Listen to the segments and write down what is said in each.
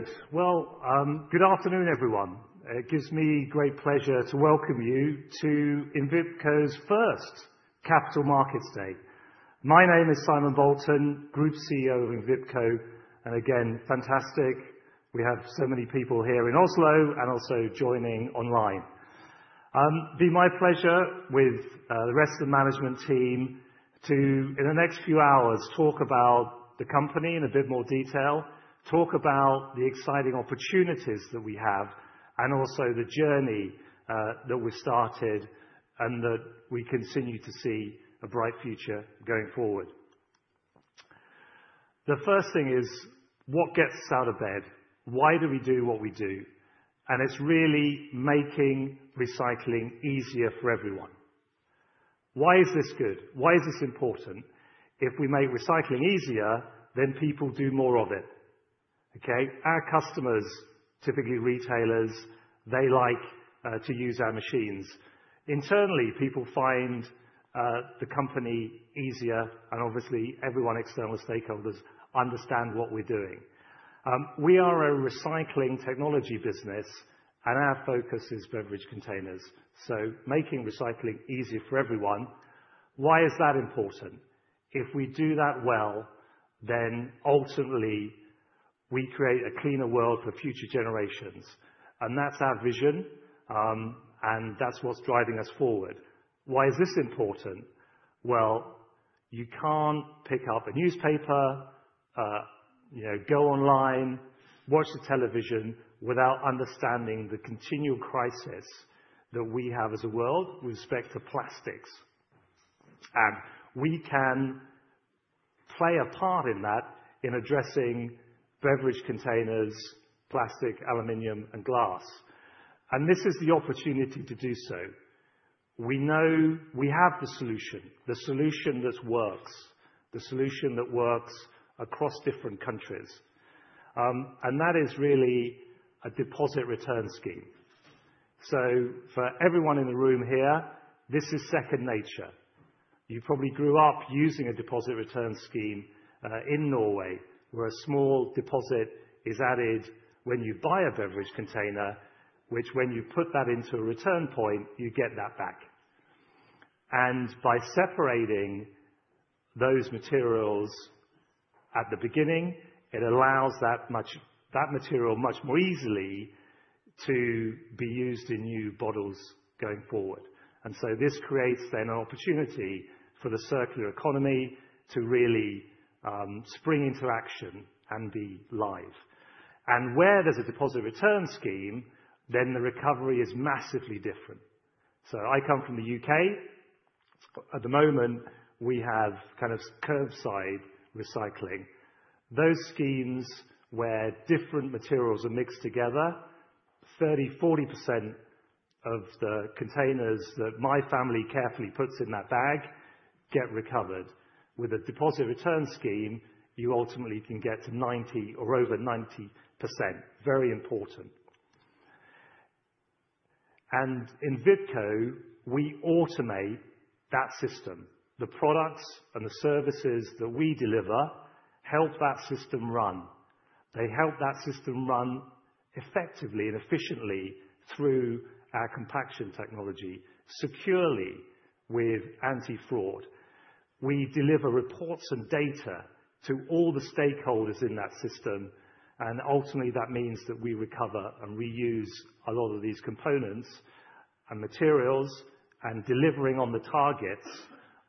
Good. Well, good afternoon, everyone. It gives me great pleasure to welcome you to Envipco's first Capital Markets Day. My name is Simon Bolton, Group CEO of Envipco, and again, fantastic. We have so many people here in Oslo and also joining online. It'd be my pleasure with the rest of the management team to in the next few hours talk about the company in a bit more detail, talk about the exciting opportunities that we have, and also the journey that we've started and that we continue to see a bright future going forward. The first thing is what gets us out of bed? Why do we do what we do? And it's really making recycling easier for everyone. Why is this good? Why is this important? If we make recycling easier, then people do more of it. Okay? Our customers, typically retailers, they like to use our machines. Internally, people find the company easier, and obviously, everyone, external stakeholders, understand what we're doing. We are a recycling technology business, and our focus is beverage containers. So making recycling easier for everyone, why is that important? If we do that well, then ultimately, we create a cleaner world for future generations. And that's our vision, and that's what's driving us forward. Why is this important? Well, you can't pick up a newspaper, you know, go online, watch the television without understanding the continual crisis that we have as a world with respect to plastics. And we can play a part in that in addressing beverage containers, plastic, aluminum, and glass. And this is the opportunity to do so. We know we have the solution, the solution that works, the solution that works across different countries. And that is really a deposit return scheme. So for everyone in the room here, this is second nature. You probably grew up using a deposit return scheme, in Norway, where a small deposit is added when you buy a beverage container, which, when you put that into a return point, you get that back, and by separating those materials at the beginning, it allows that material much more easily to be used in new bottles going forward, and so this creates then an opportunity for the circular economy to really spring into action and be live, and where there's a deposit return scheme, then the recovery is massively different, so I come from the U.K. At the moment, we have kind of curbside recycling, those schemes where different materials are mixed together, 30%-40% of the containers that my family carefully puts in that bag get recovered. With a deposit return scheme, you ultimately can get to 90% or over 90%. Very important. In Envipco, we automate that system. The products and the services that we deliver help that system run. They help that system run effectively and efficiently through our compaction technology, securely with anti-fraud. We deliver reports and data to all the stakeholders in that system. Ultimately, that means that we recover and reuse a lot of these components and materials and delivering on the targets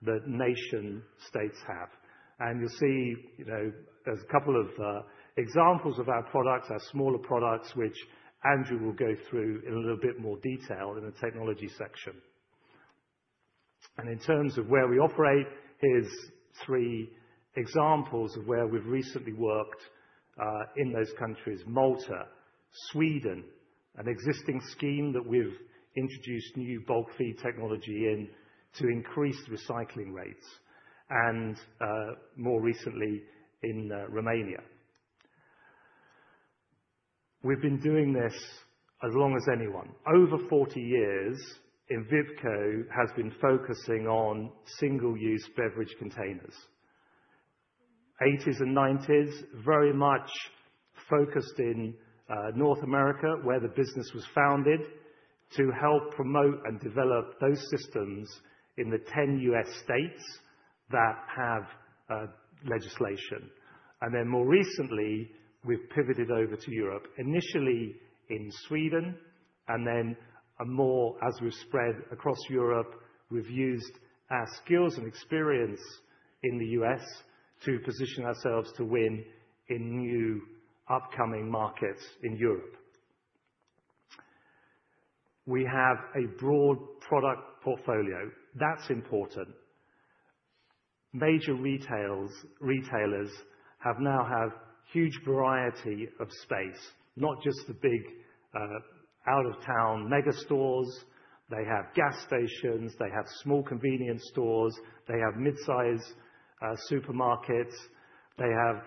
that nation-states have. You'll see, you know, there's a couple of examples of our products, our smaller products, which Andrew will go through in a little bit more detail in the technology section. And in terms of where we operate, here's three examples of where we've recently worked in those countries: Malta, Sweden, an existing scheme that we've introduced new bulk feed technology in to increase recycling rates. And, more recently, in Romania. We've been doing this as long as anyone. Over 40 years, Envipco has been focusing on single-use beverage containers. 1980s and 1990s, very much focused in North America, where the business was founded, to help promote and develop those systems in the 10 U.S. states that have legislation. And then more recently, we've pivoted over to Europe, initially in Sweden, and then more as we've spread across Europe, we've used our skills and experience in the U.S. to position ourselves to win in new upcoming markets in Europe. We have a broad product portfolio. That's important. Major retailers have now had a huge variety of space, not just the big, out-of-town mega stores. They have gas stations. They have small convenience stores. They have mid-size supermarkets. They have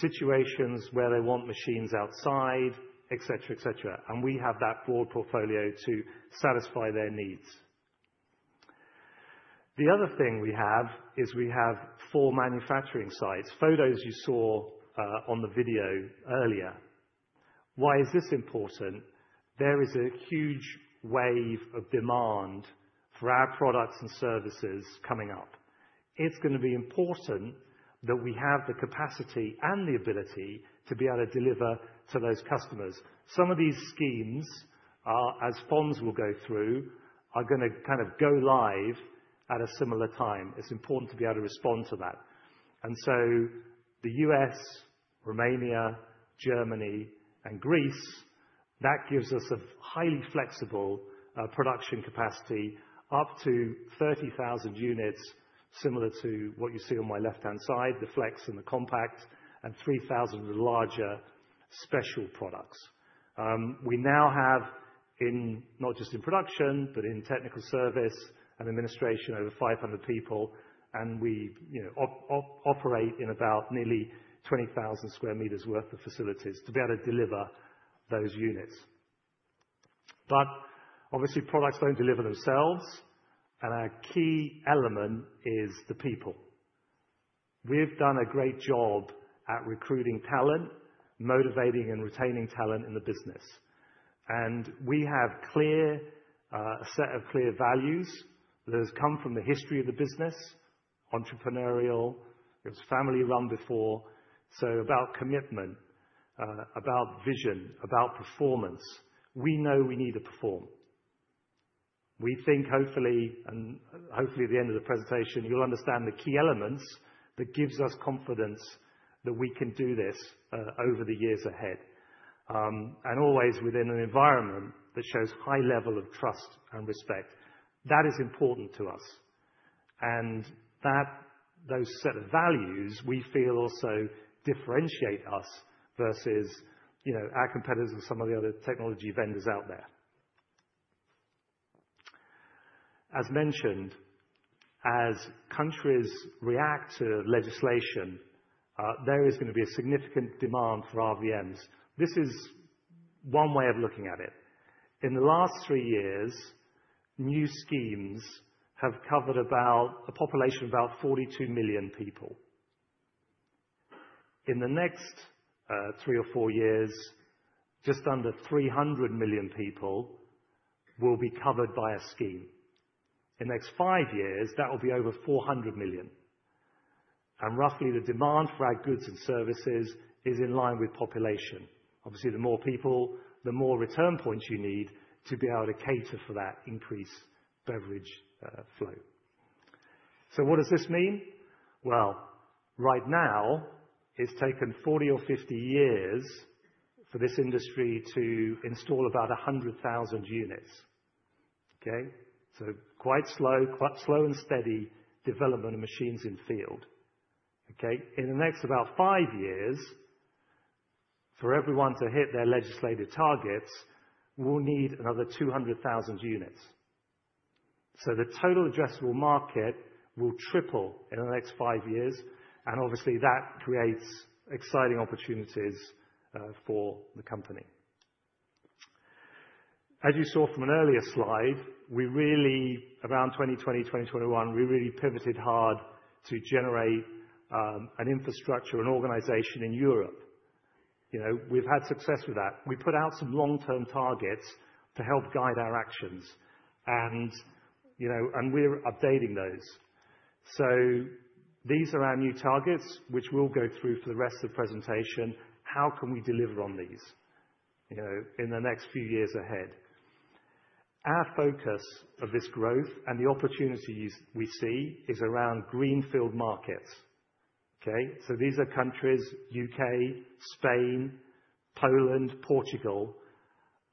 situations where they want machines outside, etc., etc. And we have that broad portfolio to satisfy their needs. The other thing we have is we have four manufacturing sites. Photos you saw on the video earlier. Why is this important? There is a huge wave of demand for our products and services coming up. It's gonna be important that we have the capacity and the ability to be able to deliver to those customers. Some of these schemes, as Fons will go through, are gonna kind of go live at a similar time. It's important to be able to respond to that. And so the U.S., Romania, Germany, and Greece that gives us a highly flexible production capacity up to 30,000 units, similar to what you see on my left-hand side, the Flex and the Compact, and 3,000 of the larger special products. We now have, not just in production, but in technical service and administration, over 500 people. And we, you know, operate in about nearly 20,000 square meters' worth of facilities to be able to deliver those units. But obviously, products don't deliver themselves. And our key element is the people. We've done a great job at recruiting talent, motivating, and retaining talent in the business. And we have clear, a set of clear values that has come from the history of the business: entrepreneurial. It was family-run before. So about commitment, about vision, about performance. We know we need to perform. We think, hopefully, and hopefully at the end of the presentation, you'll understand the key elements that give us confidence that we can do this, over the years ahead. And always within an environment that shows a high level of trust and respect. That is important to us. And that, those set of values, we feel also differentiate us versus, you know, our competitors and some of the other technology vendors out there. As mentioned, as countries react to legislation, there is gonna be a significant demand for RVMs. This is one way of looking at it. In the last three years, new schemes have covered about a population of about 42 million people. In the next, three or four years, just under 300 million people will be covered by a scheme. In the next five years, that will be over 400 million. And roughly, the demand for our goods and services is in line with population. Obviously, the more people, the more return points you need to be able to cater for that increased beverage flow. So what does this mean? Well, right now, it's taken 40 or 50 years for this industry to install about 100,000 units. Okay? So quite slow, quite slow and steady development of machines in field. Okay? In the next about five years, for everyone to hit their legislative targets, we'll need another 200,000 units. So the total addressable market will triple in the next five years. And obviously, that creates exciting opportunities for the company. As you saw from an earlier slide, we really, around 2020, 2021, we really pivoted hard to generate an infrastructure, an organization in Europe. You know, we've had success with that. We put out some long-term targets to help guide our actions. And, you know, and we're updating those. So these are our new targets, which we'll go through for the rest of the presentation. How can we deliver on these, you know, in the next few years ahead? Our focus of this growth and the opportunities we see is around greenfield markets. Okay? So these are countries: UK, Spain, Poland, Portugal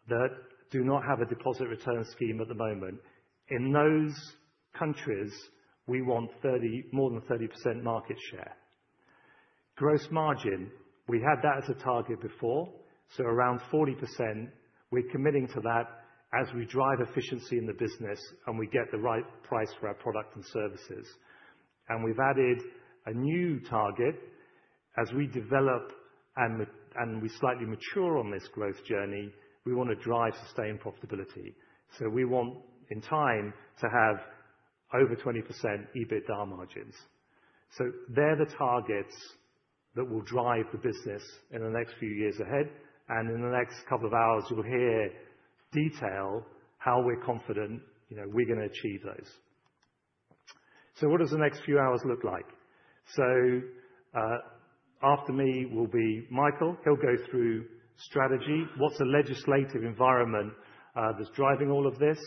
that do not have a deposit return scheme at the moment. In those countries, we want 30, more than 30% market share. Gross margin, we had that as a target before, so around 40%. We're committing to that as we drive efficiency in the business and we get the right price for our product and services. And we've added a new target as we develop and, and we slightly mature on this growth journey. We wanna drive sustained profitability. So we want, in time, to have over 20% EBITDA margins. So they're the targets that will drive the business in the next few years ahead. And in the next couple of hours, you'll hear detail how we're confident, you know, we're gonna achieve those. So what does the next few hours look like? So, after me will be Mikael. He'll go through strategy, what's the legislative environment, that's driving all of this.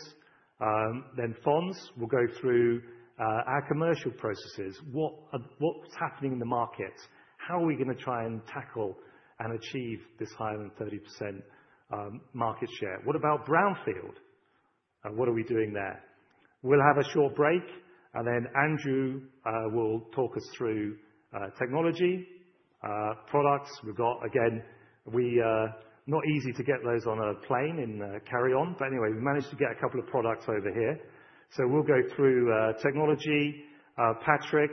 Then Fons, we'll go through, our commercial processes. What's happening in the markets? How are we gonna try and tackle and achieve this higher than 30% market share? What about brownfield? What are we doing there? We'll have a short break. And then Andrew, will talk us through, technology, products. We've got, again, not easy to get those on a plane and, carry on. But anyway, we managed to get a couple of products over here. So we'll go through technology. Patrick,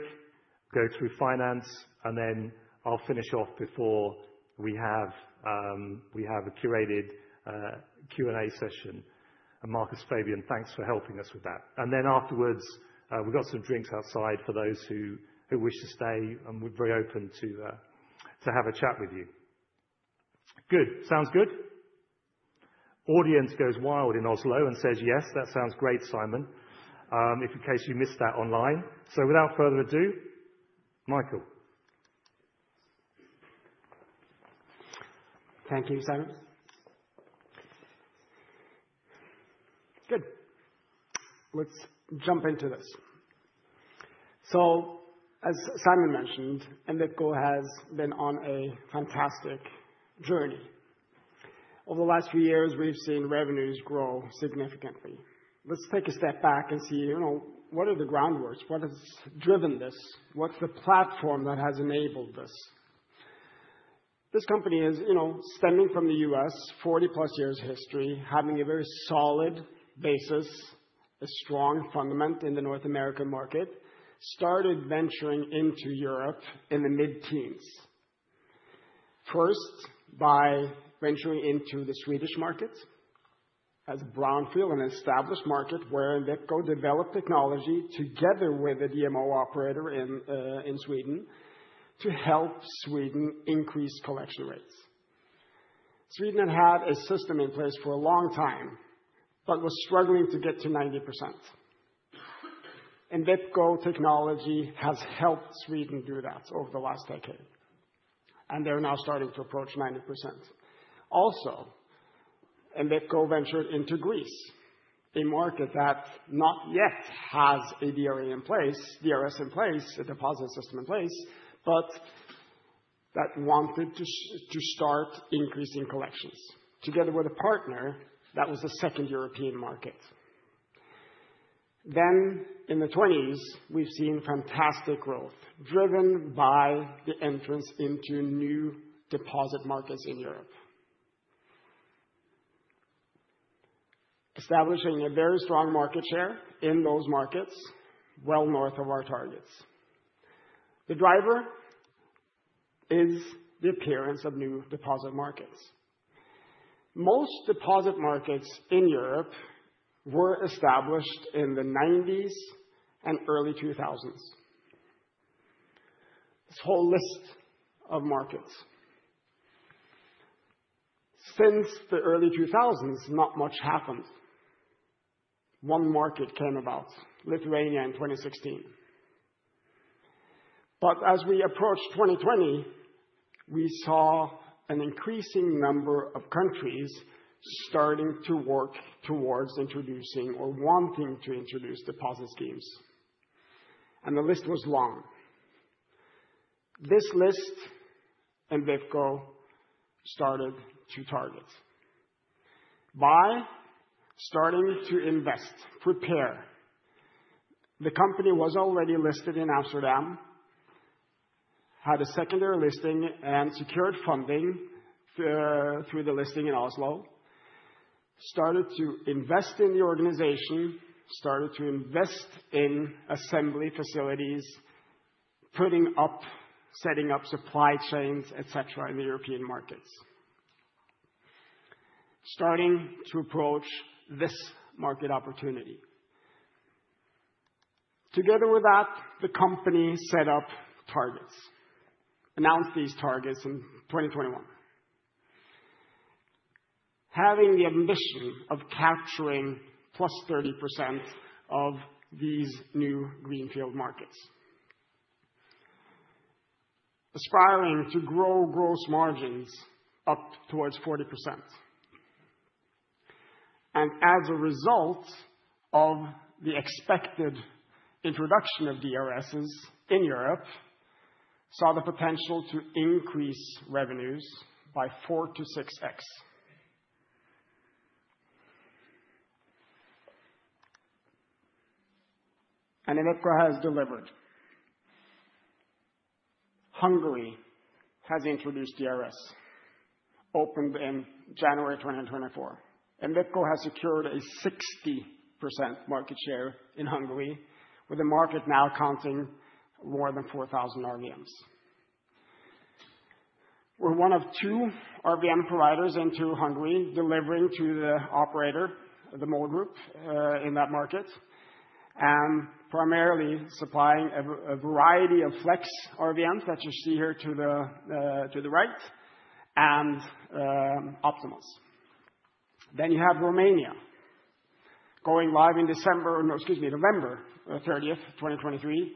go through finance, and then I'll finish off before we have a curated Q&A session. And Markus, Fabian, thanks for helping us with that. And then afterwards, we've got some drinks outside for those who wish to stay. And we're very open to have a chat with you. Good. Sounds good? Audience goes wild in Oslo and says, "Yes, that sounds great, Simon," if in case you missed that online. So without further ado, Mikael. Thank you, Simon. Good. Let's jump into this. So as Simon mentioned, Envipco has been on a fantastic journey. Over the last few years, we've seen revenues grow significantly. Let's take a step back and see, you know, what are the groundworks? What has driven this? What's the platform that has enabled this? This company is, you know, stemming from the U.S., 40-plus years' history, having a very solid basis, a strong fundament in the North American market, started venturing into Europe in the mid-teens. First, by venturing into the Swedish markets as a brownfield, an established market where Envipco developed technology together with a DMO operator in Sweden to help Sweden increase collection rates. Sweden had had a system in place for a long time but was struggling to get to 90%. Envipco technology has helped Sweden do that over the last decade. They're now starting to approach 90%. Also, Envipco ventured into Greece, a market that not yet has a DRS in place, DRS in place, a deposit system in place, but that wanted to start increasing collections together with a partner that was a second European market. In the '20s, we've seen fantastic growth driven by the entrance into new deposit markets in Europe, establishing a very strong market share in those markets well north of our targets. The driver is the appearance of new deposit markets. Most deposit markets in Europe were established in the '90s and early 2000s. This whole list of markets. Since the early 2000s, not much happened. One market came about, Lithuania in 2016. As we approached 2020, we saw an increasing number of countries starting to work towards introducing or wanting to introduce deposit schemes. The list was long. This list, Envipco started to target. By starting to invest, prepare, the company was already listed in Amsterdam, had a secondary listing and secured funding, through the listing in Oslo, started to invest in the organization, started to invest in assembly facilities, putting up, setting up supply chains, etc., in the European markets, starting to approach this market opportunity. Together with that, the company set up targets, announced these targets in 2021, having the ambition of capturing plus 30% of these new greenfield markets, aspiring to grow gross margins up towards 40%. As a result of the expected introduction of DRSs in Europe, saw the potential to increase revenues by 4 to 6x. Envipco has delivered. Hungary has introduced DRS, opened in January 2024. Envipco has secured a 60% market share in Hungary, with the market now counting more than 4,000 RVMs. We're one of two RVM providers into Hungary, delivering to the operator, the MOL Group, in that market, and primarily supplying a variety of Flex RVMs that you see here to the right, and Optima. Then you have Romania, going live in December, or no, excuse me, November 30th, 2023,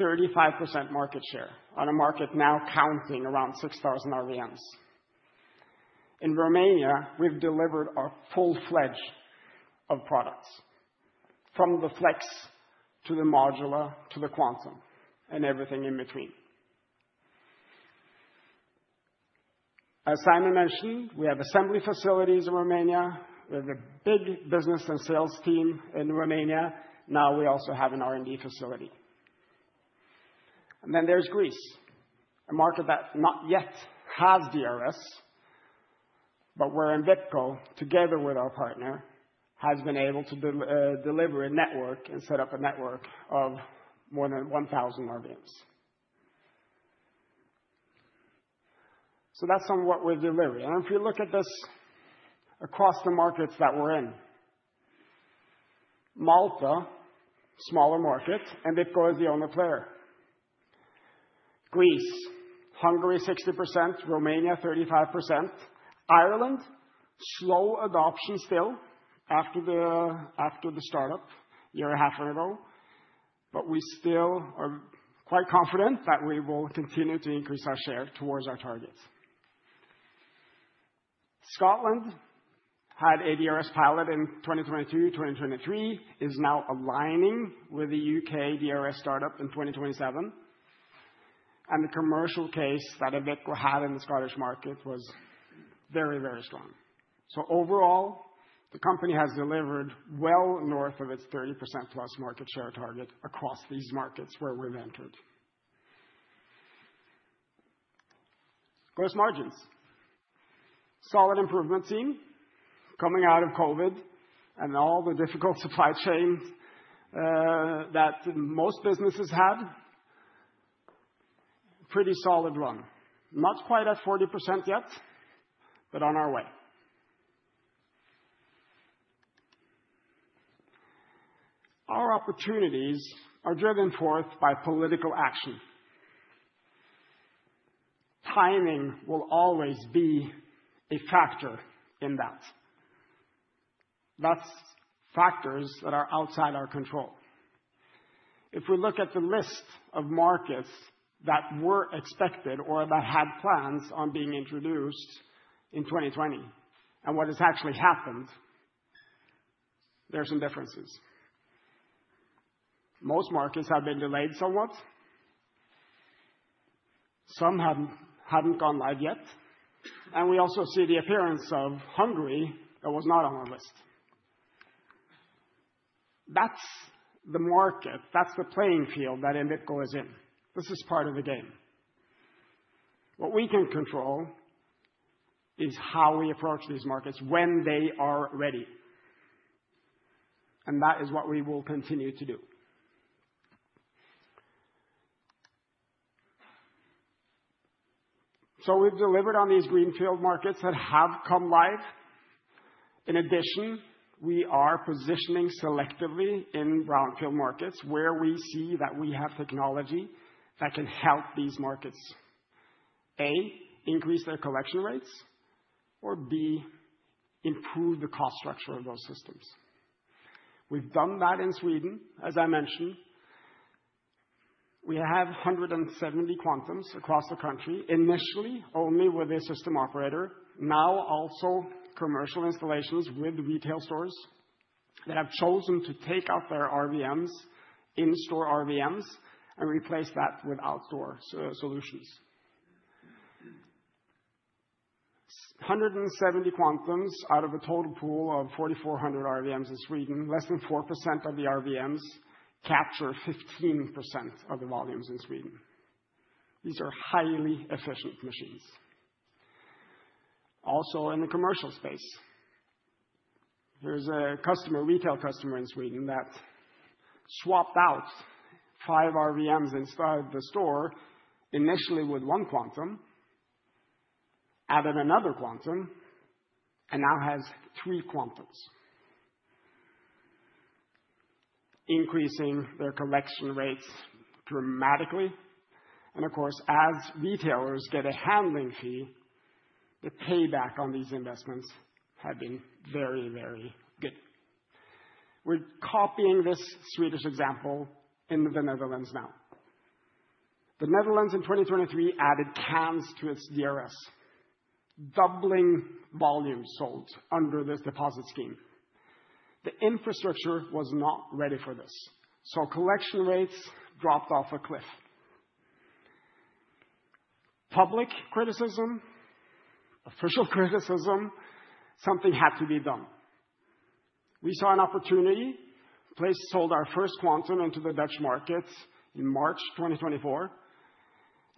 35% market share on a market now counting around 6,000 RVMs. In Romania, we've delivered our full-fledged of products from the Flex to the Modula to the Quantum and everything in between. As Simon mentioned, we have assembly facilities in Romania. We have a big business and sales team in Romania. Now we also have an R&D facility. Then there's Greece, a market that not yet has DRS, but where Envipco, together with our partner, has been able to deliver a network and set up a network of more than 1,000 RVMs. That's some of what we're delivering. If we look at this across the markets that we're in, Malta, smaller market, Envipco is the only player. Greece, Hungary, 60%, Romania, 35%, Ireland, slow adoption still after the startup a year and a half ago. We still are quite confident that we will continue to increase our share towards our targets. Scotland had a DRS pilot in 2022, 2023, is now aligning with the UK DRS startup in 2027. The commercial case that Envipco had in the Scottish market was very, very strong. So overall, the company has delivered well north of its 30% plus market share target across these markets where we've entered. Gross margins, solid improvement team coming out of COVID and all the difficult supply chains that most businesses had, pretty solid run, not quite at 40% yet, but on our way. Our opportunities are driven forth by political action. Timing will always be a factor in that. That's factors that are outside our control. If we look at the list of markets that were expected or that had plans on being introduced in 2020 and what has actually happened, there are some differences. Most markets have been delayed somewhat. Some haven't gone live yet. And we also see the appearance of Hungary that was not on our list. That's the market. That's the playing field that Envipco is in. This is part of the game. What we can control is how we approach these markets when they are ready, and that is what we will continue to do, so we've delivered on these greenfield markets that have come live. In addition, we are positioning selectively in brownfield markets where we see that we have technology that can help these markets, A, increase their collection rates, or B, improve the cost structure of those systems. We've done that in Sweden, as I mentioned. We have 170 Quantums across the country, initially only with a system operator, now also commercial installations with retail stores that have chosen to take out their RVMs, in-store RVMs, and replace that with outdoor solutions. 170 Quantums out of a total pool of 4,400 RVMs in Sweden. Less than 4% of the RVMs capture 15% of the volumes in Sweden. These are highly efficient machines. Also in the commercial space, there's a customer, retail customer in Sweden that swapped out five RVMs inside the store, initially with one Quantum, added another Quantum, and now has three Quantums, increasing their collection rates dramatically. And of course, as retailers get a handling fee, the payback on these investments had been very, very good. We're copying this Swedish example in the Netherlands now. The Netherlands in 2023 added cans to its DRS, doubling volumes sold under this deposit scheme. The infrastructure was not ready for this. So collection rates dropped off a cliff. Public criticism, official criticism, something had to be done. We saw an opportunity. Envipco sold our first Quantum into the Dutch market in March 2024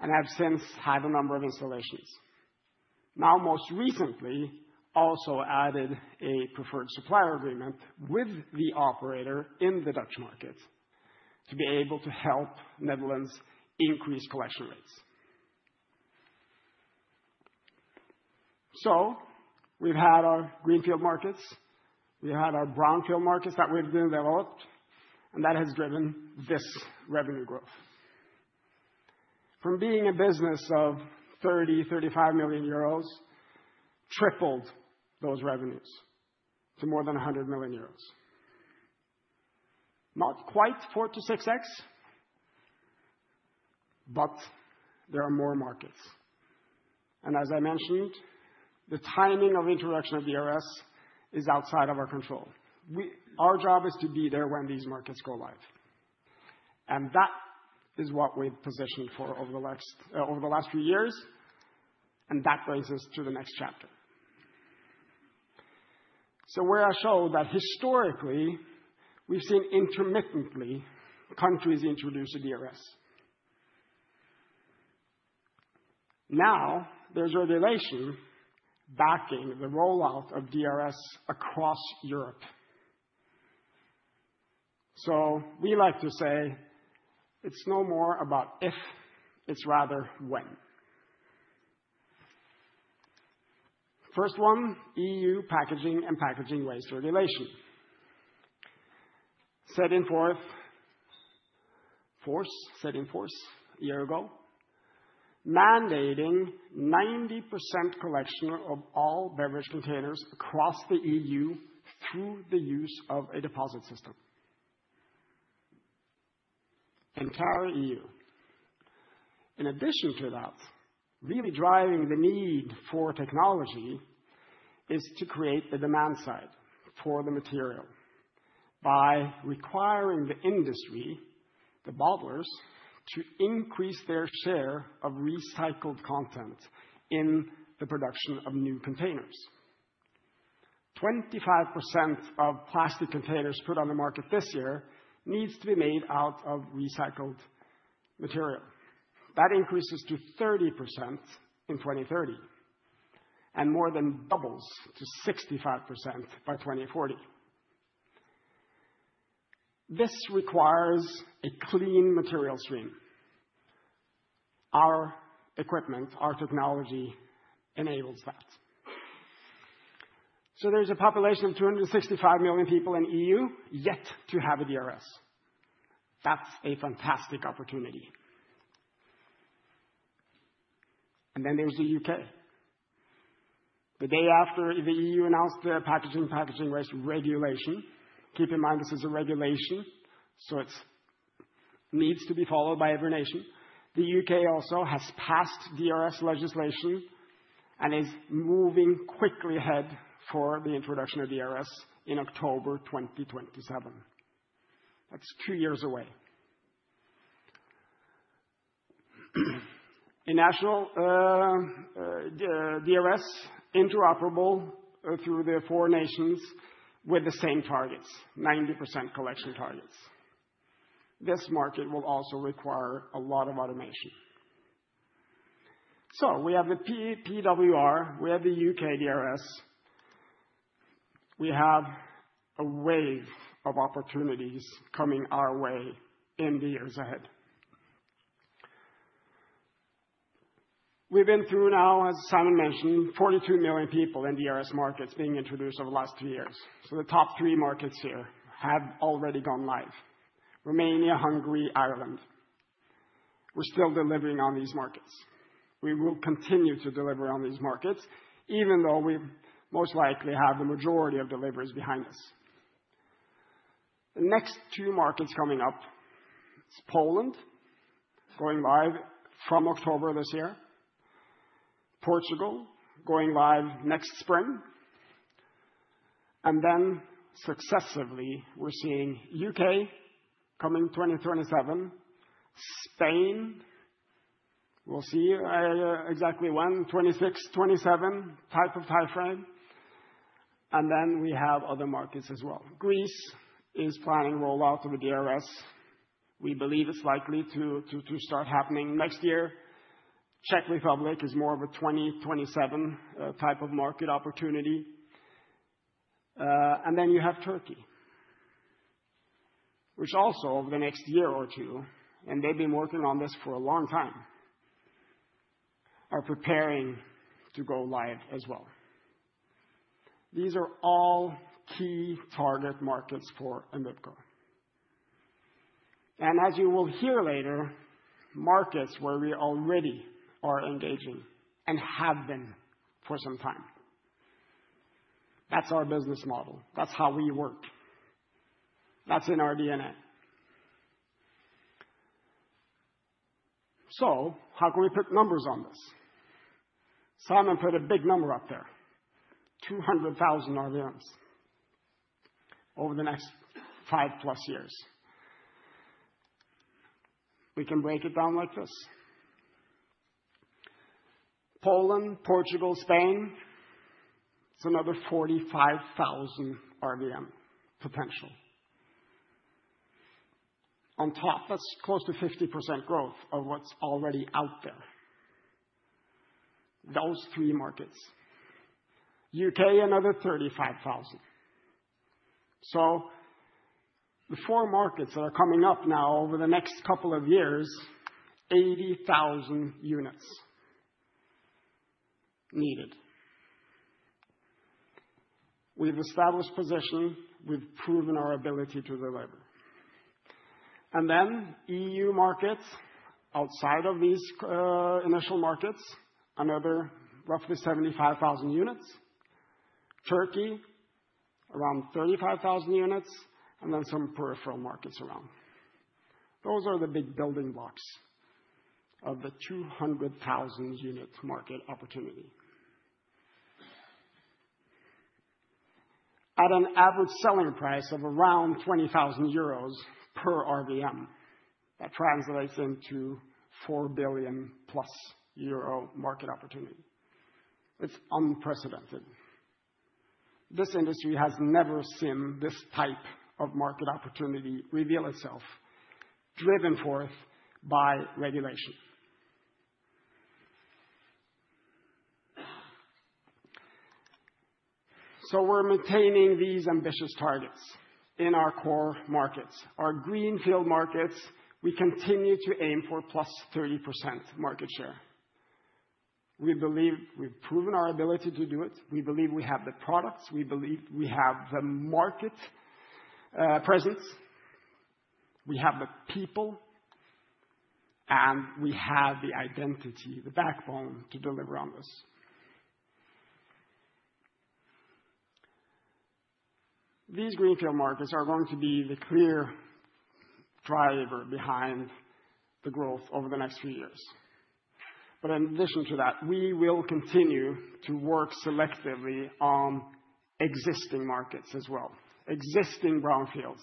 and have since had a number of installations. Now, most recently, also added a preferred supplier agreement with the operator in the Dutch market to be able to help Netherlands increase collection rates. So we've had our greenfield markets. We had our brownfield markets that we've developed, and that has driven this revenue growth. From being a business of 30-35 million euros, tripled those revenues to more than 100 million euros. Not quite 4-6x, but there are more markets. And as I mentioned, the timing of introduction of DRS is outside of our control. Our job is to be there when these markets go live. And that is what we've positioned for over the last few years. And that brings us to the next chapter. So we've shown that historically we've seen countries intermittently introduce a DRS. Now there's legislation backing the rollout of DRS across Europe. So we like to say it's no more about if, it's rather when. First one, EU Packaging and Packaging Waste Regulation, set in force a year ago, mandating 90% collection of all beverage containers across the EU through the use of a deposit system, entire EU. In addition to that, really driving the need for technology is to create the demand side for the material by requiring the industry, the bottlers, to increase their share of recycled content in the production of new containers. 25% of plastic containers put on the market this year needs to be made out of recycled material. That increases to 30% in 2030 and more than doubles to 65% by 2040. This requires a clean material stream. Our equipment, our technology enables that. There's a population of 265 million people in the EU yet to have a DRS. That's a fantastic opportunity. Then there's the U.K. The day after the EU announced the packaging and packaging waste regulation, keep in mind this is a regulation, so it needs to be followed by every nation. The U.K. also has passed DRS legislation and is moving quickly ahead for the introduction of DRS in October 2027. That's two years away. A national DRS interoperable through the four nations with the same targets, 90% collection targets. This market will also require a lot of automation. We have the PPWR, we have the U.K. DRS, we have a wave of opportunities coming our way in the years ahead. We've been through now, as Simon mentioned, 42 million people in DRS markets being introduced over the last three years. The top three markets here have already gone live: Romania, Hungary, Ireland. We're still delivering on these markets. We will continue to deliver on these markets, even though we most likely have the majority of deliveries behind us. The next two markets coming up, it's Poland going live from October this year, Portugal going live next spring. And then successively, we're seeing UK coming 2027, Spain, we'll see exactly when, 26, 27 type of time frame. And then we have other markets as well. Greece is planning rollout of a DRS. We believe it's likely to start happening next year. Czech Republic is more of a 2027 type of market opportunity. And then you have Turkey, which also over the next year or two, and they've been working on this for a long time, are preparing to go live as well. These are all key target markets for Envipco. And as you will hear later, markets where we already are engaging and have been for some time. That's our business model. That's how we work. That's in our DNA. So how can we put numbers on this? Simon put a big number up there, 200,000 RVMs over the next five plus years. We can break it down like this. Poland, Portugal, Spain, it's another 45,000 RVM potential. On top, that's close to 50% growth of what's already out there. Those three markets, UK, another 35,000. So the four markets that are coming up now over the next couple of years, 80,000 units needed. We've established position. We've proven our ability to deliver. And then EU markets outside of these initial markets, another roughly 75,000 units, Turkey, around 35,000 units, and then some peripheral markets around. Those are the big building blocks of the 200,000 unit market opportunity. At an average selling price of around 20,000 euros per RVM, that translates into 4 billion euro+ market opportunity. It's unprecedented. This industry has never seen this type of market opportunity reveal itself, driven forth by regulation. So we're maintaining these ambitious targets in our core markets. Our greenfield markets, we continue to aim for plus 30% market share. We believe we've proven our ability to do it. We believe we have the products. We believe we have the market presence. We have the people, and we have the identity, the backbone to deliver on this. These greenfield markets are going to be the clear driver behind the growth over the next few years. But in addition to that, we will continue to work selectively on existing markets as well, existing brownfields,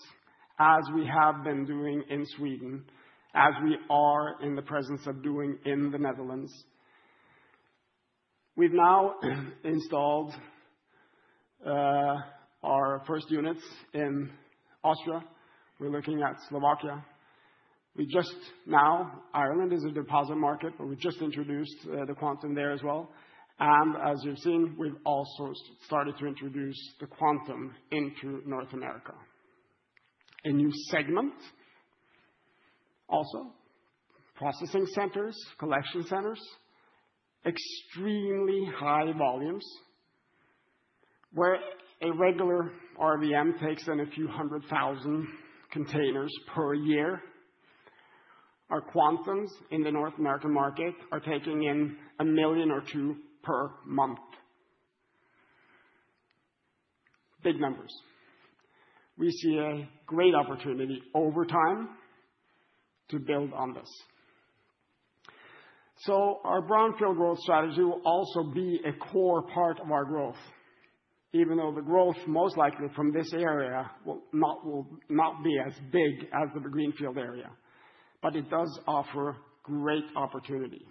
as we have been doing in Sweden, as we are in the process of doing in the Netherlands. We've now installed our first units in Austria. We're looking at Slovakia. We just now, Ireland is a deposit market, but we've just introduced the Quantum there as well. And as you've seen, we've also started to introduce the Quantum into North America. A new segment, also processing centers, collection centers, extremely high volumes, where a regular RVM takes in a few hundred thousand containers per year. Our Quantums in the North American market are taking in a million or two per month. Big numbers. We see a great opportunity over time to build on this. Our brownfield growth strategy will also be a core part of our growth, even though the growth most likely from this area will not be as big as the greenfield area, but it does offer great opportunity.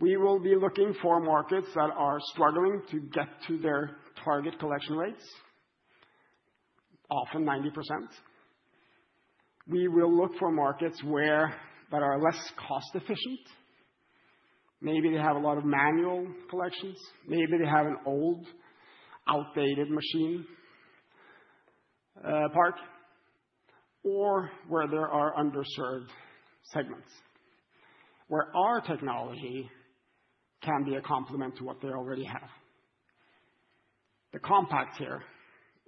We will be looking for markets that are struggling to get to their target collection rates, often 90%. We will look for markets that are less cost efficient. Maybe they have a lot of manual collections. Maybe they have an old, outdated machine park, or where there are underserved segments, where our technology can be a complement to what they already have. The Compact here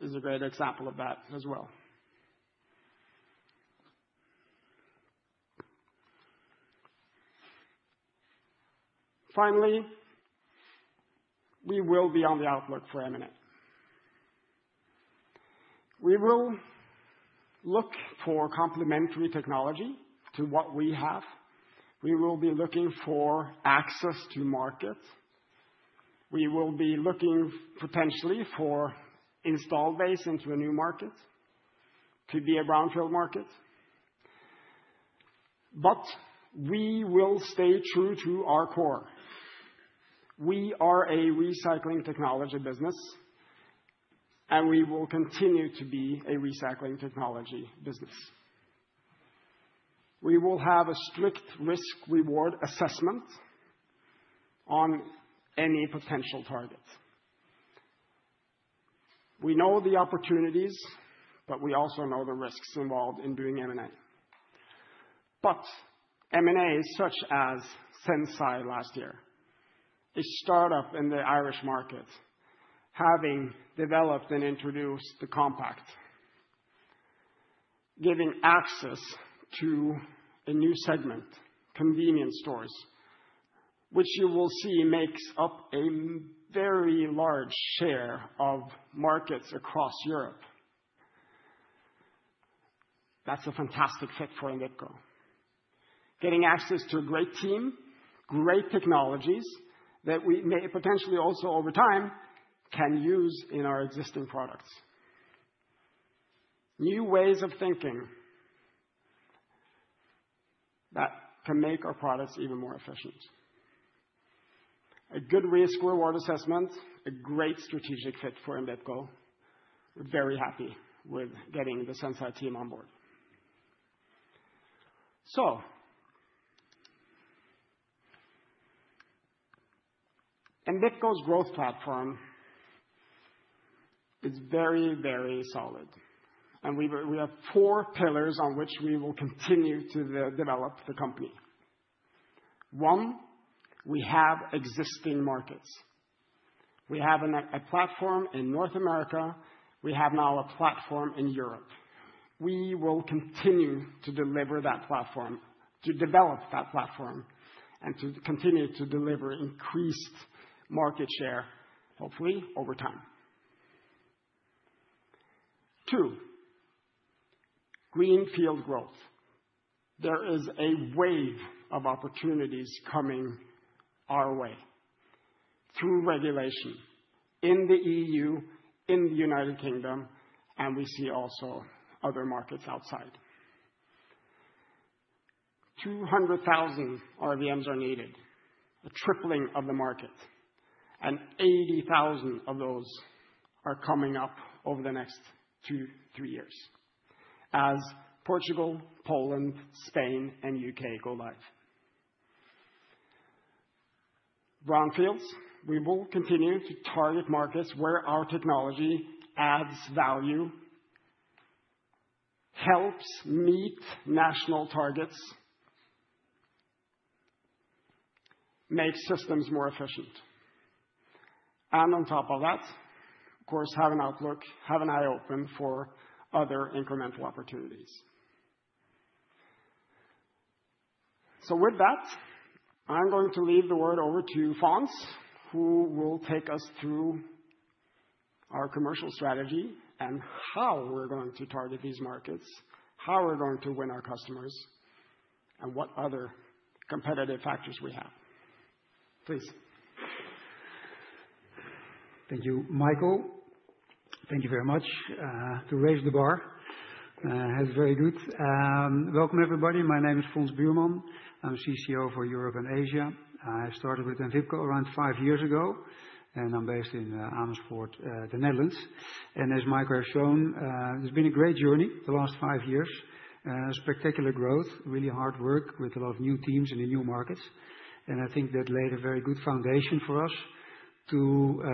is a great example of that as well. Finally, we will be on the outlook for M&A. We will look for complementary technology to what we have. We will be looking for access to markets. We will be looking potentially for install base into a new market to be a brownfield market. But we will stay true to our core. We are a recycling technology business, and we will continue to be a recycling technology business. We will have a strict risk-reward assessment on any potential target. We know the opportunities, but we also know the risks involved in doing M&A. But M&A is such as Sensi last year, a startup in the Irish market, having developed and introduced the Compact, giving access to a new segment, convenience stores, which you will see makes up a very large share of markets across Europe. That's a fantastic fit for Envipco. Getting access to a great team, great technologies that we may potentially also, over time, can use in our existing products. New ways of thinking that can make our products even more efficient. A good risk-reward assessment, a great strategic fit for Envipco. We're very happy with getting the Sensi team on board, so Envipco's growth platform is very, very solid, and we have four pillars on which we will continue to develop the company. One, we have existing markets. We have a platform in North America. We have now a platform in Europe. We will continue to deliver that platform, to develop that platform, and to continue to deliver increased market share, hopefully over time. Two, greenfield growth. There is a wave of opportunities coming our way through regulation in the EU, in the United Kingdom, and we see also other markets outside. 200,000 RVMs are needed, a tripling of the market, and 80,000 of those are coming up over the next two, three years as Portugal, Poland, Spain, and UK go live. Brownfields, we will continue to target markets where our technology adds value, helps meet national targets, makes systems more efficient. And on top of that, of course, have an outlook, have an eye open for other incremental opportunities. So with that, I'm going to leave the word over to Fons, who will take us through our commercial strategy and how we're going to target these markets, how we're going to win our customers, and what other competitive factors we have. Please. Thank you, Mikael. Thank you very much to raise the bar. That's very good. Welcome, everybody. My name is Fons Buurman. I'm CCO for Europe and Asia. I started with Envipco around five years ago, and I'm based in Amersfoort, the Netherlands. And as Mikael has shown, it's been a great journey the last five years. Spectacular growth, really hard work with a lot of new teams in the new markets. And I think that laid a very good foundation for us to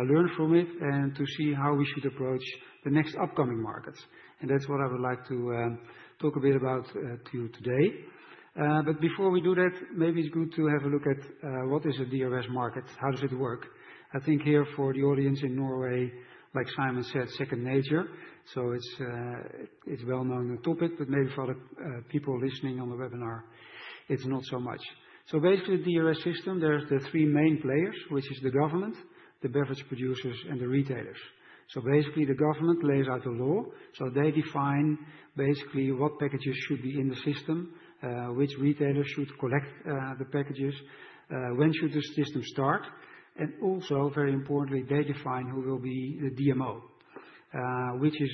learn from it and to see how we should approach the next upcoming markets. And that's what I would like to talk a bit about to you today. But before we do that, maybe it's good to have a look at what is a DRS market? How does it work? I think here for the audience in Norway, like Simon said, second nature. So it's a well-known topic, but maybe for other people listening on the webinar, it's not so much. So basically, the DRS system, there are the three main players, which are the government, the beverage producers, and the retailers. So basically, the government lays out the law. So they define basically what packages should be in the system, which retailers should collect the packages, when should the system start. And also, very importantly, they define who will be the DMO, which is,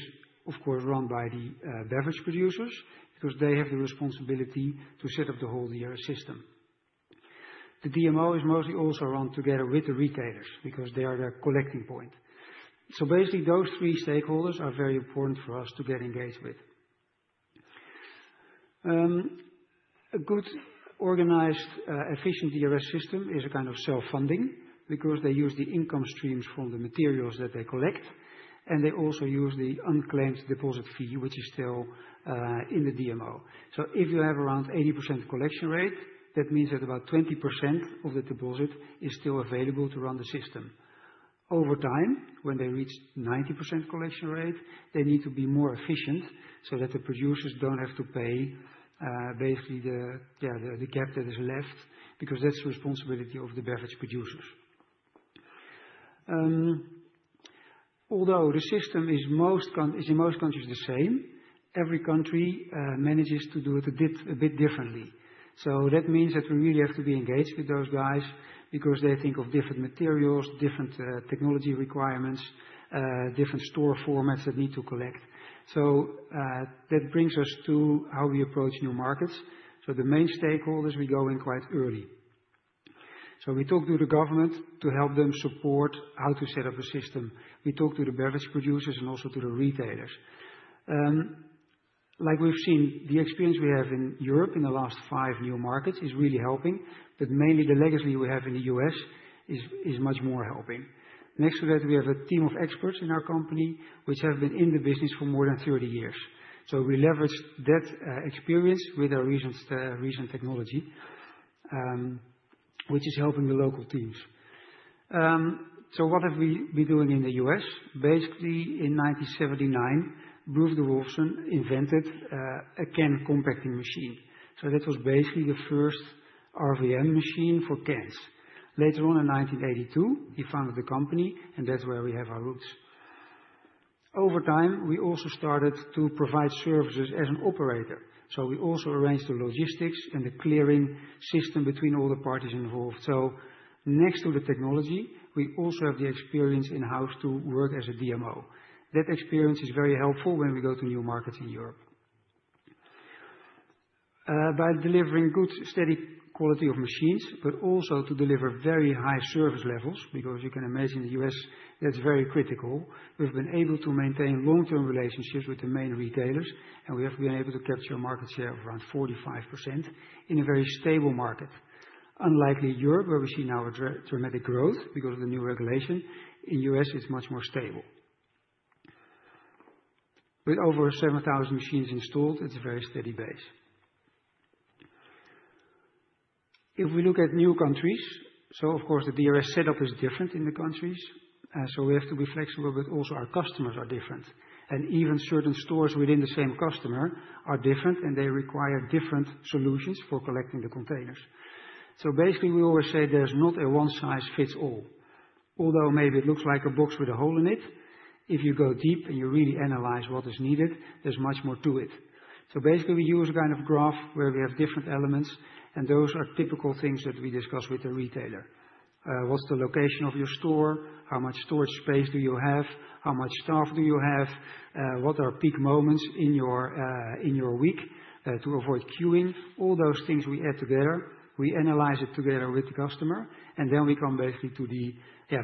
of course, run by the beverage producers because they have the responsibility to set up the whole DRS system. The DMO is mostly also run together with the retailers because they are the collecting point. So basically, those three stakeholders are very important for us to get engaged with. A good, organized, efficient DRS system is a kind of self-funding because they use the income streams from the materials that they collect, and they also use the unclaimed deposit fee, which is still in the DMO. So if you have around 80% collection rate, that means that about 20% of the deposit is still available to run the system. Over time, when they reach 90% collection rate, they need to be more efficient so that the producers don't have to pay basically the gap that is left because that's the responsibility of the beverage producers. Although the system is in most countries the same, every country manages to do it a bit differently. So that means that we really have to be engaged with those guys because they think of different materials, different technology requirements, different store formats that need to collect. So that brings us to how we approach new markets. So the main stakeholders, we go in quite early. So we talk to the government to help them support how to set up the system. We talk to the beverage producers and also to the retailers. Like we've seen, the experience we have in Europe in the last five new markets is really helping, but mainly the legacy we have in the U.S. is much more helping. Next to that, we have a team of experts in our company, which have been in the business for more than 30 years. So we leverage that experience with our recent technology, which is helping the local teams. So what have we been doing in the U.S.? Basically, in 1979, Bruce DeWoolfson invented a can compacting machine. So that was basically the first RVM machine for cans. Later on, in 1982, he founded the company, and that's where we have our roots. Over time, we also started to provide services as an operator. So we also arranged the logistics and the clearing system between all the parties involved. So next to the technology, we also have the experience in-house to work as a DMO. That experience is very helpful when we go to new markets in Europe. By delivering good, steady quality of machines, but also to deliver very high service levels, because you can imagine the U.S., that's very critical. We've been able to maintain long-term relationships with the main retailers, and we have been able to capture a market share of around 45% in a very stable market. Unlike Europe, where we see now a dramatic growth because of the new regulation. In the U.S., it's much more stable. With over 7,000 machines installed, it's a very steady base. If we look at new countries, so of course, the DRS setup is different in the countries. So we have to be flexible, but also our customers are different. Even certain stores within the same customer are different, and they require different solutions for collecting the containers. Basically, we always say there's not a one-size-fits-all. Although maybe it looks like a box with a hole in it, if you go deep and you really analyze what is needed, there's much more to it. Basically, we use a kind of graph where we have different elements, and those are typical things that we discuss with the retailer. What's the location of your store? How much storage space do you have? How much staff do you have? What are peak moments in your week to avoid queuing? All those things we add together. We analyze it together with the customer, and then we come basically to the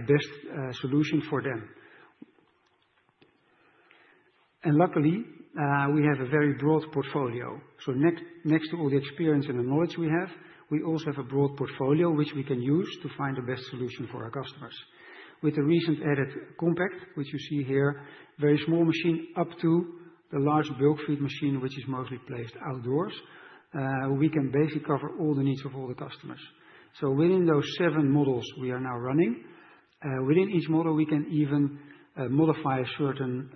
best solution for them. Luckily, we have a very broad portfolio. So next to all the experience and the knowledge we have, we also have a broad portfolio which we can use to find the best solution for our customers. With the recent added Compact, which you see here, very small machine up to the large bulk feed machine, which is mostly placed outdoors, we can basically cover all the needs of all the customers. So within those seven models we are now running, within each model, we can even modify certain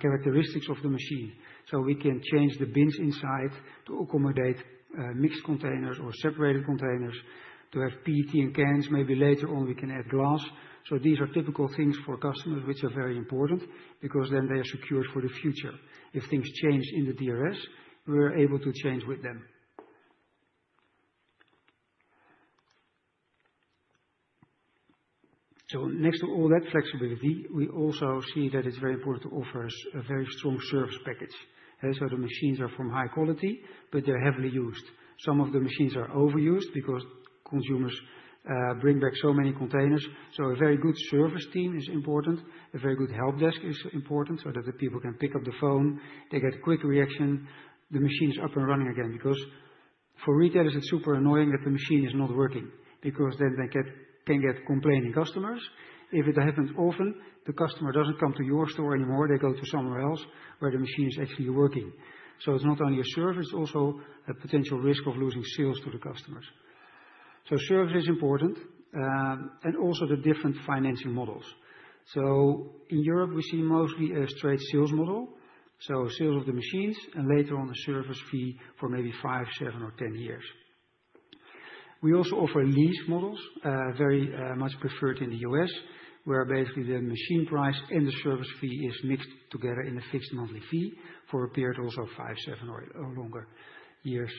characteristics of the machine. So we can change the bins inside to accommodate mixed containers or separated containers, to have PET in cans. Maybe later on, we can add glass. So these are typical things for customers which are very important because then they are secured for the future. If things change in the DRS, we're able to change with them. Next to all that flexibility, we also see that it's very important to offer a very strong service package. The machines are of high quality, but they're heavily used. Some of the machines are overused because consumers bring back so many containers. A very good service team is important. A very good help desk is important so that the people can pick up the phone. They get a quick reaction. The machine is up and running again. Because for retailers, it's super annoying that the machine is not working because then they can get complaining customers. If it happens often, the customer doesn't come to your store anymore. They go to somewhere else where the machine is actually working. It's not only a service, it's also a potential risk of losing sales to the customers. Service is important, and also the different financing models. So in Europe, we see mostly a straight sales model. So sales of the machines and later on a service fee for maybe five, seven, or ten years. We also offer lease models, very much preferred in the U.S., where basically the machine price and the service fee is mixed together in a fixed monthly fee for a period also of five, seven, or longer years.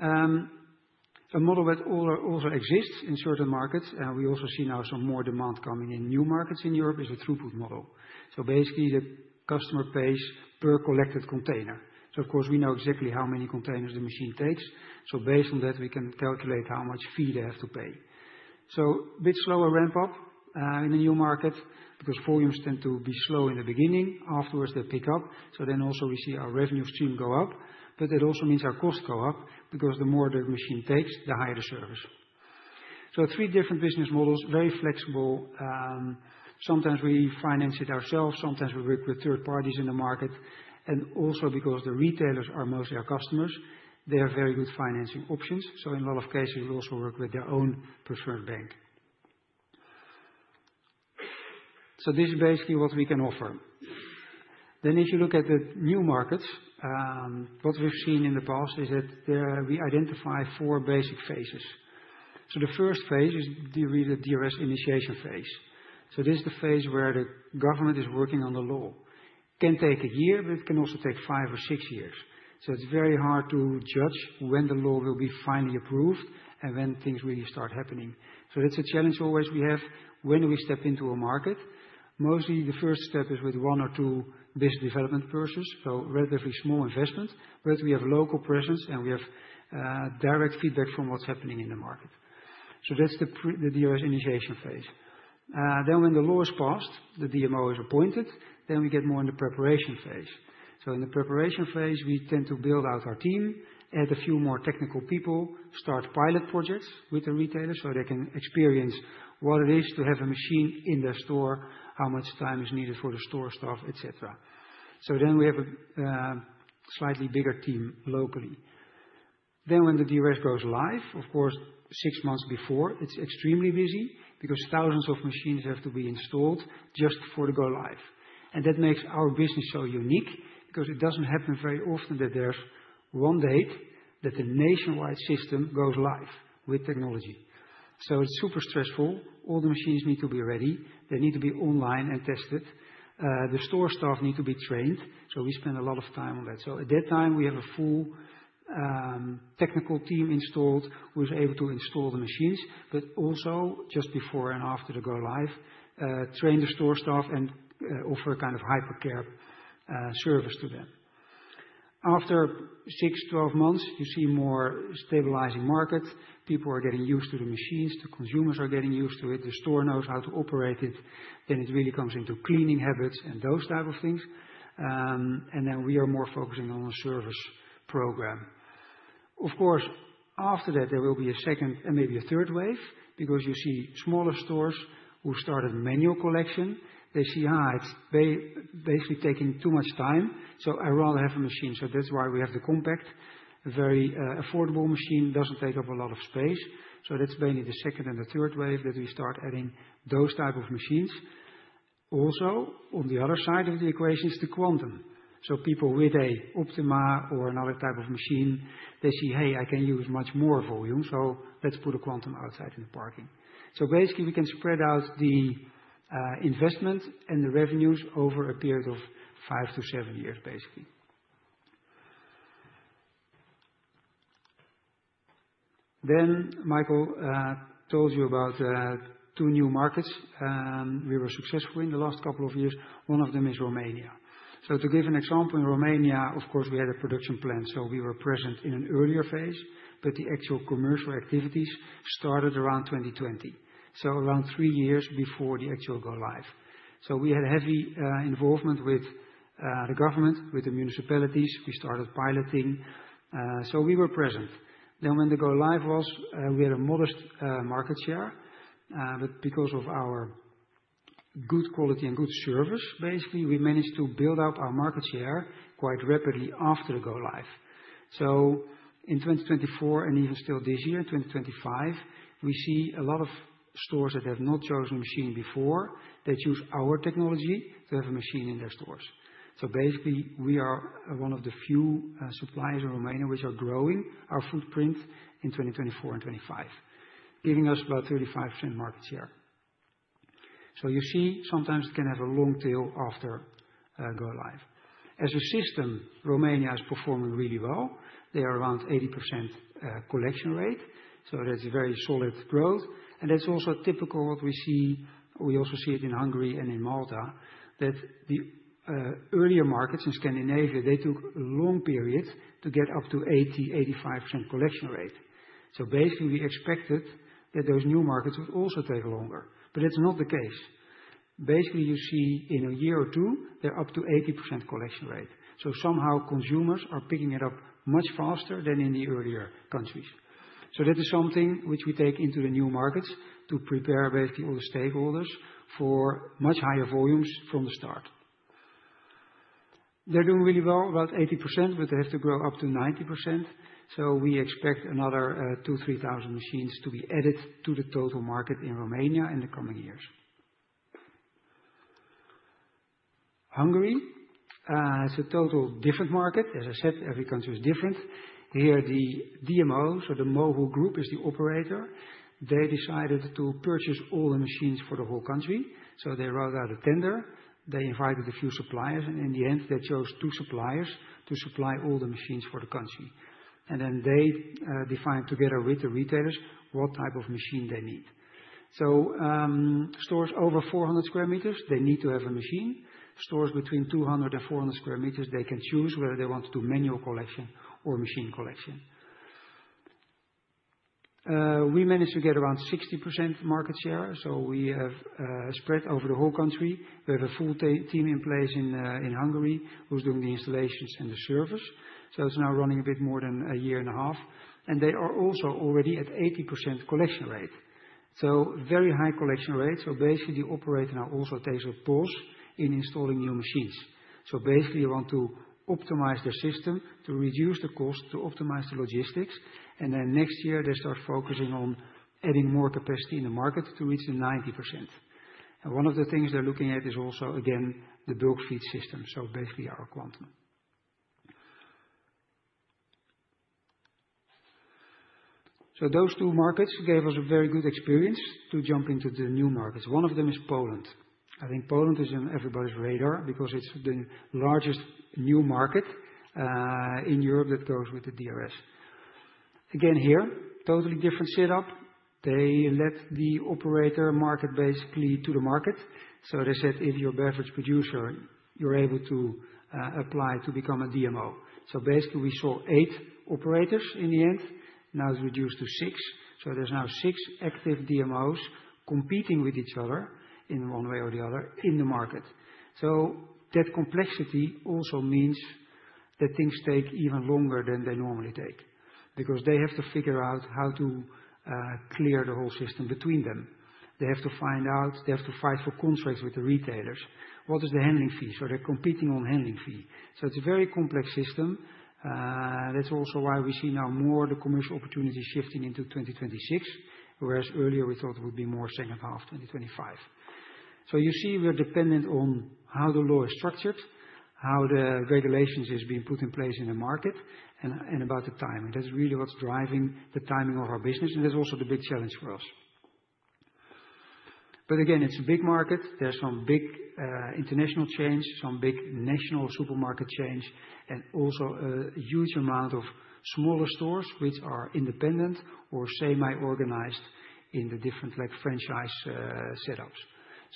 A model that also exists in certain markets, and we also see now some more demand coming in new markets in Europe, is the throughput model. So basically, the customer pays per collected container. So of course, we know exactly how many containers the machine takes. So based on that, we can calculate how much fee they have to pay. So a bit slower ramp-up in the new market because volumes tend to be slow in the beginning. Afterwards, they pick up. So then also we see our revenue stream go up, but it also means our costs go up because the more the machine takes, the higher the service. So three different business models, very flexible. Sometimes we finance it ourselves. Sometimes we work with third parties in the market. And also because the retailers are mostly our customers, they have very good financing options. So in a lot of cases, we also work with their own preferred bank. So this is basically what we can offer. Then if you look at the new markets, what we've seen in the past is that we identify four basic phases. So the first phase is the DRS initiation phase. So this is the phase where the government is working on the law. It can take a year, but it can also take five or six years. So it's very hard to judge when the law will be finally approved and when things really start happening. So that's a challenge we always have. When do we step into a market? Mostly the first step is with one or two business development purchases, so relatively small investment, but we have local presence and we have direct feedback from what's happening in the market. So that's the DRS initiation phase. Then when the law is passed, the DMO is appointed, then we get more in the preparation phase. So in the preparation phase, we tend to build out our team, add a few more technical people, start pilot projects with the retailers so they can experience what it is to have a machine in their store, how much time is needed for the store staff, etc. So then we have a slightly bigger team locally. When the DRS goes live, of course, six months before, it is extremely busy because thousands of machines have to be installed just before they go live. That makes our business so unique because it does not happen very often that there is one date that the nationwide system goes live with technology. It is super stressful. All the machines need to be ready. They need to be online and tested. The store staff need to be trained. We spend a lot of time on that. At that time, we have a full technical team installed who is able to install the machines, but also just before and after they go live, train the store staff and offer a kind of hyper-care service to them. After six, 12 months, you see more stabilizing markets. People are getting used to the machines. The consumers are getting used to it. The store knows how to operate it. Then it really comes into cleaning habits and those type of things. And then we are more focusing on a service program. Of course, after that, there will be a second and maybe a third wave because you see smaller stores who started manual collection. They see, it's basically taking too much time. So I rather have a machine. So that's why we have the Compact, very affordable machine. It doesn't take up a lot of space. So that's mainly the second and the third wave that we start adding those type of machines. Also, on the other side of the equation is the Quantum. So people with an Optima or another type of machine, they see, hey, I can use much more volume. So let's put a Quantum outside in the parking. So basically, we can spread out the investment and the revenues over a period of five to seven years, basically. Then Mikael told you about two new markets we were successful in the last couple of years. One of them is Romania. So to give an example, in Romania, of course, we had a production plant. So we were present in an earlier phase, but the actual commercial activities started around 2020, so around three years before the actual go live. So we had heavy involvement with the government, with the municipalities. We started piloting. So we were present. Then when the go live was, we had a modest market share. But because of our good quality and good service, basically, we managed to build up our market share quite rapidly after the go live. In 2024 and even still this year, 2025, we see a lot of stores that have not chosen a machine before. They choose our technology to have a machine in their stores. Basically, we are one of the few suppliers in Romania which are growing our footprint in 2024 and 2025, giving us about 35% market share. You see, sometimes it can have a long tail after go live. As a system, Romania is performing really well. They are around 80% collection rate. That's a very solid growth, and that's also typical what we see. We also see it in Hungary and in Malta, that the earlier markets in Scandinavia, they took long periods to get up to 80%-85% collection rate. Basically, we expected that those new markets would also take longer, but that's not the case. Basically, you see in a year or two, they're up to 80% collection rate. So somehow consumers are picking it up much faster than in the earlier countries. So that is something which we take into the new markets to prepare basically all the stakeholders for much higher volumes from the start. They're doing really well, about 80%, but they have to grow up to 90%. So we expect another 2-3 thousand machines to be added to the total market in Romania in the coming years. Hungary has a totally different market. As I said, every country is different. Here, the DMO, so the MOL Group, is the operator. They decided to purchase all the machines for the whole country. So they wrote out a tender. They invited a few suppliers, and in the end, they chose two suppliers to supply all the machines for the country, and then they define together with the retailers what type of machine they need, so stores over 400 square meters, they need to have a machine. Stores between 200 and 400 square meters, they can choose whether they want to do manual collection or machine collection. We managed to get around 60% market share, so we have spread over the whole country. We have a full team in place in Hungary who's doing the installations and the service, so it's now running a bit more than a year and a half, and they are also already at 80% collection rate, so very high collection rate, so basically, the operator now also takes a pause in installing new machines. So basically, you want to optimize the system to reduce the cost, to optimize the logistics. And then next year, they start focusing on adding more capacity in the market to reach the 90%. And one of the things they're looking at is also, again, the bulk feed system. So basically, our Quantum. So those two markets gave us a very good experience to jump into the new markets. One of them is Poland. I think Poland is on everybody's radar because it's the largest new market in Europe that goes with the DRS. Again, here, totally different setup. They let the operator market basically to the market. So they said, if you're a beverage producer, you're able to apply to become a DMO. So basically, we saw eight operators in the end. Now it's reduced to six. So there's now six active DMOs competing with each other in one way or the other in the market. So that complexity also means that things take even longer than they normally take because they have to figure out how to clear the whole system between them. They have to find out. They have to fight for contracts with the retailers. What is the handling fee? So they're competing on handling fee. So it's a very complex system. That's also why we see now more of the commercial opportunity shifting into 2026, whereas earlier we thought it would be more second half, 2025. So you see we're dependent on how the law is structured, how the regulations are being put in place in the market, and about the timing. That's really what's driving the timing of our business. And that's also the big challenge for us. But again, it's a big market. There's some big international chains, some big national supermarket chains, and also a huge amount of smaller stores which are independent or semi-organized in the different franchise setups.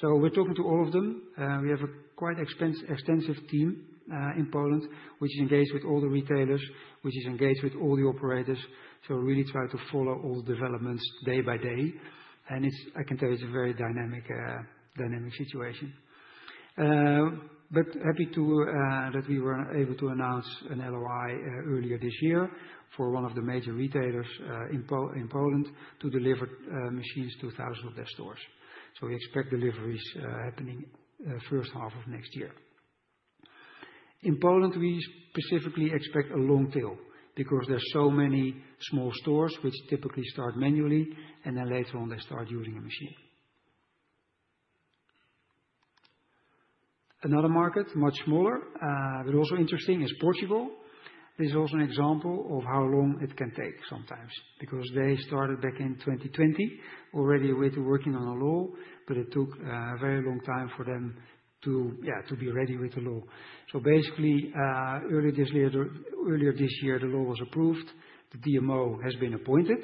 So we're talking to all of them. We have a quite extensive team in Poland, which is engaged with all the retailers, which is engaged with all the operators. So we really try to follow all developments day by day. And I can tell you it's a very dynamic situation. But happy that we were able to announce an LOI earlier this year for one of the major retailers in Poland to deliver machines to thousands of their stores. So we expect deliveries happening first half of next year. In Poland, we specifically expect a long tail because there's so many small stores which typically start manually, and then later on they start using a machine. Another market, much smaller, but also interesting, is Portugal. This is also an example of how long it can take sometimes because they started back in 2020 already with working on a law, but it took a very long time for them to be ready with the law. So basically, earlier this year, the law was approved. The DMO has been appointed.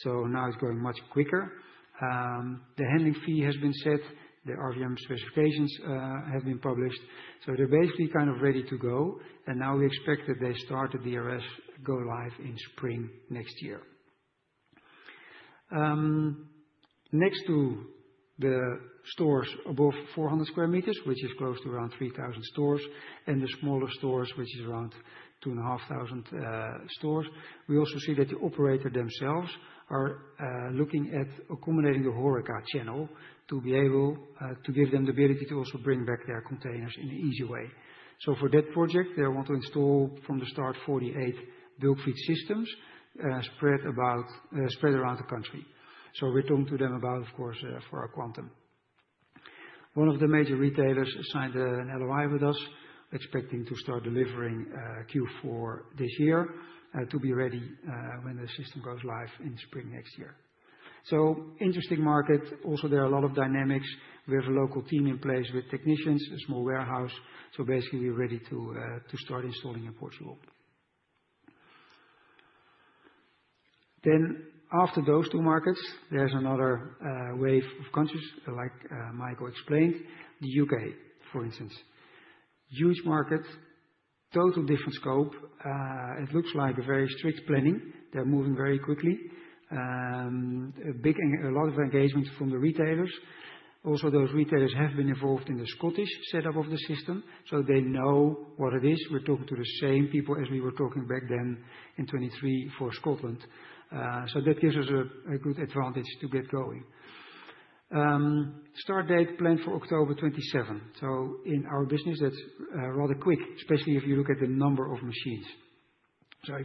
So now it's going much quicker. The handling fee has been set. The RVM specifications have been published. So they're basically kind of ready to go. And now we expect that they start the DRS go live in spring next year. Next to the stores above 400 sq m, which is close to around 3,000 stores, and the smaller stores, which is around 2,500 stores, we also see that the operator themselves are looking at accommodating the Horeca channel to be able to give them the ability to also bring back their containers in an easy way. So for that project, they want to install from the start 48 bulk feed systems spread around the country. So we're talking to them about, of course, for our Quantum. One of the major retailers signed an LOI with us, expecting to start delivering Q4 this year to be ready when the system goes live in spring next year. So interesting market. Also, there are a lot of dynamics. We have a local team in place with technicians, a small warehouse. So basically, we're ready to start installing in Portugal. Then after those two markets, there's another wave of countries, like Mikael explained, the U.K., for instance. Huge market, total different scope. It looks like a very strict planning. They're moving very quickly. A lot of engagement from the retailers. Also, those retailers have been involved in the Scottish setup of the system, so they know what it is. We're talking to the same people as we were talking back then in 2023 for Scotland. So that gives us a good advantage to get going. Start date planned for October 27. So in our business, that's rather quick, especially if you look at the number of machines. So I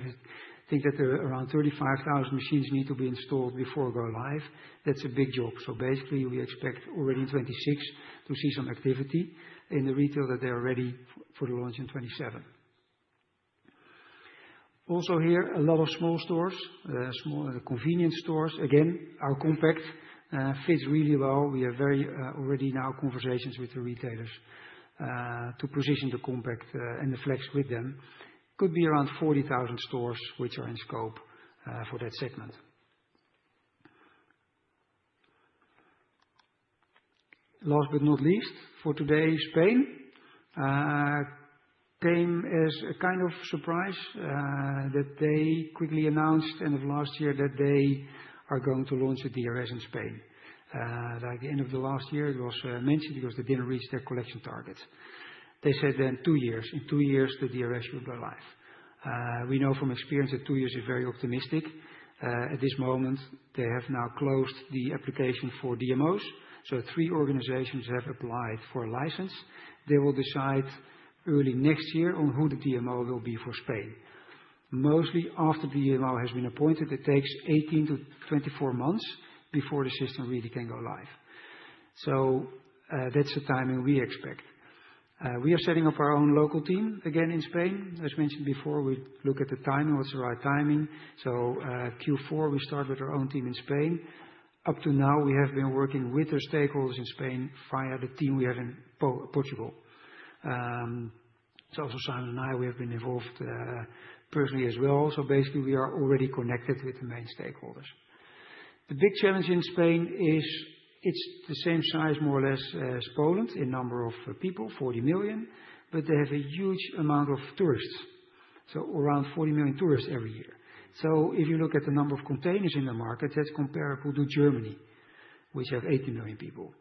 think that around 35,000 machines need to be installed before go live. That's a big job. So basically, we expect already in 2026 to see some activity in the retail that they're ready for the launch in 2027. Also here, a lot of small stores, small convenience stores. Again, our Compact fits really well. We have very already now conversations with the retailers to position the Compact and the Flex with them. Could be around 40,000 stores which are in scope for that segment. Last but not least, for today, Spain came as a kind of surprise that they quickly announced end of last year that they are going to launch a DRS in Spain. Like the end of the last year, it was mentioned because they didn't reach their collection target. They said then two years. In two years, the DRS will go live. We know from experience that two years is very optimistic. At this moment, they have now closed the application for DMOs. So three organizations have applied for a license. They will decide early next year on who the DMO will be for Spain. Mostly after the DMO has been appointed, it takes 18-24 months before the system really can go live. That's the timing we expect. We are setting up our own local team again in Spain. As mentioned before, we look at the timing, what's the right timing. Q4, we start with our own team in Spain. Up to now, we have been working with the stakeholders in Spain via the team we have in Portugal. Simon and I, we have been involved personally as well. Basically, we are already connected with the main stakeholders. The big challenge in Spain is it's the same size, more or less, as Poland in number of people, 40 million, but they have a huge amount of tourists. Around 40 million tourists every year. So if you look at the number of containers in the market, that's comparable to Germany, which have 80 million people.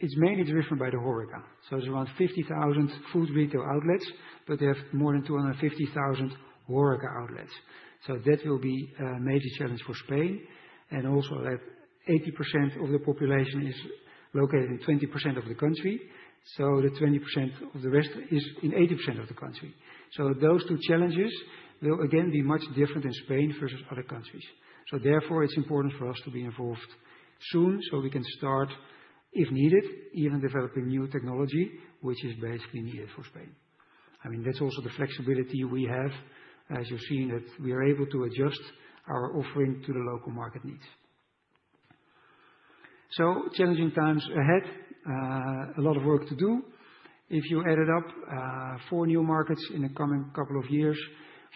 It's mainly driven by the Horeca. So there's around 50,000 food retail outlets, but they have more than 250,000 Horeca outlets. So that will be a major challenge for Spain. And also that 80% of the population is located in 20% of the country. So the 20% of the rest is in 80% of the country. So those two challenges will again be much different in Spain versus other countries. So therefore, it's important for us to be involved soon so we can start, if needed, even developing new technology, which is basically needed for Spain. I mean, that's also the flexibility we have, as you're seeing that we are able to adjust our offering to the local market needs. So challenging times ahead. A lot of work to do. If you add it up, four new markets in the coming couple of years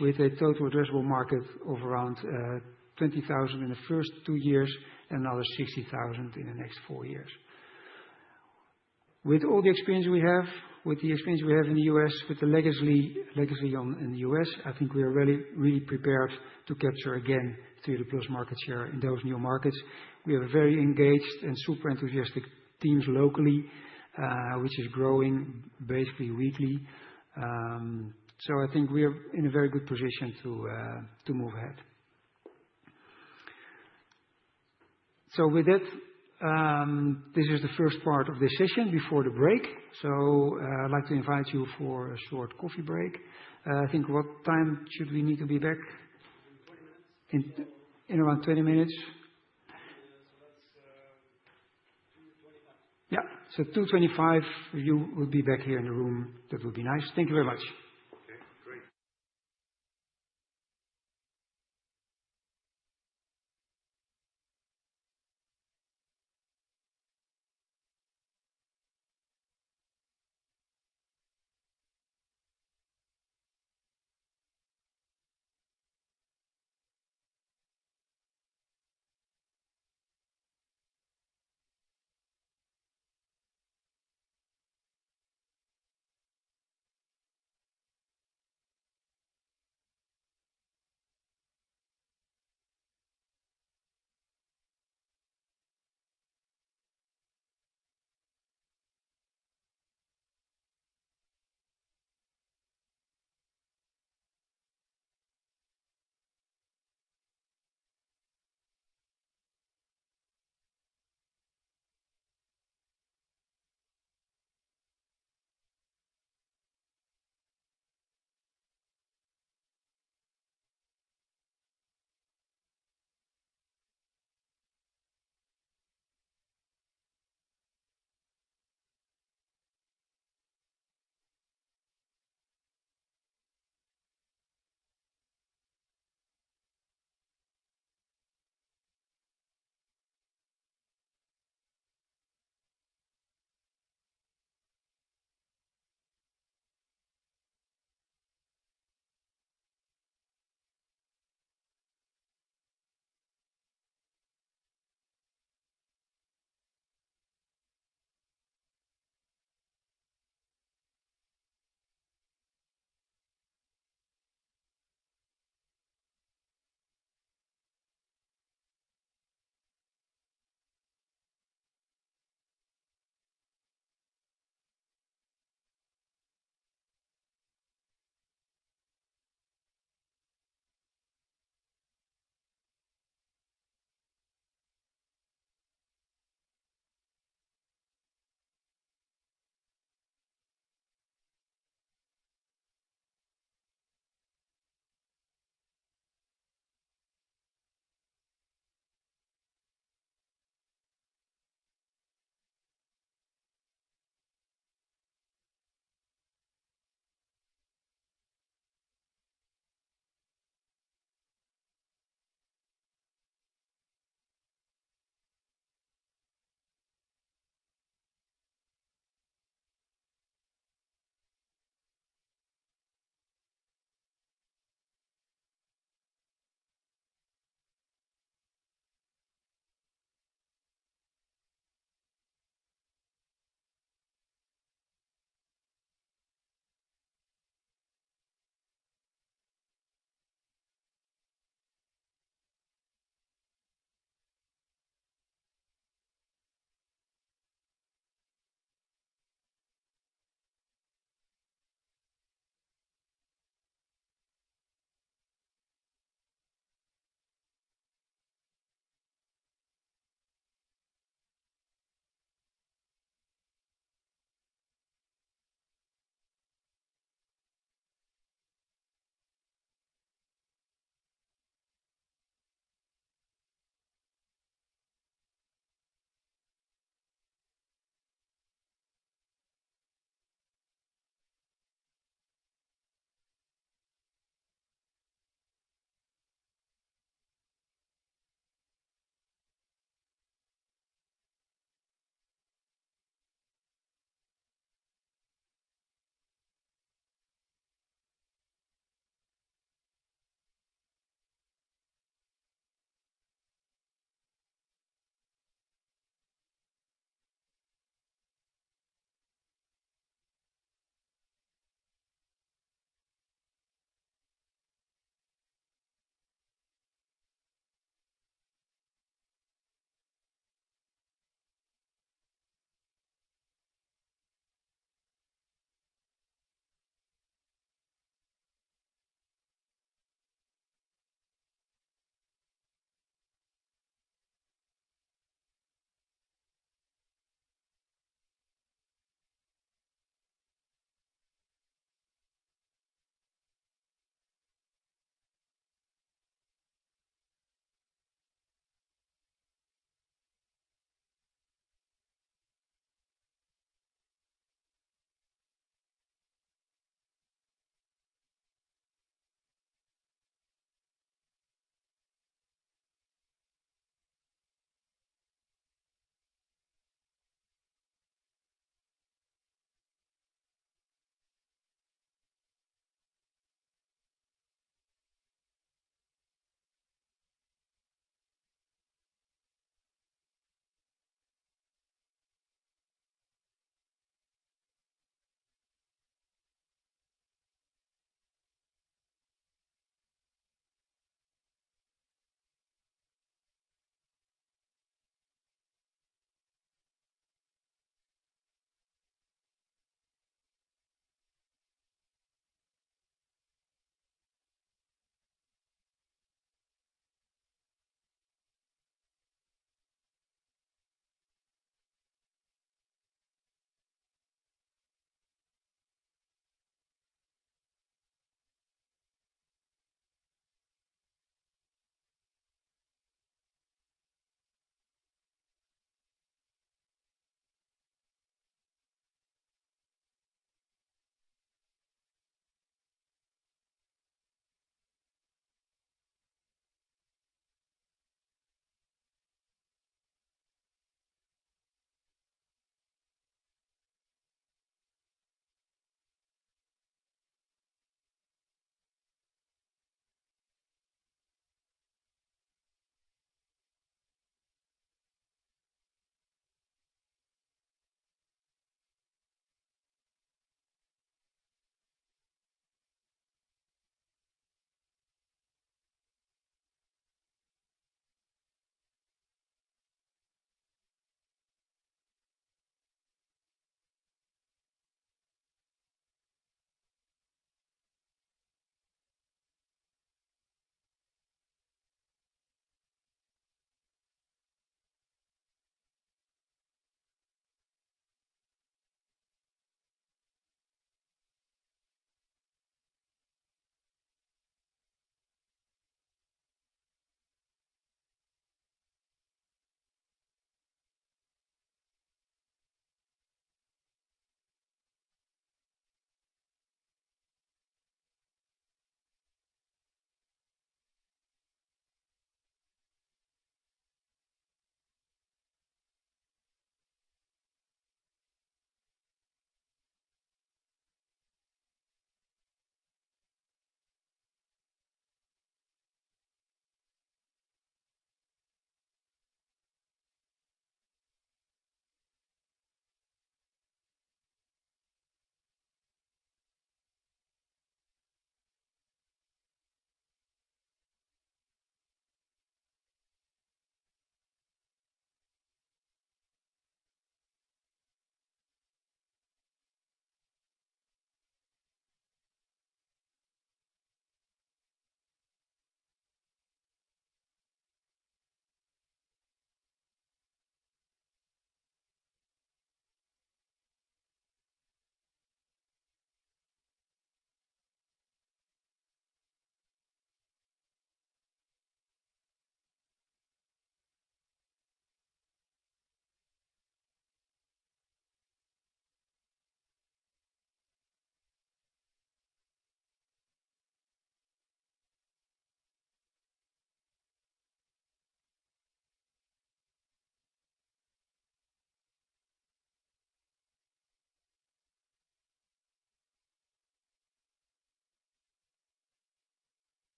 with a total addressable market of around 20,000 in the first two years and another 60,000 in the next four years. With all the experience we have, with the experience we have in the U.S., with the legacy in the U.S., I think we are really prepared to capture again 30 plus market share in those new markets. We have a very engaged and super enthusiastic teams locally, which is growing basically weekly. So I think we are in a very good position to move ahead. So with that, this is the first part of the session before the break. So I'd like to invite you for a short coffee break. I think what time should we need to be back? In 20 minutes. In around 20 minutes. Yeah. So, 2:25, you would be back here in the room. That would be nice. Thank you very much.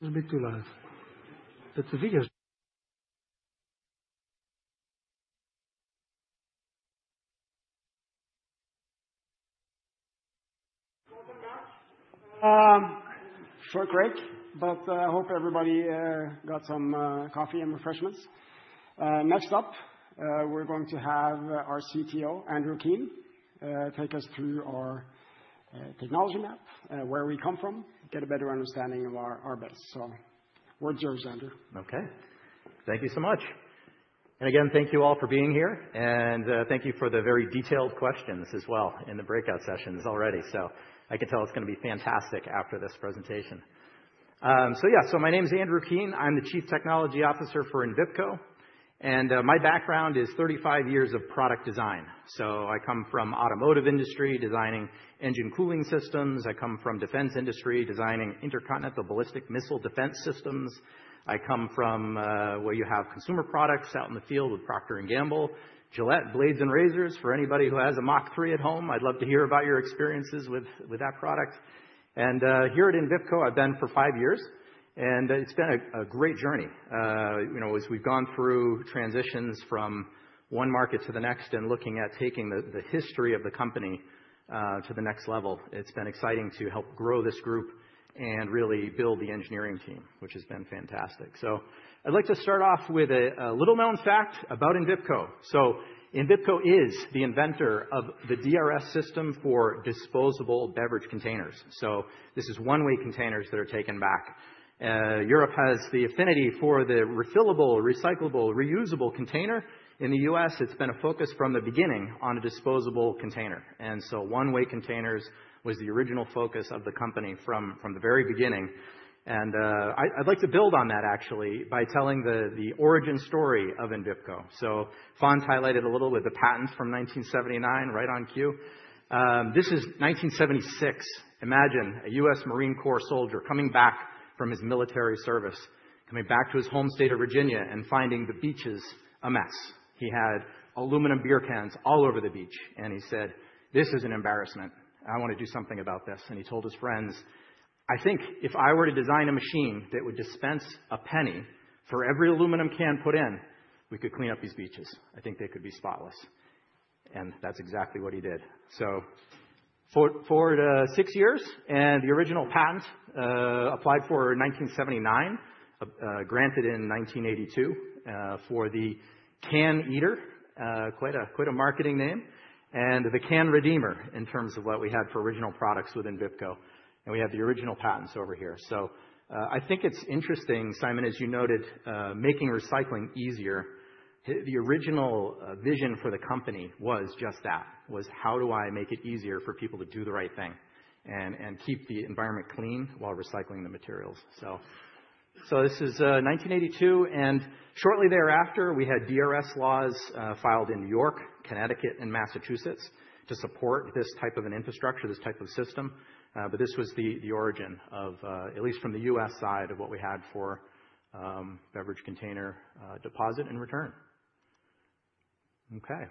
Okay. Great. Let me do live. It's a video. Welcome back. Short break, but I hope everybody got some coffee and refreshments. Next up, we're going to have our CTO, Andrew Keene, take us through our technology map, where we come from, get a better understanding of our best. So, word's yours, Andrew. Okay. Thank you so much. And again, thank you all for being here. And, thank you for the very detailed questions as well in the breakout sessions already. So, I can tell it's gonna be fantastic after this presentation. So yeah, so my name's Andrew Keene. I'm the Chief Technology Officer for Envipco. And, my background is 35 years of product design. So, I come from the automotive industry, designing engine cooling systems. I come from the defense industry, designing intercontinental ballistic missile defense systems. I come from, where you have consumer products out in the field with Procter & Gamble, Gillette blades and razors. For anybody who has a Mach3 at home, I'd love to hear about your experiences with that product. And, here at Envipco, I've been for five years, and it's been a great journey. You know, as we've gone through transitions from one market to the next and looking at taking the history of the company to the next level, it's been exciting to help grow this group and really build the engineering team, which has been fantastic. So, I'd like to start off with a little known fact about Envipco. So, Envipco is the inventor of the DRS system for disposable beverage containers. So, this is one-way containers that are taken back. Europe has the affinity for the refillable, recyclable, reusable container. In the U.S., it's been a focus from the beginning on a disposable container. And so, one-way containers was the original focus of the company from the very beginning. And I'd like to build on that actually by telling the origin story of Envipco. Fons highlighted a little with the patent from 1979 right on cue. This is 1976. Imagine a U.S. Marine Corps soldier coming back from his military service, coming back to his home state of Virginia and finding the beaches a mess. He had aluminum beer cans all over the beach, and he said, "This is an embarrassment. I wanna do something about this." He told his friends, "I think if I were to design a machine that would dispense a penny for every aluminum can put in, we could clean up these beaches. I think they could be spotless." That's exactly what he did. For six years, and the original patent, applied for 1979, granted in 1982, for the Can Eater, quite a marketing name, and the Can Redeemer in terms of what we had for original products with Envipco. And we have the original patents over here. So, I think it's interesting, Simon, as you noted, making recycling easier. The original vision for the company was just that, was how do I make it easier for people to do the right thing and, and keep the environment clean while recycling the materials. So this is 1982, and shortly thereafter, we had DRS laws filed in New York, Connecticut, and Massachusetts to support this type of an infrastructure, this type of system, but this was the origin of at least from the U.S. side of what we had for beverage container deposit and return. Okay.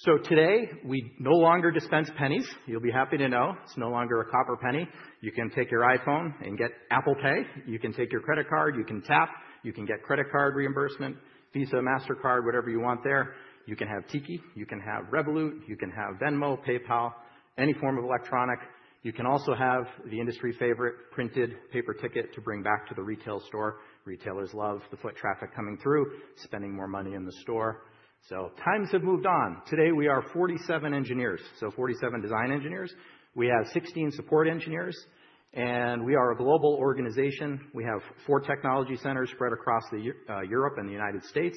So today, we no longer dispense pennies. You'll be happy to know it's no longer a copper penny. You can take your iPhone and get Apple Pay. You can take your credit card. You can tap. You can get credit card reimbursement, Visa, MasterCard, whatever you want there. You can have Tikkie. You can have Revolut. You can have Venmo, PayPal, any form of electronic. You can also have the industry favorite printed paper ticket to bring back to the retail store. Retailers love the foot traffic coming through, spending more money in the store. So, times have moved on. Today, we are 47 engineers, so 47 design engineers. We have 16 support engineers, and we are a global organization. We have four technology centers spread across Europe and the United States.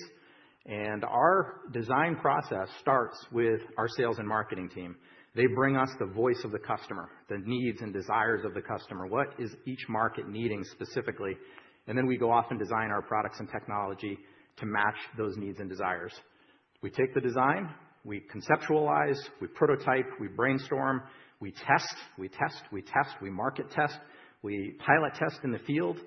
And our design process starts with our sales and marketing team. They bring us the voice of the customer, the needs and desires of the customer. What is each market needing specifically? And then we go off and design our products and technology to match those needs and desires. We take the design, we conceptualize, we prototype, we brainstorm, we test, we test, we test, we market test, we pilot test in the field.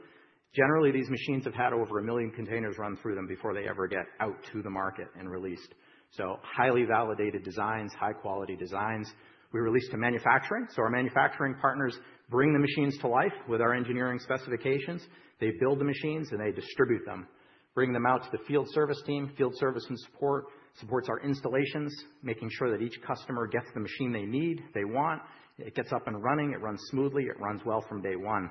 Generally, these machines have had over a million containers run through them before they ever get out to the market and released. So, highly validated designs, high-quality designs. We release to manufacturing. So, our manufacturing partners bring the machines to life with our engineering specifications. They build the machines and they distribute them, bring them out to the field service team, field service and support, supports our installations, making sure that each customer gets the machine they need, they want. It gets up and running. It runs smoothly. It runs well from day one.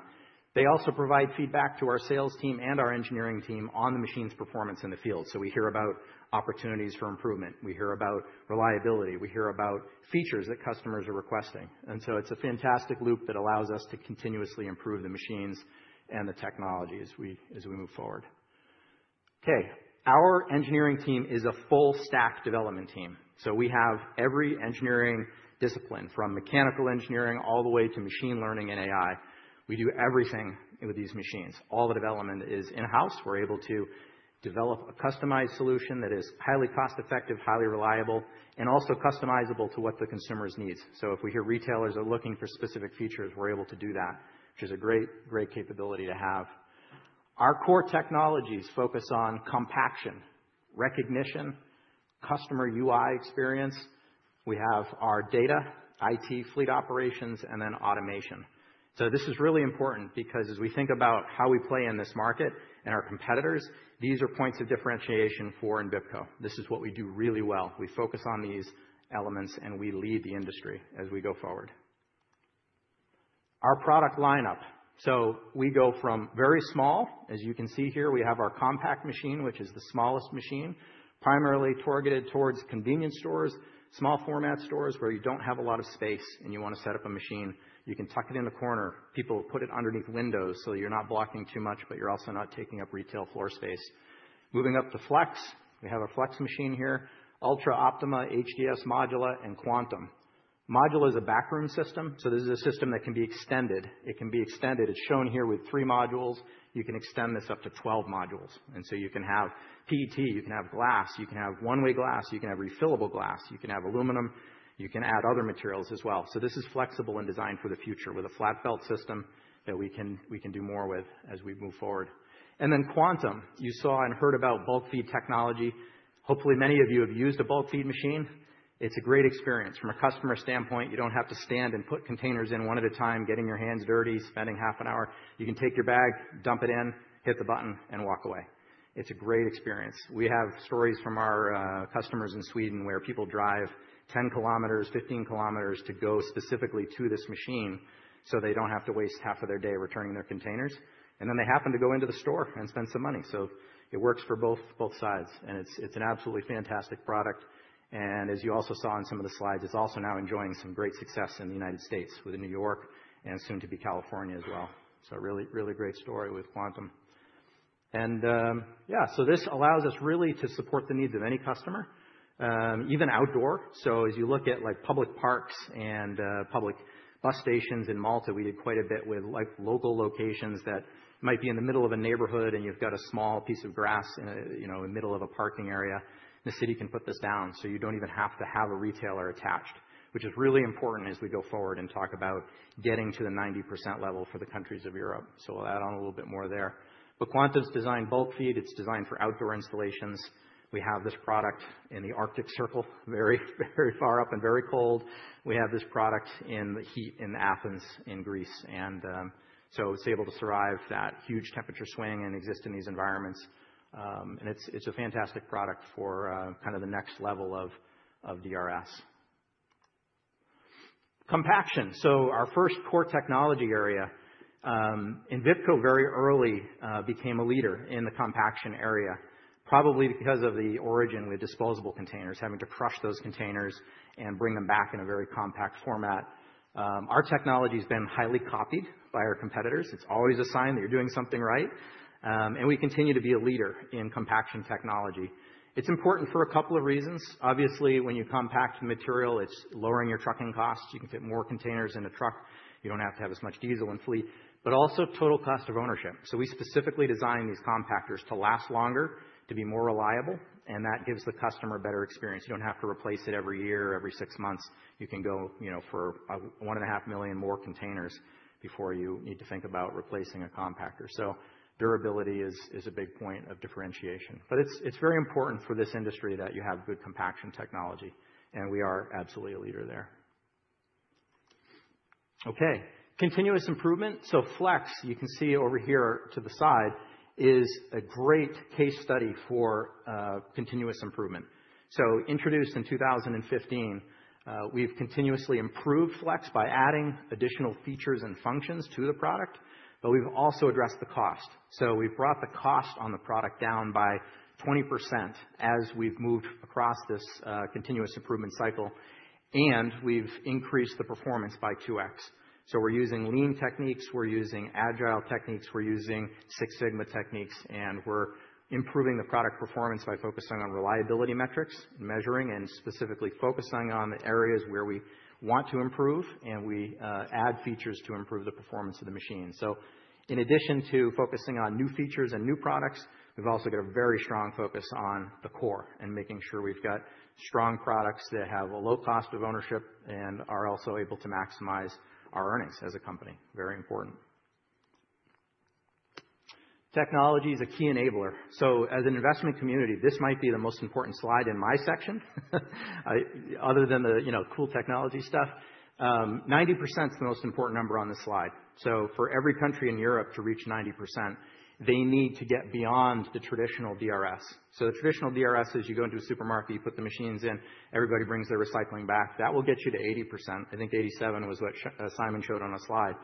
They also provide feedback to our sales team and our engineering team on the machine's performance in the field. So, we hear about opportunities for improvement. We hear about reliability. We hear about features that customers are requesting, and so it's a fantastic loop that allows us to continuously improve the machines and the technologies as we move forward. Okay. Our engineering team is a full-stack development team, so we have every engineering discipline from mechanical engineering all the way to machine learning and AI. We do everything with these machines. All the development is in-house. We're able to develop a customized solution that is highly cost-effective, highly reliable, and also customizable to what the consumer's needs, so if we hear retailers are looking for specific features, we're able to do that, which is a great, great capability to have. Our core technologies focus on compaction, recognition, customer UI experience. We have our data, IT fleet operations, and then automation. So, this is really important because as we think about how we play in this market and our competitors, these are points of differentiation for Envipco. This is what we do really well. We focus on these elements and we lead the industry as we go forward. Our product lineup. So, we go from very small, as you can see here, we have our Compact machine, which is the smallest machine, primarily targeted towards convenience stores, small-format stores where you don't have a lot of space and you wanna set up a machine. You can tuck it in the corner. People put it underneath windows so you're not blocking too much, but you're also not taking up retail floor space. Moving up to Flex, we have a Flex machine here, Ultra, Optima, HDS, Modula, and Quantum. Modula is a backroom system. So, this is a system that can be extended. It can be extended. It's shown here with three modules. You can extend this up to 12 modules. And so, you can have PET, you can have glass, you can have one-way glass, you can have refillable glass, you can have aluminum, you can add other materials as well. So, this is flexible and designed for the future with a flat belt system that we can, we can do more with as we move forward. And then Quantum, you saw and heard about bulk feed technology. Hopefully, many of you have used a bulk feed machine. It's a great experience from a customer standpoint. You don't have to stand and put containers in one at a time, getting your hands dirty, spending half an hour. You can take your bag, dump it in, hit the button, and walk away. It's a great experience. We have stories from our customers in Sweden where people drive 10 kilometers, 15 kilometers to go specifically to this machine so they don't have to waste half of their day returning their containers, and then they happen to go into the store and spend some money, so it works for both, both sides, and it's, it's an absolutely fantastic product, and as you also saw in some of the slides, it's also now enjoying some great success in the United States with New York and soon to be California as well, so a really, really great story with Quantum, and yeah, so this allows us really to support the needs of any customer, even outdoor. So, as you look at like public parks and public bus stations in Malta, we did quite a bit with like local locations that might be in the middle of a neighborhood and you've got a small piece of grass in a, you know, in the middle of a parking area. The city can put this down so you don't even have to have a retailer attached, which is really important as we go forward and talk about getting to the 90% level for the countries of Europe. So, we'll add on a little bit more there. But Quantum's designed bulk feed. It's designed for outdoor installations. We have this product in the Arctic Circle, very, very far up and very cold. We have this product in the heat in Athens in Greece. And, so it's able to survive that huge temperature swing and exist in these environments. It's a fantastic product for kind of the next level of DRS compaction. So, our first core technology area, Envipco very early became a leader in the compaction area, probably because of the origin with disposable containers, having to crush those containers and bring them back in a very compact format. Our technology's been highly copied by our competitors. It's always a sign that you're doing something right. We continue to be a leader in compaction technology. It's important for a couple of reasons. Obviously, when you compact material, it's lowering your trucking costs. You can fit more containers in a truck. You don't have to have as much diesel and fleet, but also total cost of ownership. So, we specifically designed these compactors to last longer, to be more reliable, and that gives the customer a better experience. You don't have to replace it every year, every six months. You can go, you know, for a one and a half million more containers before you need to think about replacing a compactor. So, durability is, is a big point of differentiation. But it's, it's very important for this industry that you have good compaction technology, and we are absolutely a leader there. Okay. Continuous improvement. So, Flex, you can see over here to the side is a great case study for, continuous improvement. So, introduced in 2015, we've continuously improved Flex by adding additional features and functions to the product, but we've also addressed the cost. So, we've brought the cost on the product down by 20% as we've moved across this, continuous improvement cycle, and we've increased the performance by 2x. So, we're using lean techniques. We're using agile techniques. We're using Six Sigma techniques, and we're improving the product performance by focusing on reliability metrics and measuring and specifically focusing on the areas where we want to improve, and we add features to improve the performance of the machine. So, in addition to focusing on new features and new products, we've also got a very strong focus on the core and making sure we've got strong products that have a low cost of ownership and are also able to maximize our earnings as a company. Very important. Technology is a key enabler. So, as an investment community, this might be the most important slide in my section, other than the you know, cool technology stuff. 90% is the most important number on this slide. So, for every country in Europe to reach 90%, they need to get beyond the traditional DRS. So, the traditional DRS is you go into a supermarket, you put the machines in, everybody brings their recycling back. That will get you to 80%. I think 87% was what Simon showed on a slide.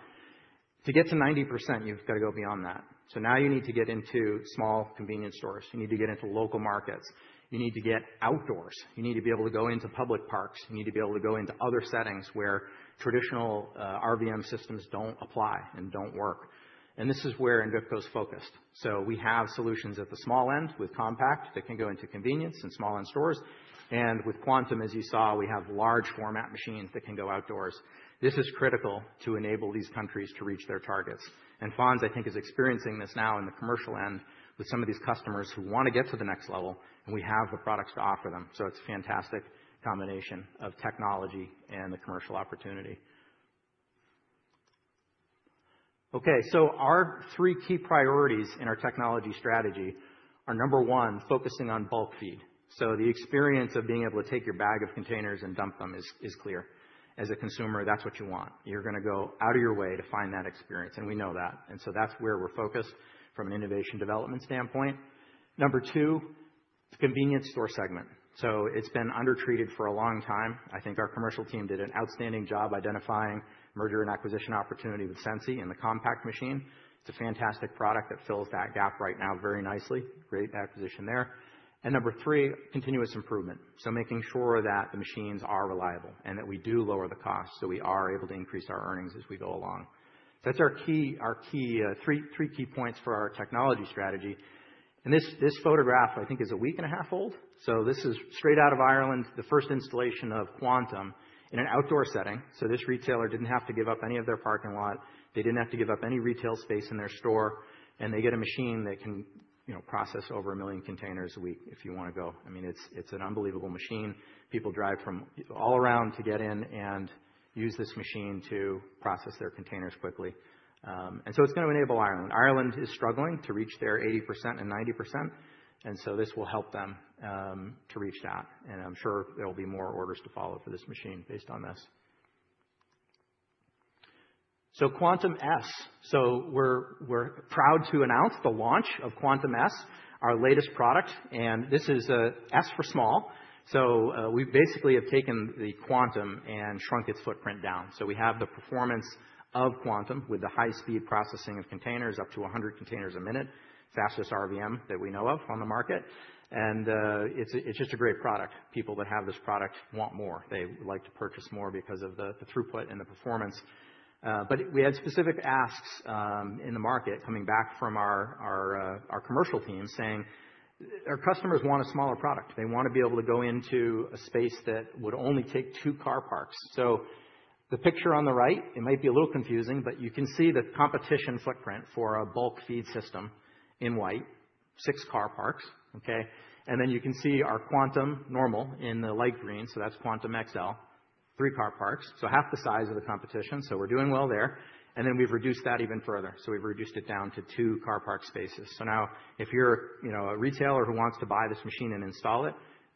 To get to 90%, you've gotta go beyond that. So, now you need to get into small convenience stores. You need to get into local markets. You need to get outdoors. You need to be able to go into public parks. You need to be able to go into other settings where traditional RVM systems don't apply and don't work. And this is where Envipco's focused. So, we have solutions at the small end with Compact that can go into convenience and small end stores. And with Quantum, as you saw, we have large-format machines that can go outdoors. This is critical to enable these countries to reach their targets. Fons, I think, is experiencing this now in the commercial end with some of these customers who wanna get to the next level, and we have the products to offer them. It's a fantastic combination of technology and the commercial opportunity. Okay. Our three key priorities in our technology strategy are, number one, focusing on bulk feed. The experience of being able to take your bag of containers and dump them is clear. As a consumer, that's what you want. You're gonna go out of your way to find that experience, and we know that. That's where we're focused from an innovation development standpoint. Number two, the convenience store segment. It's been undertreated for a long time. I think our commercial team did an outstanding job identifying merger and acquisition opportunity with Sensi in the Compact machine. It's a fantastic product that fills that gap right now very nicely. Great acquisition there. And number three, continuous improvement. So, making sure that the machines are reliable and that we do lower the cost so we are able to increase our earnings as we go along. So, that's our key three key points for our technology strategy. And this photograph, I think, is a week and a half old. So, this is straight out of Ireland, the first installation of Quantum in an outdoor setting. So, this retailer didn't have to give up any of their parking lot. They didn't have to give up any retail space in their store. And they get a machine that can, you know, process over a million containers a week if you wanna go. I mean, it's an unbelievable machine. People drive from all around to get in and use this machine to process their containers quickly, and so it's gonna enable Ireland. Ireland is struggling to reach their 80% and 90%, and so this will help them to reach that. I'm sure there'll be more orders to follow for this machine based on this. So Quantum S. We're proud to announce the launch of Quantum S, our latest product. This is an S for small. We basically have taken the Quantum and shrunk its footprint down. We have the performance of Quantum with the high-speed processing of containers, up to a hundred containers a minute, the fastest RVM that we know of on the market. It's just a great product. People that have this product want more. They would like to purchase more because of the throughput and the performance. but we had specific asks in the market coming back from our commercial team saying our customers want a smaller product. They wanna be able to go into a space that would only take two car parks. So, the picture on the right, it might be a little confusing, but you can see the competition footprint for a bulk feed system in white, six car parks. Okay. And then you can see our Quantum normal in the light green. So, that's Quantum XL, three car parks. So, half the size of the competition. So, we're doing well there. And then we've reduced that even further. So, we've reduced it down to two car park spaces. So, now if you're, you know, a retailer who wants to buy this machine and install it,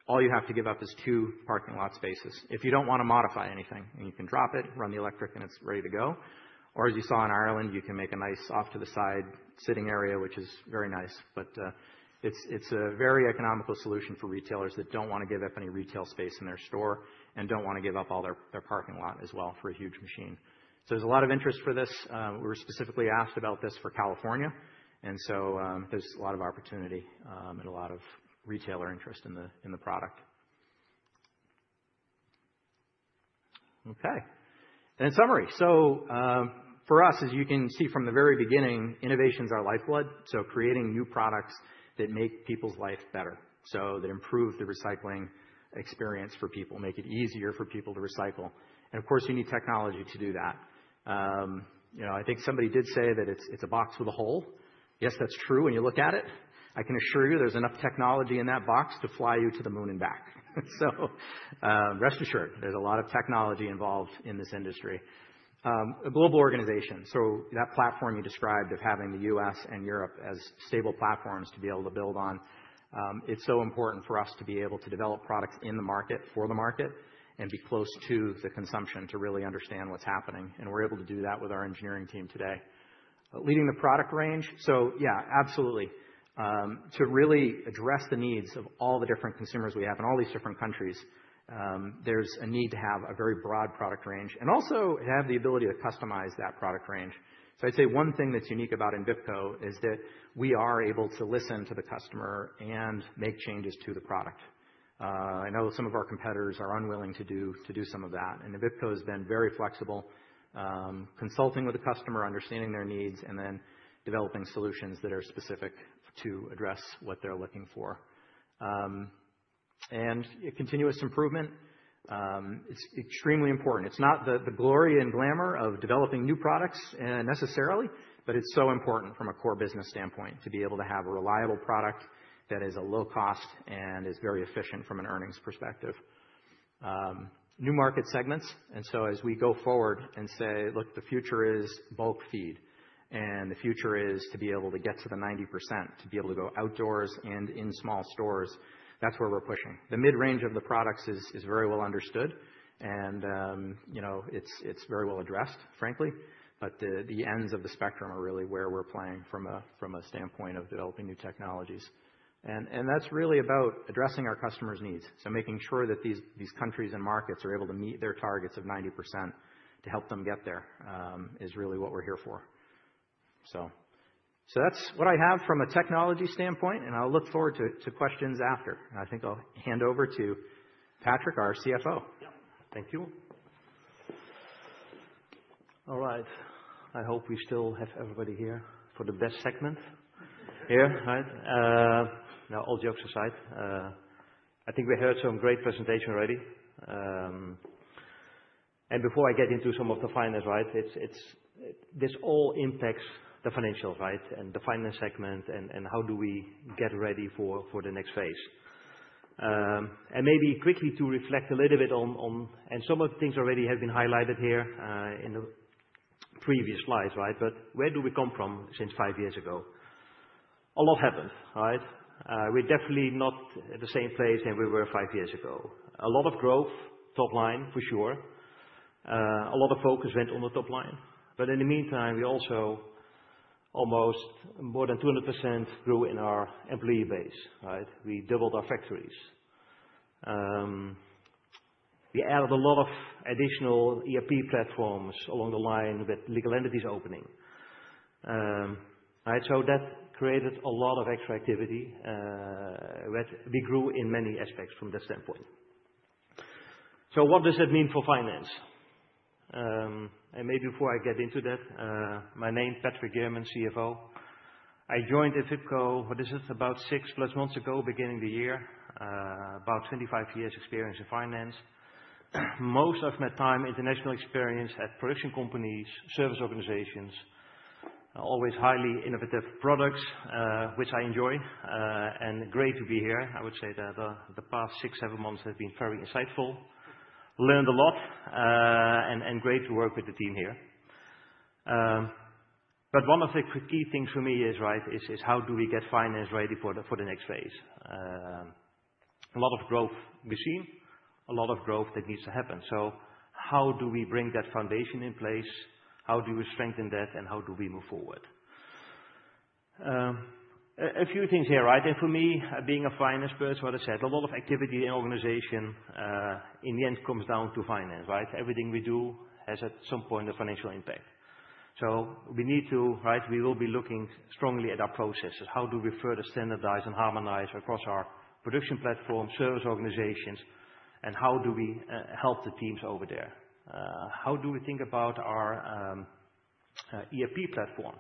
all you have to give up is two parking lot spaces. If you don't wanna modify anything, and you can drop it, run the electric, and it's ready to go. Or, as you saw in Ireland, you can make a nice off-to-the-side sitting area, which is very nice. But, it's a very economical solution for retailers that don't wanna give up any retail space in their store and don't wanna give up all their parking lot as well for a huge machine. So, there's a lot of interest for this. We were specifically asked about this for California. And so, there's a lot of opportunity, and a lot of retailer interest in the product. Okay. And in summary, so, for us, as you can see from the very beginning, innovation's our lifeblood. So, creating new products that make people's life better. So, that improve the recycling experience for people, make it easier for people to recycle. And of course, you need technology to do that, you know. I think somebody did say that it's a box with a hole. Yes, that's true. When you look at it, I can assure you there's enough technology in that box to fly you to the moon and back, so rest assured, there's a lot of technology involved in this industry, a global organization, so that platform you described of having the U.S. and Europe as stable platforms to be able to build on, it's so important for us to be able to develop products in the market for the market and be close to the consumption to really understand what's happening, and we're able to do that with our engineering team today, leading the product range, so yeah, absolutely. To really address the needs of all the different consumers we have in all these different countries, there's a need to have a very broad product range and also have the ability to customize that product range. So, I'd say one thing that's unique about Envipco is that we are able to listen to the customer and make changes to the product. I know some of our competitors are unwilling to do some of that. And Envipco has been very flexible, consulting with the customer, understanding their needs, and then developing solutions that are specific to address what they're looking for. And continuous improvement, it's extremely important. It's not the glory and glamour of developing new products, necessarily, but it's so important from a core business standpoint to be able to have a reliable product that is low cost and is very efficient from an earnings perspective. New market segments. And so, as we go forward and say, look, the future is bulk feed and the future is to be able to get to the 90%, to be able to go outdoors and in small stores, that's where we're pushing. The mid-range of the products is very well understood. And, you know, it's very well addressed, frankly. But the ends of the spectrum are really where we're playing from a standpoint of developing new technologies. And that's really about addressing our customers' needs. Making sure that these countries and markets are able to meet their targets of 90% to help them get there is really what we're here for. That's what I have from a technology standpoint, and I'll look forward to questions after. I think I'll hand over to Patrick, our CFO. Yep. Thank you. All right. I hope we still have everybody here for the best segment here, right? Now, all jokes aside, I think we heard some great presentation already. Before I get into some of the finance, right, it's this all impacts the financials, right, and the finance segment and how do we get ready for the next phase? Maybe quickly to reflect a little bit on and some of the things already have been highlighted here, in the previous slides, right? But where do we come from since five years ago? A lot happened, right? We're definitely not at the same place than we were five years ago. A lot of growth top line, for sure. A lot of focus went on the top line. But in the meantime, we also almost more than 200% grew in our employee base, right? We doubled our factories. We added a lot of additional ERP platforms along the line with legal entities opening, right? So that created a lot of extra activity, that we grew in many aspects from that standpoint. So, what does that mean for finance? And maybe before I get into that, my name, Patrick Gierman, CFO. I joined Envipco, what is it, about six plus months ago, beginning the year, about 25 years experience in finance. Most of my time, international experience at production companies, service organizations, always highly innovative products, which I enjoy, and great to be here. I would say that the past six, seven months have been very insightful. Learned a lot, and great to work with the team here. But one of the key things for me is, right, is how do we get finance ready for the next phase? A lot of growth machine, a lot of growth that needs to happen. So, how do we bring that foundation in place? How do we strengthen that, and how do we move forward? A few things here, right? And for me, being a finance person, what I said, a lot of activity in organization, in the end comes down to finance, right? Everything we do has at some point a financial impact. So, we need to, right? We will be looking strongly at our processes. How do we further standardize and harmonize across our production platform, service organizations, and how do we help the teams over there? How do we think about our ERP platform?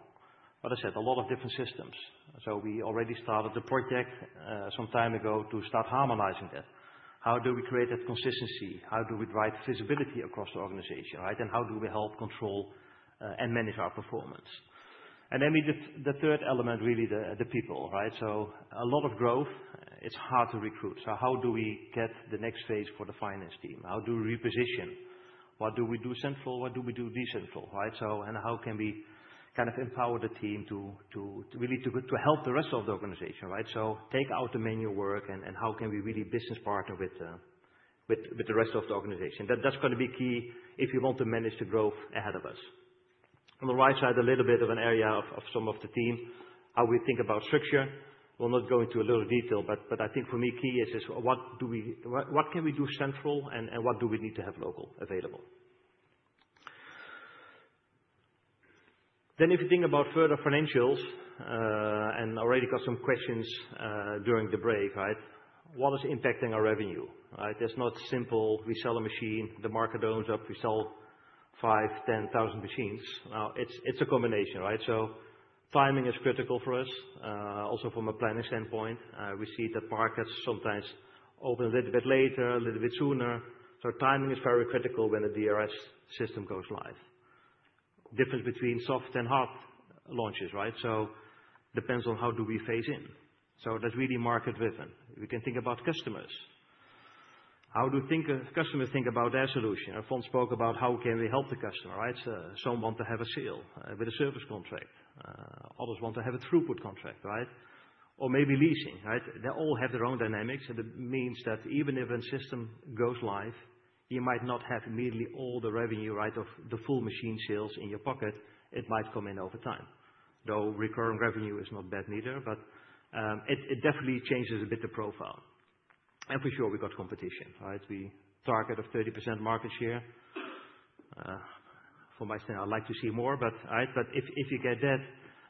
What I said, a lot of different systems. So, we already started the project some time ago to start harmonizing that. How do we create that consistency? How do we drive visibility across the organization, right? And how do we help control and manage our performance? And then we did the third element, really, the, the people, right? So, a lot of growth, it's hard to recruit. So, how do we get the next phase for the finance team? How do we reposition? What do we do central? What do we do decentral, right? So, and how can we kind of empower the team to really help the rest of the organization, right? So, take out the manual work and how can we really business partner with the rest of the organization? That's gonna be key if you want to manage the growth ahead of us. On the right side, a little bit of an area of some of the team, how we think about structure. We'll not go into a little detail, but I think for me, key is what can we do central and what do we need to have local available? Then, if you think about further financials and already got some questions during the break, right? What is impacting our revenue, right? It's not simple. We sell a machine, the market opens up, we sell five, 10,000 machines. Now, it's a combination, right? So, timing is critical for us, also from a planning standpoint. We see that markets sometimes open a little bit later, a little bit sooner. So, timing is very critical when the DRS system goes live. Difference between soft and hard launches, right? So, depends on how do we phase in. So, that's really market-driven. We can think about customers. How do customers think about their solution? Our Fons spoke about how can we help the customer, right? So, some want to have a sale with a service contract. Others want to have a throughput contract, right? Or maybe leasing, right? They all have their own dynamics. It means that even if a system goes live, you might not have immediately all the revenue, right, of the full machine sales in your pocket. It might come in over time. Though recurring revenue is not bad neither, but it definitely changes a bit the profile. And for sure, we got competition, right? We target of 30% market share. For my stand, I'd like to see more, but right, but if you get that,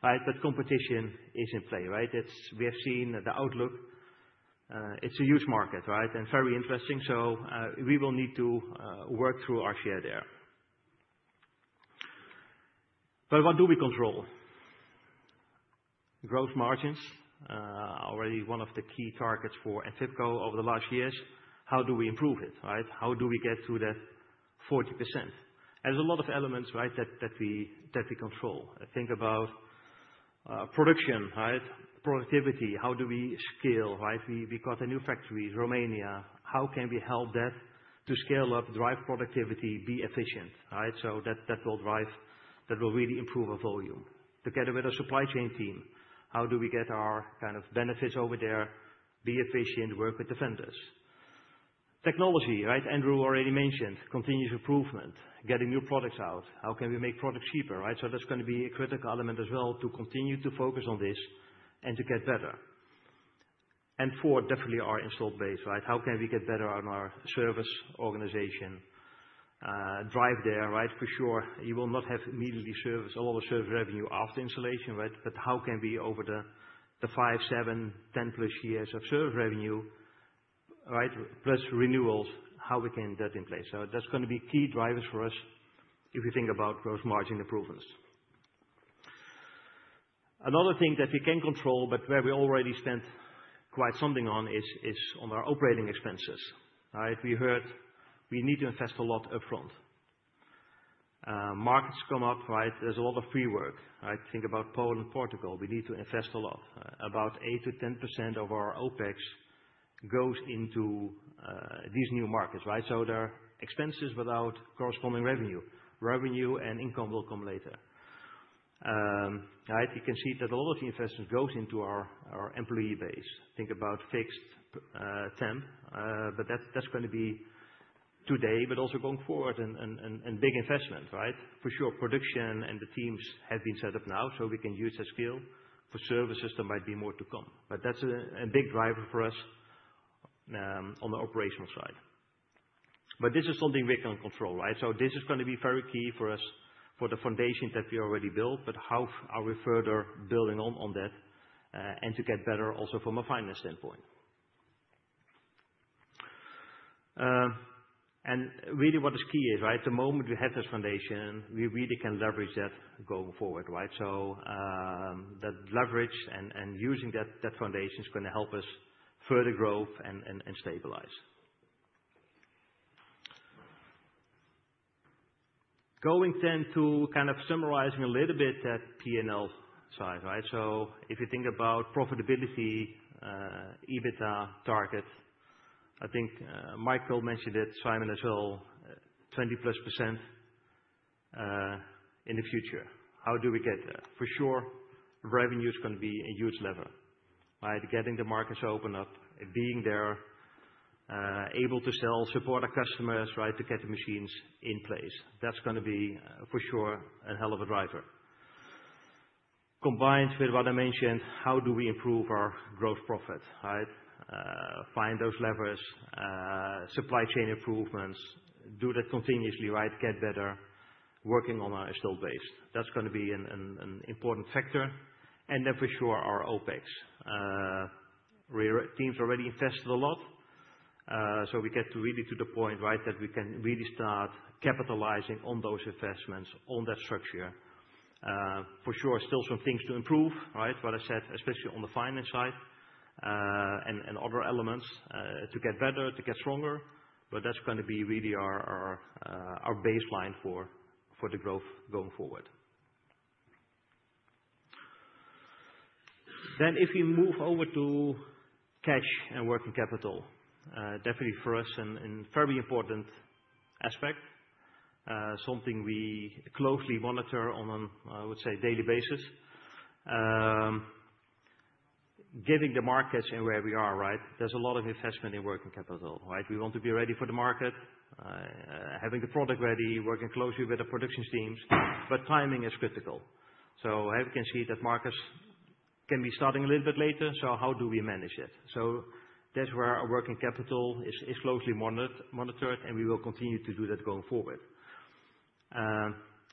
right, that competition is in play, right? It's, we have seen the outlook. It's a huge market, right? And very interesting. So, we will need to work through our share there. But what do we control? Gross margins, already one of the key targets for Envipco over the last years. How do we improve it, right? How do we get to that 40%? There's a lot of elements, right, that we control. Think about production, right? Productivity. How do we scale, right? We got a new factory in Romania. How can we help that to scale up, drive productivity, be efficient, right? So that will drive, that will really improve our volume together with our supply chain team. How do we get our kind of benefits over there, be efficient, work with vendors? Technology, right? Andrew already mentioned continuous improvement, getting new products out. How can we make products cheaper, right? So that's gonna be a critical element as well to continue to focus on this and to get better. And fourth, definitely our installed base, right? How can we get better on our service organization, drive there, right? For sure, you will not have immediately service, a lot of service revenue after installation, right? But how can we over the five, seven, 10-plus years of service revenue, right, plus renewals, how we can get in place? So that's gonna be key drivers for us if you think about gross margin improvements. Another thing that we can control, but where we already spent quite something on is on our operating expenses, right? We heard we need to invest a lot upfront. Markets come up, right? There's a lot of pre-work, right? Think about Poland and Portugal. We need to invest a lot. About 8%-10% of our OpEx goes into these new markets, right? So there are expenses without corresponding revenue. Revenue and income will come later, right? You can see that a lot of the investment goes into our employee base. Think about fixed temp, but that's gonna be today, but also going forward and big investment, right? For sure, production and the teams have been set up now, so we can use that skill for services that might be more to come, but that's a big driver for us on the operational side, but this is something we can control, right? So this is gonna be very key for us for the foundation that we already built, but how are we further building on that and to get better also from a finance standpoint, and really what is key is, right, the moment we have this foundation, we really can leverage that going forward, right? So that leverage and using that foundation is gonna help us further grow and stabilize. Going then to kind of summarizing a little bit that P&L side, right? So if you think about profitability, EBITDA target, I think, Mikael mentioned it, Simon as well, 20% plus, in the future. How do we get there? For sure, revenue is gonna be a huge lever, right? Getting the markets open up, being there, able to sell, support our customers, right, to get the machines in place. That's gonna be for sure a hell of a driver. Combined with what I mentioned, how do we improve our gross profit, right? Find those levers, supply chain improvements, do that continuously, right? Get better working on our installed base. That's gonna be an important factor, and then for sure, our OpEx. Our teams already invested a lot. So we get to really to the point, right, that we can really start capitalizing on those investments, on that structure. For sure, still some things to improve, right? What I said, especially on the finance side, and other elements, to get better, to get stronger, but that's gonna be really our baseline for the growth going forward, then if we move over to cash and working capital, definitely for us and very important aspect, something we closely monitor on an, I would say, daily basis, getting the markets and where we are, right? There's a lot of investment in working capital, right? We want to be ready for the market, having the product ready, working closely with the production teams, but timing is critical, so how we can see that markets can be starting a little bit later, so how do we manage it? So that's where our working capital is closely monitored, and we will continue to do that going forward.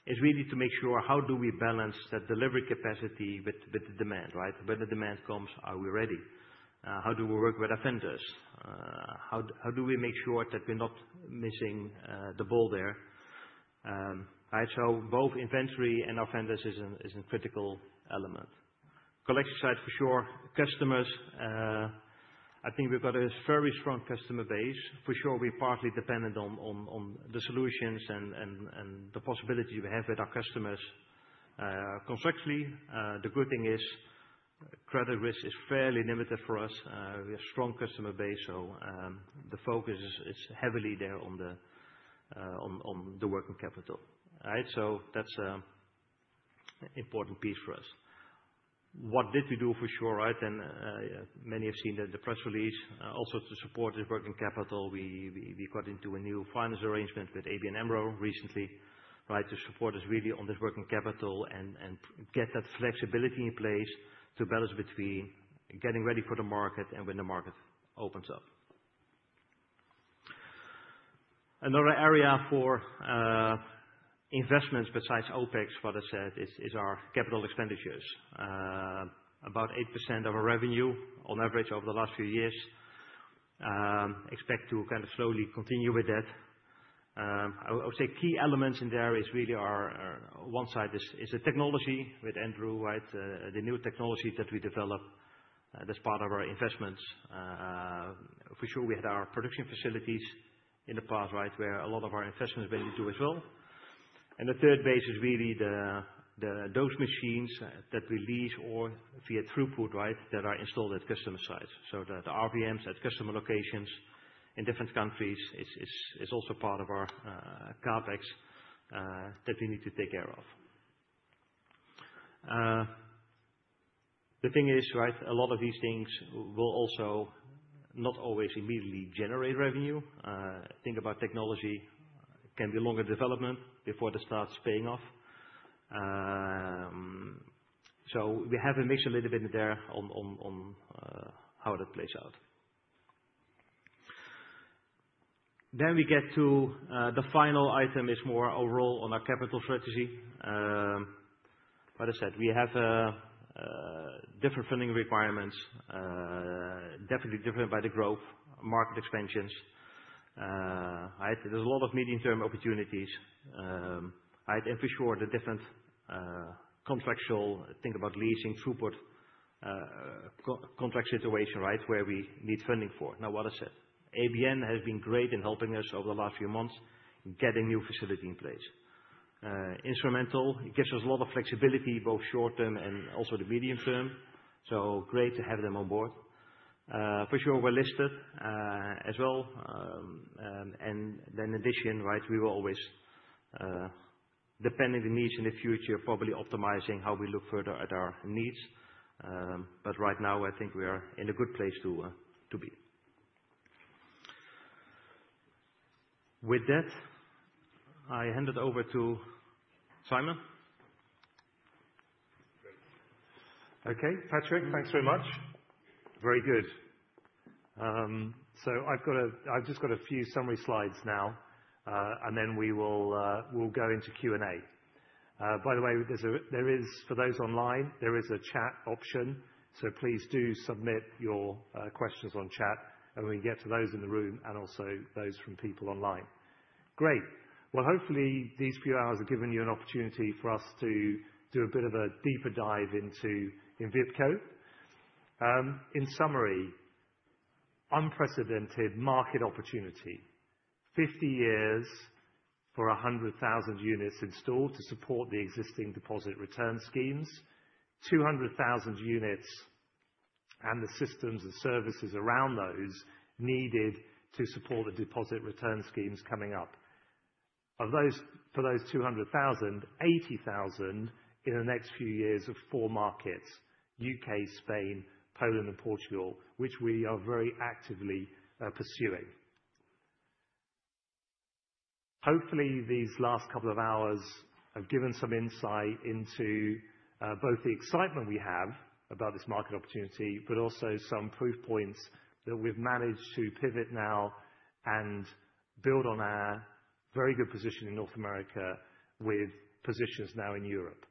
It's really to make sure how do we balance that delivery capacity with the demand, right? When the demand comes, are we ready? How do we work with our vendors? How do we make sure that we're not missing the ball there? Right? So both inventory and our vendors is a critical element. Collection side, for sure, customers. I think we've got a very strong customer base. For sure, we're partly dependent on the solutions and the possibilities we have with our customers, constructively. The good thing is credit risk is fairly limited for us. We have a strong customer base. So, the focus is heavily there on the working capital, right? So that's an important piece for us. What did we do for sure, right? And many have seen that the press release, also to support this working capital, we got into a new finance arrangement with ABN AMRO recently, right, to support us really on this working capital and get that flexibility in place to balance between getting ready for the market and when the market opens up. Another area for investments besides OpEx, what I said, is our capital expenditures, about 8% of our revenue on average over the last few years. Expect to kind of slowly continue with that. I would say key elements in there is really our one side is the technology with Andrew, right? The new technology that we develop, that's part of our investments. For sure, we had our production facilities in the past, right, where a lot of our investments went into as well. And the third base is really the those machines that we lease or via throughput, right, that are installed at customer sites. So the RVMs at customer locations in different countries is also part of our CapEx that we need to take care of. The thing is, right, a lot of these things will also not always immediately generate revenue. Think about technology, can be longer development before it starts paying off. So we have a mix a little bit in there on how that plays out. Then we get to the final item is more overall on our capital strategy. What I said, we have a different funding requirements, definitely different by the growth, market expansions. Right? There's a lot of medium-term opportunities, right? And for sure, the different contractual, think about leasing, throughput, contract situation, right, where we need funding for. Now, what I said, ABN has been great in helping us over the last few months getting new facility in place. It has been instrumental gives us a lot of flexibility, both short-term and also the medium-term. So great to have them on board. For sure, we're listed, as well. And then in addition, right, we will always, depending on the needs in the future, probably optimizing how we look further at our needs. But right now, I think we are in a good place to be. With that, I hand it over to Simon. Okay, Patrick, thanks very much. Very good. So I've just got a few summary slides now, and then we will, we'll go into Q&A. By the way, there is a chat option for those online. So please do submit your questions on chat, and we can get to those in the room and also those from people online. Great. Well, hopefully these few hours have given you an opportunity for us to do a bit of a deeper dive into Envipco. In summary, unprecedented market opportunity, 50 years for 100,000 units installed to support the existing deposit return schemes, 200,000 units and the systems and services around those needed to support the deposit return schemes coming up. Of those, for those 200,000, 80,000 in the next few years of four markets, UK, Spain, Poland, and Portugal, which we are very actively pursuing. Hopefully these last couple of hours have given some insight into both the excitement we have about this market opportunity, but also some proof points that we've managed to pivot now and build on our very good position in North America with positions now in Europe.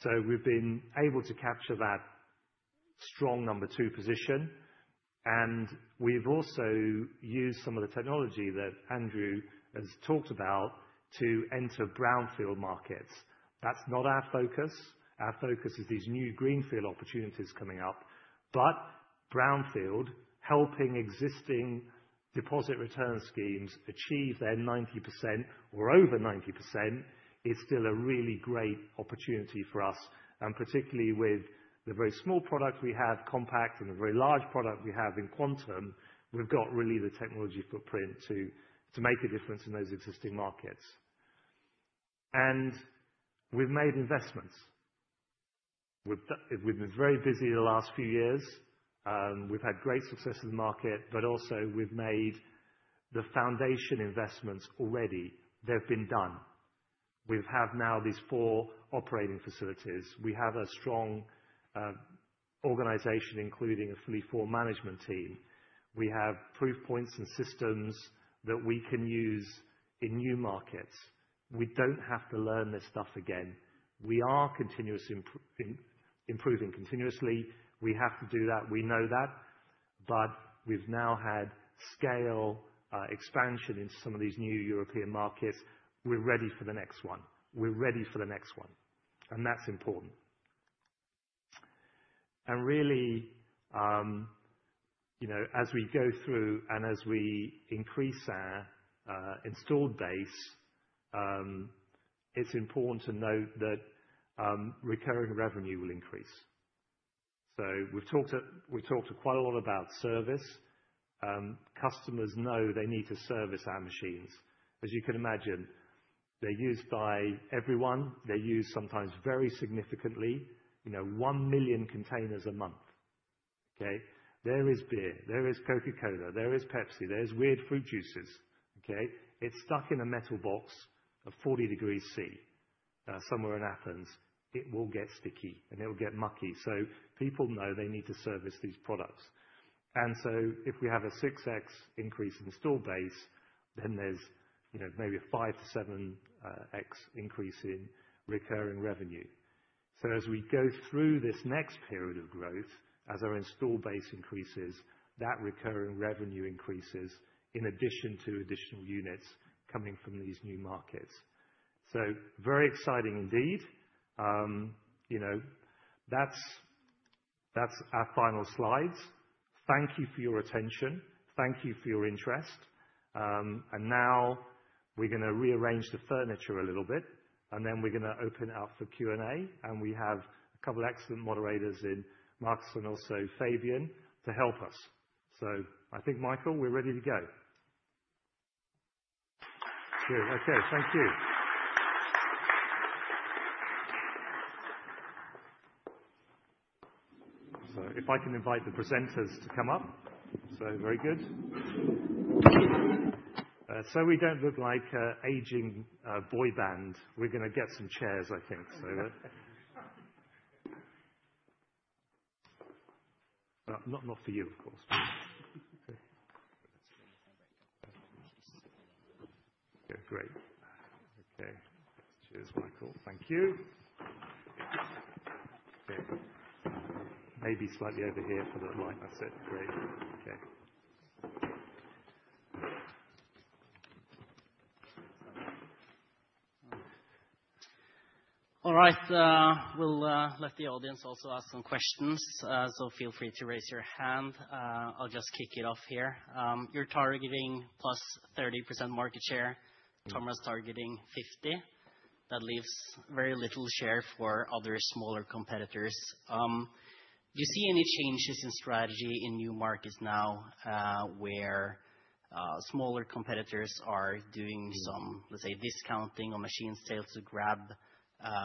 So we've been able to capture that strong number two position, and we've also used some of the technology that Andrew has talked about to enter brownfield markets. That's not our focus. Our focus is these new greenfield opportunities coming up, but brownfield helping existing deposit return schemes achieve their 90% or over 90% is still a really great opportunity for us. And particularly with the very small product we have, Compact, and the very large product we have in Quantum, we've got really the technology footprint to make a difference in those existing markets. And we've made investments. We've been very busy the last few years. We've had great success in the market, but also we've made the foundation investments already. They've been done. We have now these four operating facilities. We have a strong organization including a fully formed management team. We have proof points and systems that we can use in new markets. We don't have to learn this stuff again. We are continuously improving. We have to do that. We know that. But we've now had scale, expansion into some of these new European markets. We're ready for the next one. We're ready for the next one. And that's important. And really, you know, as we go through and as we increase our installed base, it's important to note that recurring revenue will increase. So we've talked to quite a lot about service. Customers know they need to service our machines. As you can imagine, they're used by everyone. They're used sometimes very significantly, you know, 1 million containers a month. Okay? There is beer. There is Coca-Cola. There is Pepsi. There is weird fruit juices. Okay? It's stuck in a metal box of 40 degrees Celsius, somewhere in Athens. It will get sticky and it'll get mucky. So people know they need to service these products. And so if we have a 6x increase in installed base, then there's, you know, maybe a 5x-7x increase in recurring revenue. So as we go through this next period of growth, as our installed base increases, that recurring revenue increases in addition to additional units coming from these new markets. So very exciting indeed. You know, that's, that's our final slides. Thank you for your attention. Thank you for your interest. And now we're gonna rearrange the furniture a little bit, and then we're gonna open it up for Q&A. And we have a couple of excellent moderators in Markus and also Fabian to help us. So I think, Mikael, we're ready to go. Good. Okay. Thank you. So if I can invite the presenters to come up. So very good. So we don't look like an aging, boy band. We're gonna get some chairs, I think. So, not, not for you, of course. Okay. Great. Okay. Cheers, Mikael. Thank you. Okay. Maybe slightly over here for the light. That's it. Great. Okay. All right. We'll let the audience also ask some questions. So feel free to raise your hand. I'll just kick it off here. You're targeting +30% market share. Tomra was targeting 50%. That leaves very little share for other smaller competitors. Do you see any changes in strategy in new markets now, where smaller competitors are doing some, let's say, discounting on machine sales to grab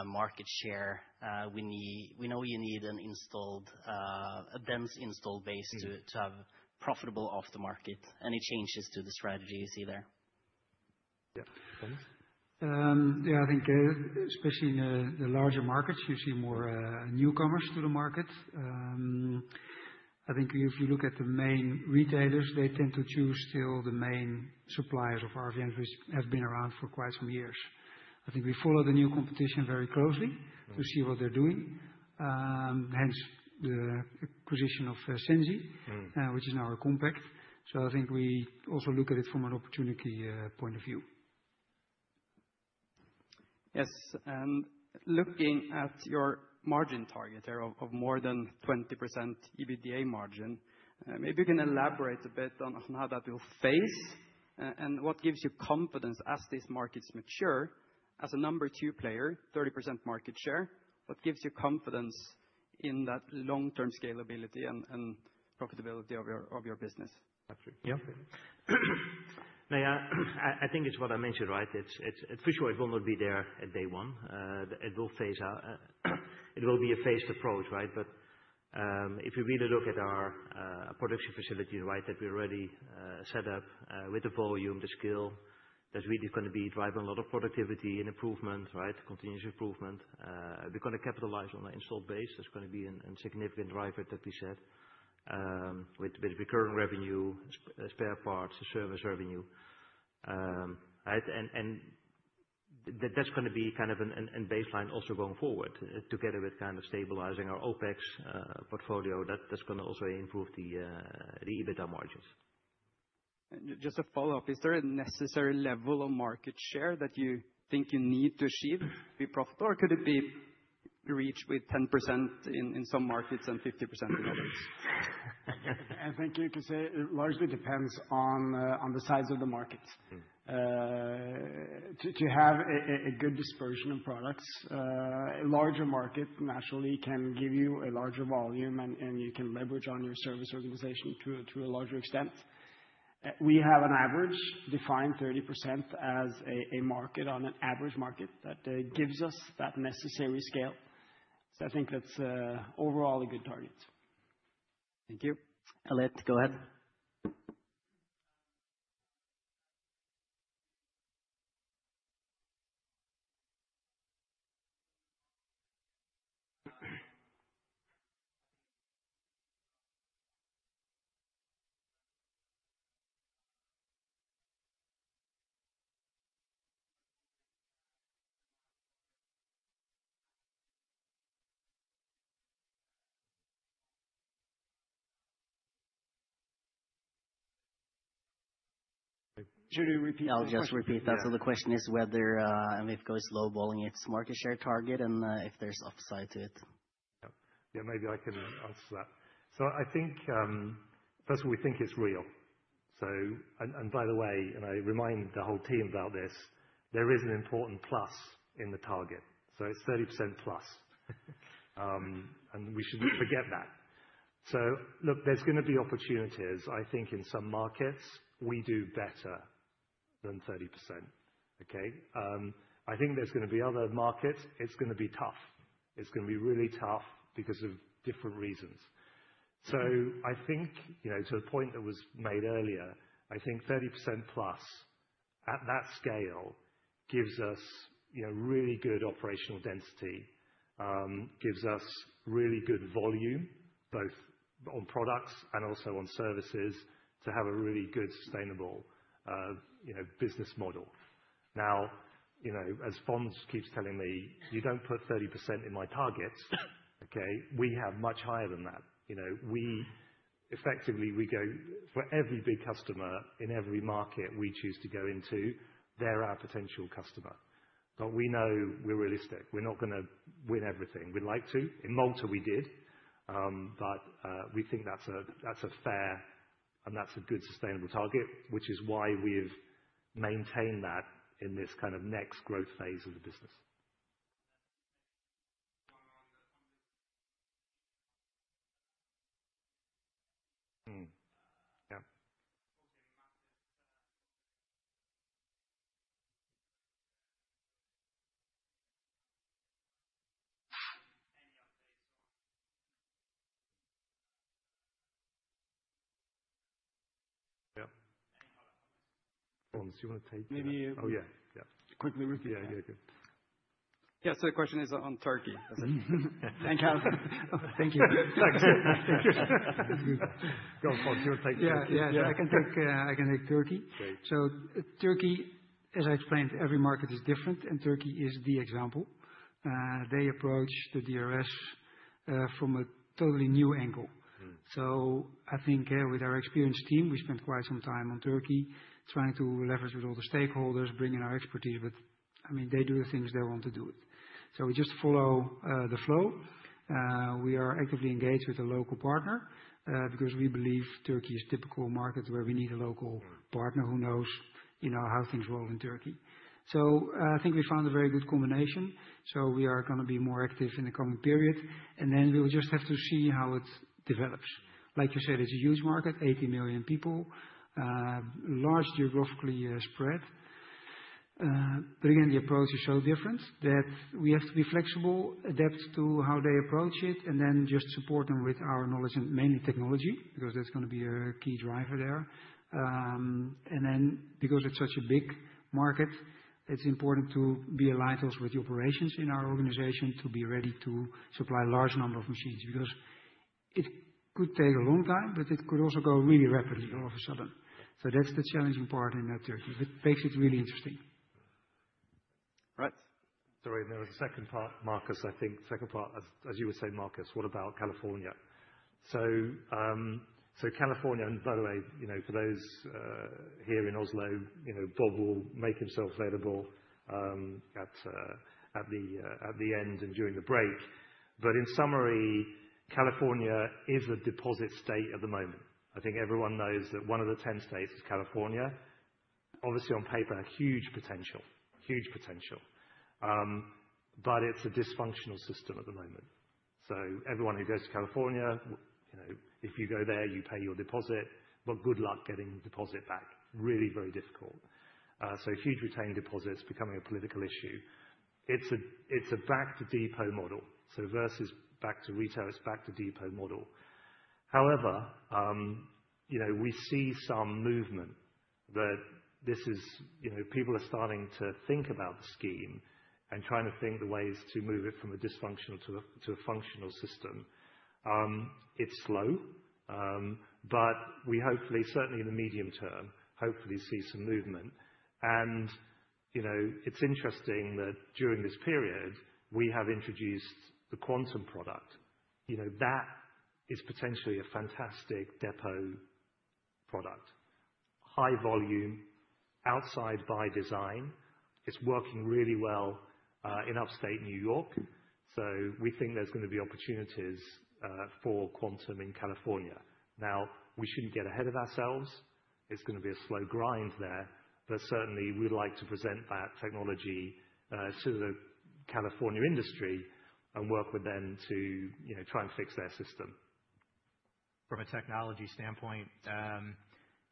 market share? We know you need an installed, a dense installed base to have profitable off the market. Any changes to the strategy you see there? Yeah. Yeah, I think, especially in the larger markets, you see more newcomers to the market. I think if you look at the main retailers, they tend to choose still the main suppliers of RVMs, which have been around for quite some years. I think we follow the new competition very closely to see what they're doing. Hence the acquisition of Sensi, which is now a Compact. So I think we also look at it from an opportunity point of view. Yes. Looking at your margin target there of more than 20% EBITDA margin, maybe you can elaborate a bit on how that will phase, and what gives you confidence as these markets mature as a number two player, 30% market share. What gives you confidence in that long-term scalability and profitability of your business? Patrick. Yeah. No, yeah, I think it's what I mentioned, right? It's for sure it will not be there at day one. It will phase out. It will be a phased approach, right? But if you really look at our production facilities, right, that we already set up, with the volume, the scale, that's really gonna be driving a lot of productivity and improvement, right? Continuous improvement. We're gonna capitalize on our installed base. That's gonna be a significant driver, that we said, with recurring revenue, spare parts, service revenue. Right? And that, that's gonna be kind of a baseline also going forward together with kind of stabilizing our OpEx portfolio. That, that's gonna also improve the EBITDA margins. And just a follow-up, is there a necessary level of market share that you think you need to achieve to be profitable, or could it be reached with 10% in some markets and 50% in others? I think you could say it largely depends on the size of the market. To have a good dispersion of products, a larger market naturally can give you a larger volume, and you can leverage on your service organization to a larger extent. We have an average defined 30% as a market on an average market that gives us that necessary scale. So I think that's overall a good target. Thank you. Let's go ahead. Should we repeat that? I'll just repeat that. So the question is whether if it goes lowballing it's market share target and if there's upside to it. Yeah. Yeah. Maybe I can answer that. So I think first of all we think it's real. So and by the way and I remind the whole team about this there is an important plus in the target. So it's 30% plus and we shouldn't forget that. So look there's gonna be opportunities. I think in some markets we do better than 30%. Okay? I think there's gonna be other markets. It's gonna be tough. It's gonna be really tough because of different reasons. So I think, you know, to the point that was made earlier, I think 30% plus at that scale gives us, you know, really good operational density, gives us really good volume both on products and also on services to have a really good sustainable, you know, business model. Now, you know, as Fons keeps telling me, you don't put 30% in my targets. Okay? We have much higher than that. You know, we effectively, we go for every big customer in every market we choose to go into, they're our potential customer. But we know we're realistic. We're not gonna win everything. We'd like to. In Malta, we did. But we think that's a fair and that's a good sustainable target, which is why we've maintained that in this kind of next growth phase of the business. Yeah. Yeah. Any follow-up questions? Fons, do you wanna take that? Yeah. So the question is on Turkey. Thank you. Go on, Fons. You wanna take Turkey? Yeah. I can take Turkey. Great. So Turkey, as I explained, every market is different, and Turkey is the example. They approach the DRS from a totally new angle. So I think, with our experienced team, we spent quite some time on Turkey trying to leverage with all the stakeholders, bringing our expertise. But I mean, they do the things they want to do it. So we just follow the flow. We are actively engaged with a local partner, because we believe Turkey is a typical market where we need a local partner who knows, you know, how things roll in Turkey. So, I think we found a very good combination. So we are gonna be more active in the coming period, and then we'll just have to see how it develops. Like you said, it's a huge market, 80 million people, large geographically, spread. But again, the approach is so different that we have to be flexible, adapt to how they approach it, and then just support them with our knowledge and mainly technology because that's gonna be a key driver there. And then because it's such a big market, it's important to be aligned also with the operations in our organization to be ready to supply a large number of machines because it could take a long time, but it could also go really rapidly all of a sudden. So that's the challenging part in Turkey, but it makes it really interesting. Right. Sorry. There was a second part, Markus, I think. Second part, as you were saying, Markus, what about California? So, California, and by the way, you know, for those here in Oslo, you know, Bob will make himself available at the end and during the break. But in summary, California is a deposit state at the moment. I think everyone knows that one of the 10 states is California. Obviously, on paper, huge potential, huge potential. But it's a dysfunctional system at the moment. So everyone who goes to California, you know, if you go there, you pay your deposit, but good luck getting the deposit back. Really, very difficult. So huge retained deposits becoming a political issue. It's a back-to-depot model. So versus back-to-retail, it's back-to-depot model. However, you know, we see some movement that this is, you know, people are starting to think about the scheme and trying to think of ways to move it from a dysfunctional to a functional system. It's slow. But we hopefully, certainly in the medium term, hopefully see some movement. And, you know, it's interesting that during this period, we have introduced the Quantum product. You know, that is potentially a fantastic depot product, high volume outside by design. It's working really well, in upstate New York. So we think there's gonna be opportunities, for Quantum in California. Now, we shouldn't get ahead of ourselves. It's gonna be a slow grind there, but certainly we'd like to present that technology, to the California industry and work with them to, you know, try and fix their system. From a technology standpoint,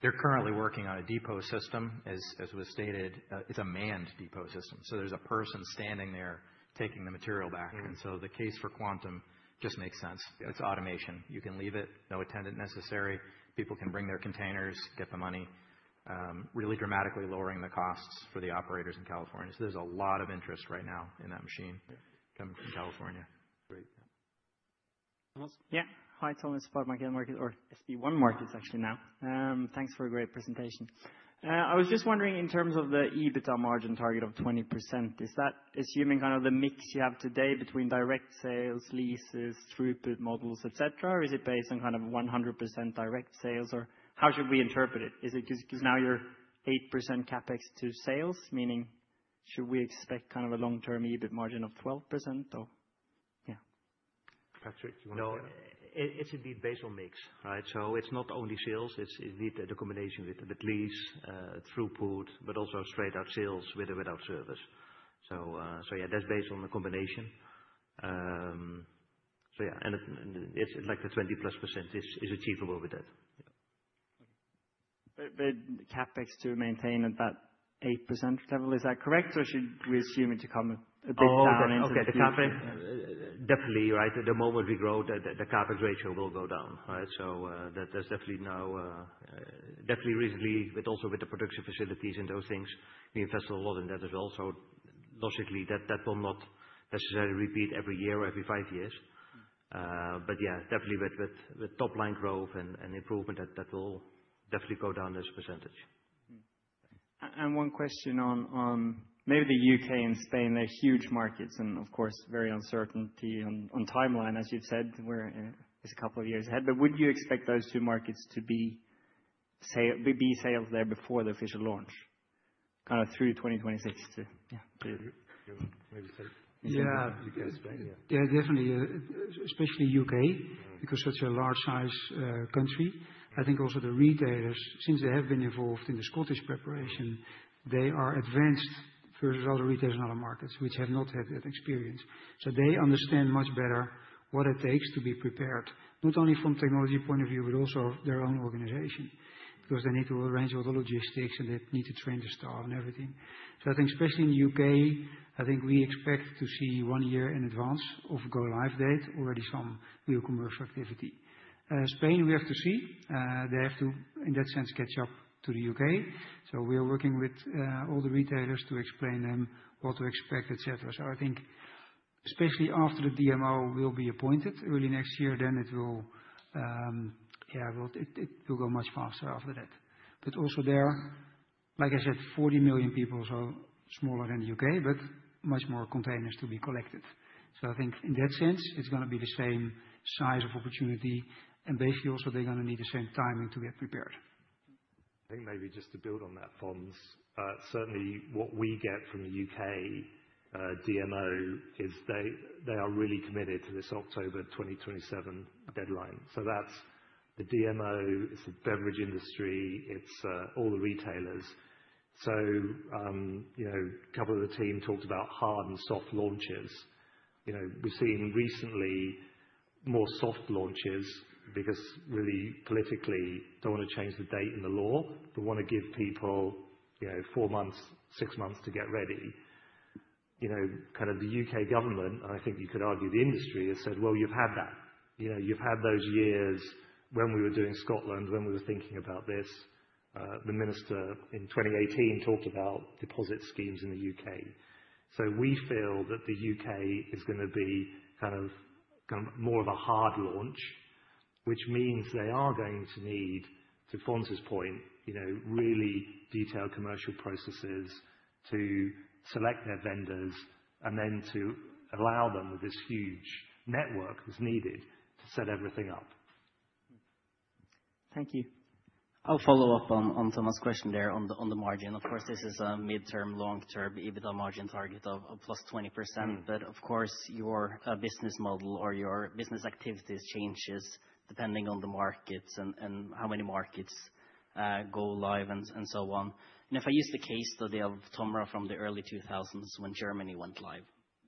they're currently working on a depot system. As was stated, it's a manned depot system. So there's a person standing there taking the material back. And so the case for Quantum just makes sense. It's automation. You can leave it, no attendant necessary. People can bring their containers, get the money, really dramatically lowering the costs for the operators in California. So there's a lot of interest right now in that machine coming from California. Great. Yeah. Hi, Tom. It's SpareBank 1 Markets actually now. Thanks for a great presentation. I was just wondering in terms of the EBITDA margin target of 20%, is that assuming kind of the mix you have today between direct sales, leases, throughput models, et cetera, or is it based on kind of 100% direct sales? Or how should we interpret it? Is it 'cause now you're 8% CapEx to sales, meaning should we expect kind of a long-term EBIT margin of 12% or yeah? Patrick, do you wanna go? No, it's indeed based on mix, right? So it's not only sales. It's indeed the combination with lease, throughput, but also straight-out sales with or without service. So yeah, that's based on the combination. So yeah. And it's like the 20-plus% is achievable with that. Yeah. Okay. But CapEx to maintain at that 8% level, is that correct? Or should we assume it to come a bit down into the CapEx? Oh, okay. The CapEx, definitely, right? At the moment we grow, the CapEx ratio will go down, right? So, that there's definitely now, definitely recently, but also with the production facilities and those things, we invest a lot in that as well. So logically that will not necessarily repeat every year or every five years. But yeah, definitely with top-line growth and improvement, that will definitely go down as a percentage. And one question on maybe the U.K. and Spain, they're huge markets and of course very uncertainty on timeline, as you've said, we're a couple of years ahead. But would you expect those two markets to be sales there before the official launch kind of through 2026 too? Yeah. Maybe take U.K. and Spain. Yeah. Yeah, definitely. Especially U.K. because such a large country. I think also the retailers, since they have been involved in the Scottish preparation, they are advanced versus other retailers and other markets which have not had that experience. So they understand much better what it takes to be prepared, not only from technology point of view, but also of their own organization because they need to arrange all the logistics and they need to train the staff and everything. So I think especially in the U.K., I think we expect to see one year in advance of go live date already some real commercial activity. Spain, we have to see. They have to, in that sense, catch up to the U.K. So we are working with all the retailers to explain them what to expect, et cetera. So I think especially after the DMO will be appointed early next year, then it will go much faster after that. But also there, like I said, 40 million people, so smaller than the U.K., but much more containers to be collected. So I think in that sense, it's gonna be the same size of opportunity. And basically also they're gonna need the same timing to get prepared. I think maybe just to build on that, Fons, certainly what we get from the U.K. DMO is they are really committed to this October 2027 deadline. So that's the DMO, it's the beverage industry, it's all the retailers. So, you know, a couple of the team talked about hard and soft launches. You know, we've seen recently more soft launches because really politically don't wanna change the date in the law, but wanna give people, you know, four months, six months to get ready. You know, kind of the U.K. government, and I think you could argue the industry has said, well, you've had that. You know, you've had those years when we were doing Scotland, when we were thinking about this. The minister in 2018 talked about deposit schemes in the U.K. So we feel that the U.K. is gonna be kind of, kind of more of a hard launch, which means they are going to need, to Fons' point, you know, really detailed commercial processes to select their vendors and then to allow them with this huge network that's needed to set everything up. Thank you. I'll follow up on, on Thomas' question there on the, on the margin. Of course, this is a midterm, long-term EBITDA margin target of plus 20%. But of course your business model or your business activities changes depending on the markets and how many markets go live and so on. And if I use the case study of Tomra from the early 2000s when Germany went live,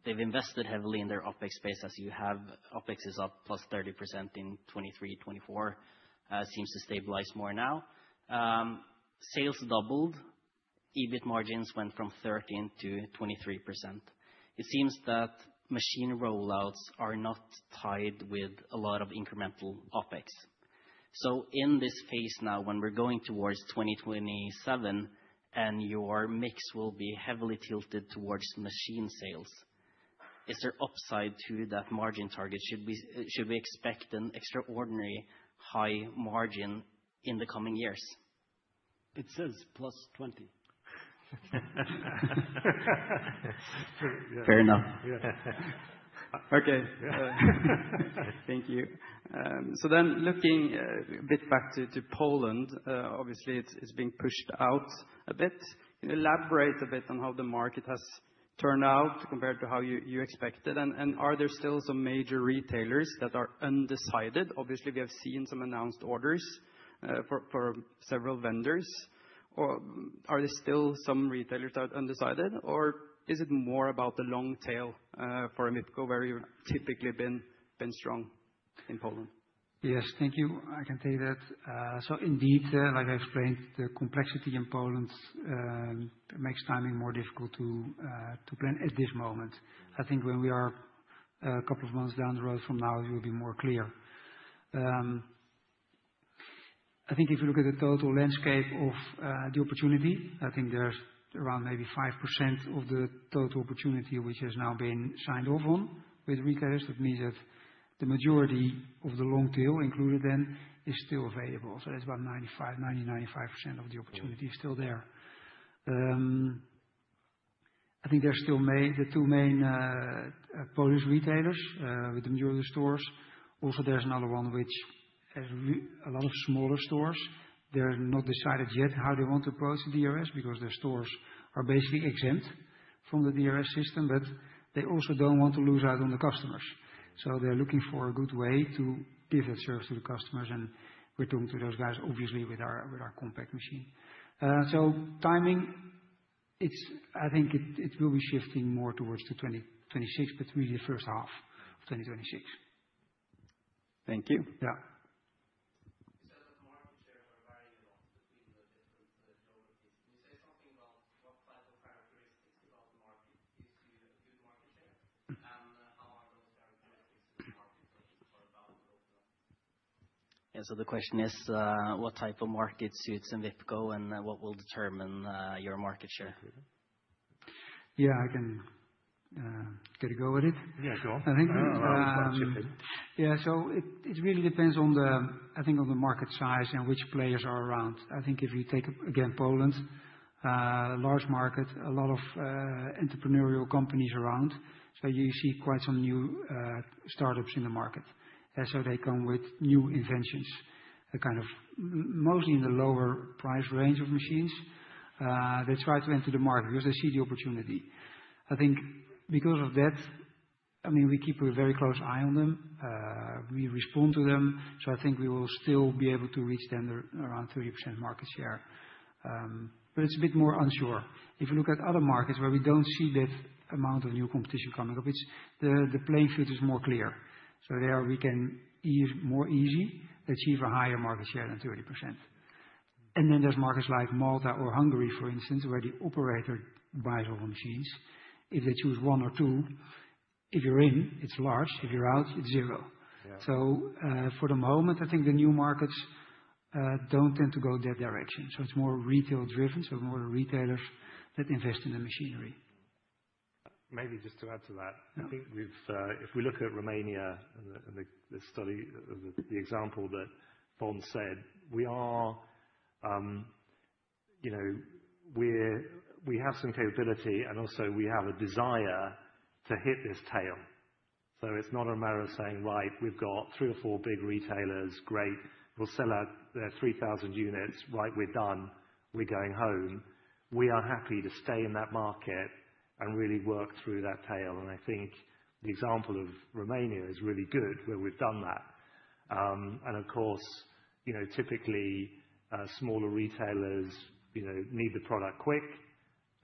they've invested heavily in their OpEx space as you have. OpEx is up plus 30% in 2023, 2024, seems to stabilize more now. Sales doubled, EBIT margins went from 13%-23%. It seems that machine rollouts are not tied with a lot of incremental OpEx. So in this phase now, when we're going towards 2027 and your mix will be heavily tilted towards machine sales, is there upside to that margin target? Should we expect an extraordinary high margin in the coming years? It says plus 20%. Fair enough. Yeah. Okay. Thank you. So then looking a bit back to Poland, obviously it's being pushed out a bit. Can you elaborate a bit on how the market has turned out compared to how you expected? And are there still some major retailers that are undecided? Obviously we have seen some announced orders for several vendors. Or are there still some retailers that are undecided? Or is it more about the long tail for Envipco where you've typically been strong in Poland? Yes. Thank you. I can take that. So indeed, like I explained, the complexity in Poland makes timing more difficult to plan at this moment. I think when we are a couple of months down the road from now, it will be more clear. I think if you look at the total landscape of the opportunity, I think there's around maybe 5% of the total opportunity which has now been signed off on with retailers. That means that the majority of the long tail included then is still available. So that's about 90%-95% of the opportunity is still there. I think there's still the two main Polish retailers, with the majority of the stores. Also, there's another one which has a lot of smaller stores. They're not decided yet how they want to approach the DRS because their stores are basically exempt from the DRS system, but they also don't want to lose out on the customers. So they're looking for a good way to give that service to the customers. And we're talking to those guys, obviously, with our Compact machine. So timing, it's, I think it will be shifting more towards 2026, but really the first half of 2026. Thank you. Yeah. You said that the market shares are varying a lot between the different geographies. Can you say something about what type of characteristics about the market gives you a good market share? And how are those characteristics in the market for Poland? Yeah. So the question is, what type of market suits Envipco and what will determine your market share? Yeah. I can get a go at it. Yeah. Go on. I will chip in. Yeah. So it really depends on the, I think on the market size and which players are around. I think if you take again Poland, large market, a lot of entrepreneurial companies around. So you see quite some new startups in the market. And so they come with new inventions, kind of mostly in the lower price range of machines. They try to enter the market because they see the opportunity. I think because of that, I mean, we keep a very close eye on them. We respond to them. So I think we will still be able to reach them around 30% market share. But it's a bit more unsure. If you look at other markets where we don't see that amount of new competition coming up, it's the playing field is more clear. So there we can ease, more easy to achieve a higher market share than 30%. And then there's markets like Malta or Hungary, for instance, where the operator buys all the machines. If they choose one or two, if you're in, it's large. If you're out, it's zero. So, for the moment, I think the new markets don't tend to go that direction. So it's more retail-driven. So more the retailers that invest in the machinery. Maybe just to add to that, I think if we look at Romania and the example that Fons said, we, you know, have some capability and also we have a desire to hit this tail. So it's not a matter of saying, right, we've got three or four big retailers, great, we'll sell out their 3,000 units, right, we're done, we're going home. We are happy to stay in that market and really work through that tail. And I think the example of Romania is really good where we've done that, and of course, you know, typically, smaller retailers, you know, need the product quick.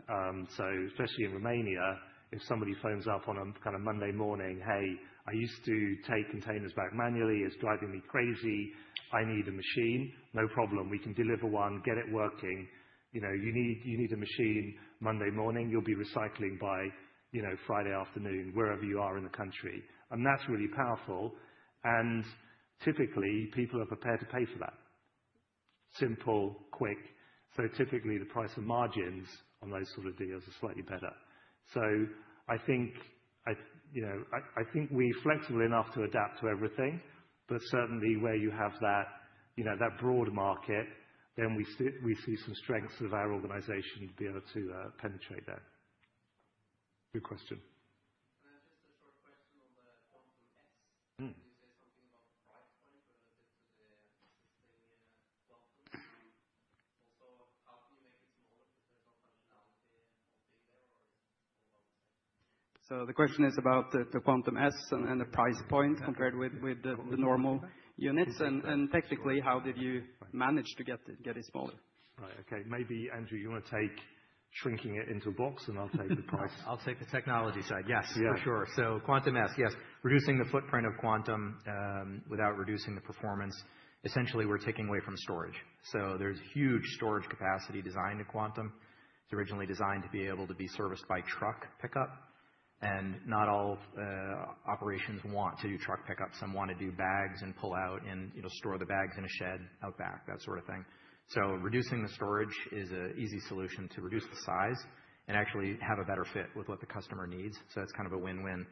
So especially in Romania, if somebody phones up on a kind of Monday morning, hey, I used to take containers back manually, it's driving me crazy, I need a machine, no problem, we can deliver one, get it working. You know, you need, you need a machine Monday morning, you'll be recycling by, you know, Friday afternoon wherever you are in the country. And that's really powerful. And typically people are prepared to pay for that. Simple, quick. So typically the price of margins on those sort of deals are slightly better. So I think, I, you know, I, I think we are flexible enough to adapt to everything, but certainly where you have that, you know, that broad market, then we see some strengths of our organization to be able to penetrate that. Good question. And I have just a short question on the Quantum XL. Can you say something about the price point relative to the standard Quantum? And also how can you make it smaller because there's no functionality of being there or it's all about the same? So the question is about the Quantum S and the price point compared with the normal units. And technically how did you manage to get it smaller? Right. Okay. Maybe Andrew, you wanna take shrinking it into a box and I'll take the price. I'll take the technology side. Yes, for sure. So Quantum S, yes. Reducing the footprint of Quantum, without reducing the performance. Essentially we're taking away from storage. So there's huge storage capacity designed to Quantum. It's originally designed to be able to be serviced by truck pickup. And not all operations want to do truck pickups. Some wanna do bags and pull out and, you know, store the bags in a shed out back, that sort of thing. So reducing the storage is an easy solution to reduce the size and actually have a better fit with what the customer needs. So it's kind of a win-win.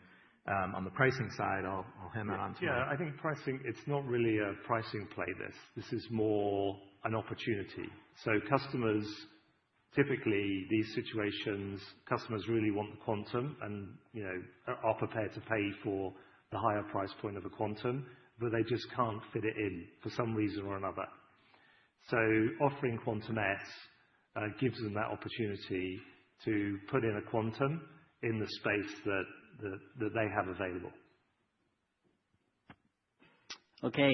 On the pricing side, I'll hand that over to you. Yeah. I think pricing, it's not really a pricing playbook. This is more an opportunity. So customers typically these situations, customers really want the Quantum and, you know, are prepared to pay for the higher price point of a Quantum, but they just can't fit it in for some reason or another. So offering Quantum S gives them that opportunity to put in a Quantum in the space that they have available. Okay.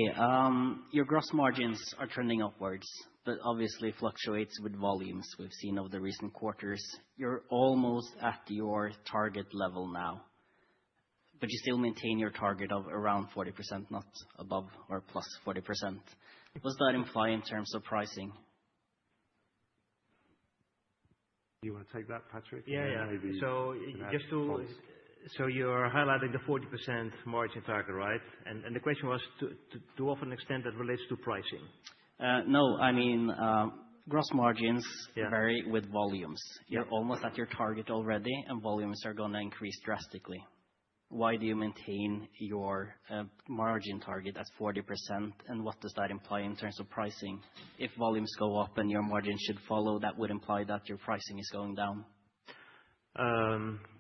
Your gross margins are trending upwards, but obviously fluctuates with volumes we've seen over the recent quarters. You're almost at your target level now, but you still maintain your target of around 40%, not above or plus 40%. What does that imply in terms of pricing? You wanna take that, Patrick? Yeah. So just to, you're highlighting the 40% margin target, right? And the question was to what extent that relates to pricing? No, I mean, gross margins vary with volumes. You're almost at your target already and volumes are gonna increase drastically. Why do you maintain your margin target at 40% and what does that imply in terms of pricing? If volumes go up and your margin should follow, that would imply that your pricing is going down.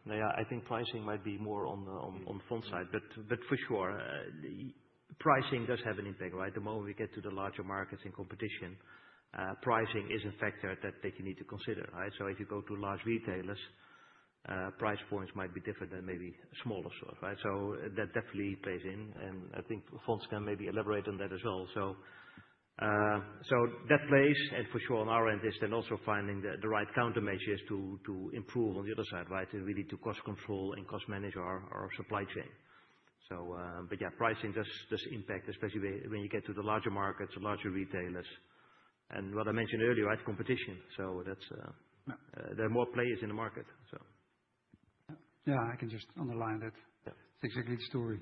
Yeah, I think pricing might be more on the front side, but for sure, pricing does have an impact, right? The moment we get to the larger markets in competition, pricing is a factor that you need to consider, right? So if you go to large retailers, price points might be different than maybe smaller stores, right? So that definitely plays in. And I think Fons can maybe elaborate on that as well. So that plays and for sure on our end is then also finding the right countermeasures to improve on the other side, right? And we need to cost control and cost manage our supply chain. So but yeah, pricing does impact, especially when you get to the larger markets, the larger retailers. And what I mentioned earlier, right, competition, so there are more players in the market. Yeah. I can just underline that. Yeah. It's exactly the story.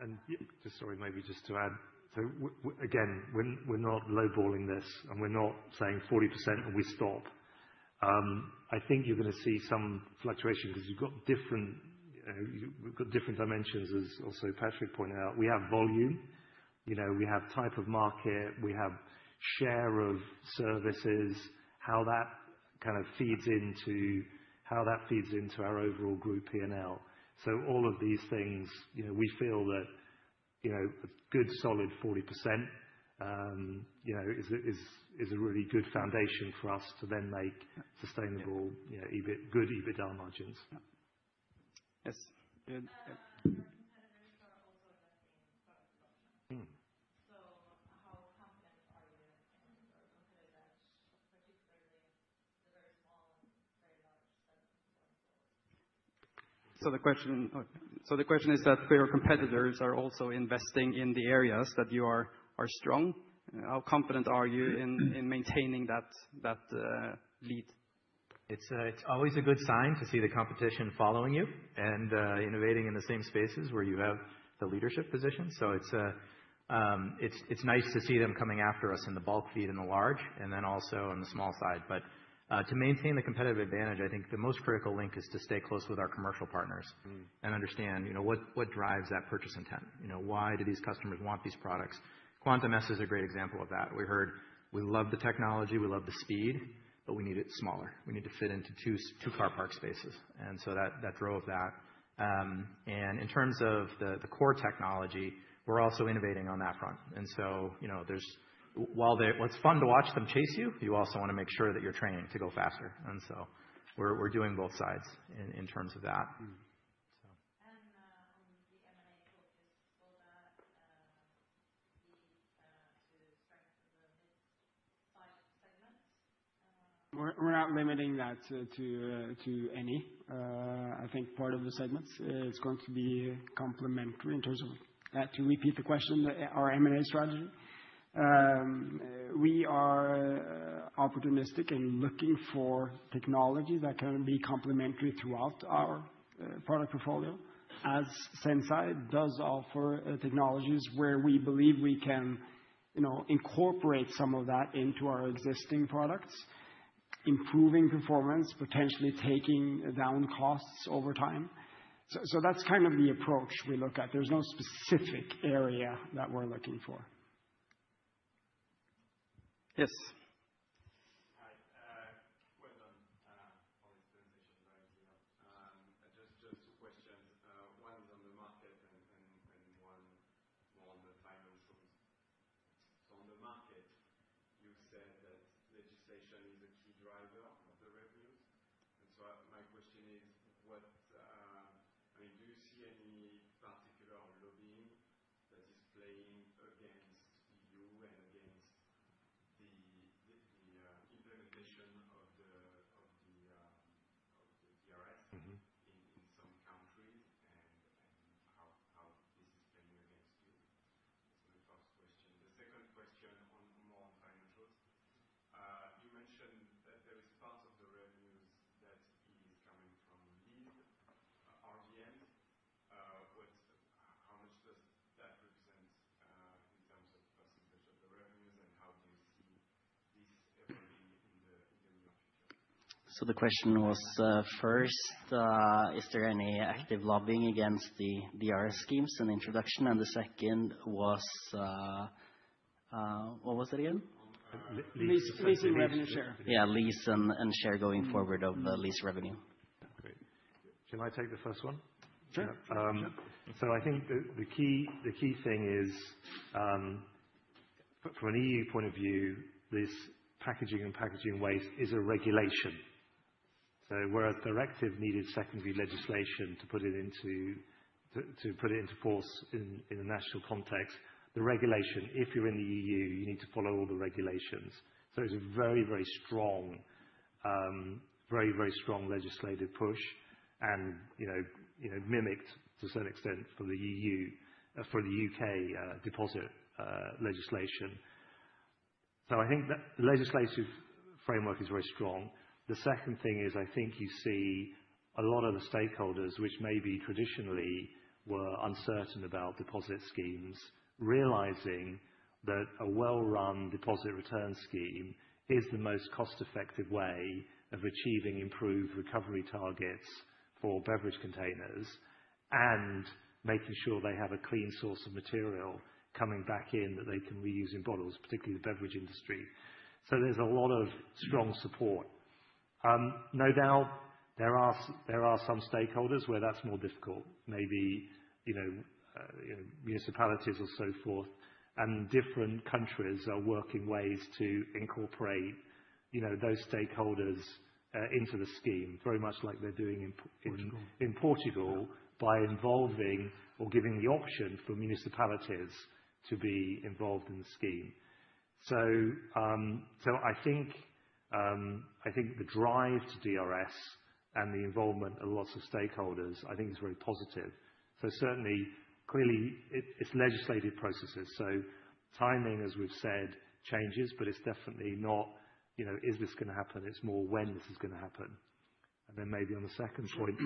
And just sorry, maybe just to add. So we again, we're not low balling this and we're not saying 40% and we stop. I think you're gonna see some fluctuation 'cause you've got different dimensions, as also Patrick pointed out. We have volume, you know, we have type of market, we have share of services, how that kind of feeds into our overall group P&L. So all of these things, you know, we feel that, you know, a good solid 40%, you know, is a really good foundation for us to then make sustainable, you know, EBIT, good EBITDA margins. Yes. And your competitors are also investing in production. So how confident are you or consider that particularly the very small and very large that's going forward? The question is that your competitors are also investing in the areas that you are strong. How confident are you in maintaining that lead? It's always a good sign to see the competition following you and innovating in the same spaces where you have the leadership position. So it's nice to see them coming after us in the bulk feed and the large and then also on the small side. But to maintain the competitive advantage, I think the most critical link is to stay close with our commercial partners and understand, you know, what drives that purchase intent. You know, why do these customers want these products? Quantum S is a great example of that. We heard we love the technology, we love the speed, but we need it smaller. We need to fit into two, two car park spaces. And so that drove that. And in terms of the core technology, we're also innovating on that front. And so, you know, there's while they're, it's fun to watch them chase you, you also wanna make sure that you're training to go faster. And so we're doing both sides in terms of that. So. And on the M&A purchase, will that be to strengthen the mid-size segments? We're not limiting that to any, I think, part of the segments. It's going to be complementary in terms of, to repeat the question, our M&A strategy. We are opportunistic in looking for technologies that can be complementary throughout our product portfolio, as Sensi does offer technologies where we believe we can, you know, incorporate some of that into our existing products, improving performance, potentially taking down costs over time. So that's kind of the approach we look at. There's no specific area that we're looking for. Yes. So where a directive needed secondary legislation to put it into force in a national context, the regulation, if you're in the EU, you need to follow all the regulations. So it's a very strong legislative push and, you know, mimicked to a certain extent for the EU, for the UK deposit legislation. So I think that the legislative framework is very strong. The second thing is I think you see a lot of the stakeholders, which maybe traditionally were uncertain about deposit schemes, realizing that a well-run deposit return scheme is the most cost-effective way of achieving improved recovery targets for beverage containers and making sure they have a clean source of material coming back in that they can reuse in bottles, particularly the beverage industry. So there's a lot of strong support. No doubt there are some stakeholders where that's more difficult, maybe, you know, municipalities or so forth, and different countries are working ways to incorporate, you know, those stakeholders into the scheme, very much like they're doing in Portugal. In Portugal, by involving or giving the option for municipalities to be involved in the scheme. So I think the drive to DRS and the involvement of lots of stakeholders, I think it's very positive. So certainly, clearly it's legislative processes. So timing, as we've said, changes, but it's definitely not, you know, is this gonna happen? It's more when this is gonna happen. And then maybe on the second point.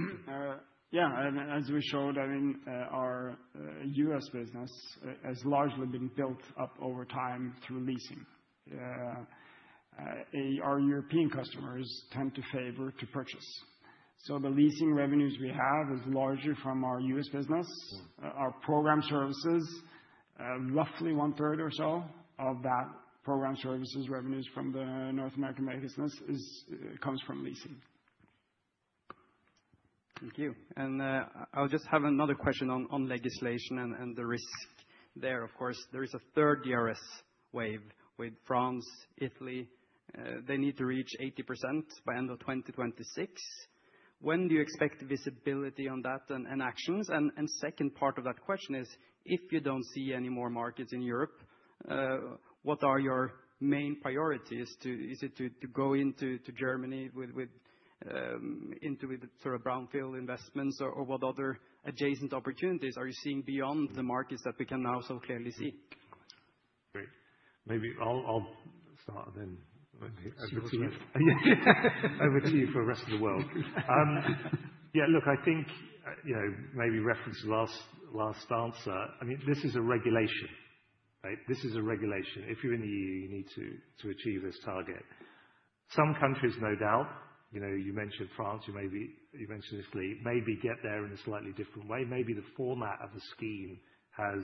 Yeah. And as we showed, I mean, our U.S. business has largely been built up over time through leasing. Our European customers tend to favor to purchase. So the leasing revenues we have is largely from our US business, our program services, roughly one third or so of that program services revenues from the North American business is, comes from leasing. Thank you. And, I'll just have another question on, on legislation and, and the risk there. Of course, there is a third DRS wave with France, Italy. They need to reach 80% by end of 2026. When do you expect visibility on that and, and actions? And, and second part of that question is, if you don't see any more markets in Europe, what are your main priorities? Is it to go into Germany with sort of brownfield investments or, or what other adjacent opportunities are you seeing beyond the markets that we can now so clearly see? Great. Maybe I'll start and then I'll overachieve for the rest of the world. Yeah, look, I think, you know, maybe reference the last answer. I mean, this is a regulation, right? This is a regulation. If you're in the EU, you need to achieve this target. Some countries, no doubt, you know, you mentioned France, maybe you mentioned Italy, maybe get there in a slightly different way. Maybe the format of the scheme has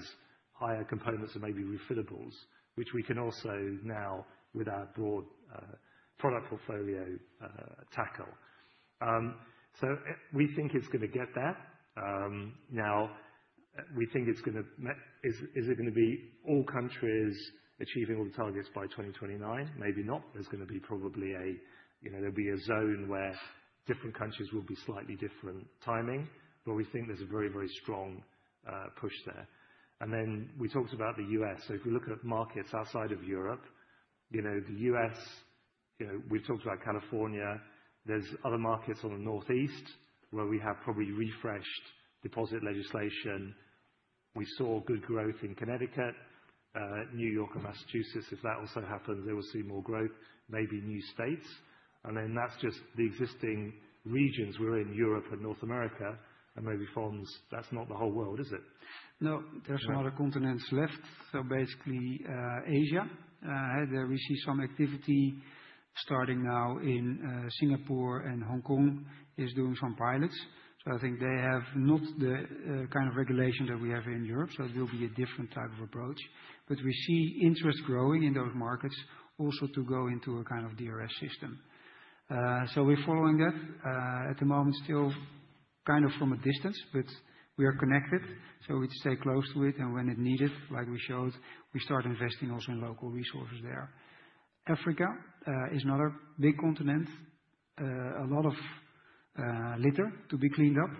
higher components and maybe refillables, which we can also now with our broad product portfolio, tackle. So we think it's gonna get there. Now we think, is it gonna be all countries achieving all the targets by 2029? Maybe not. There's gonna be probably a, you know, there'll be a zone where different countries will be slightly different timing, but we think there's a very, very strong push there. And then we talked about the U.S. So if we look at markets outside of Europe, you know, the U.S., you know, we've talked about California. There's other markets on the Northeast where we have probably refreshed deposit legislation. We saw good growth in Connecticut, New York, and Massachusetts. If that also happens, they will see more growth, maybe new states. And then that's just the existing regions. We're in Europe and North America and maybe France, that's not the whole world, is it? No. There's some other continents left. So basically, Asia, there we see some activity starting now in Singapore and Hong Kong is doing some pilots. So I think they have not the kind of regulation that we have in Europe. So it will be a different type of approach. But we see interest growing in those markets also to go into a kind of DRS system. So we're following that, at the moment still kind of from a distance, but we are connected. So we stay close to it. And when it's needed, like we showed, we start investing also in local resources there. Africa is another big continent. A lot of litter to be cleaned up.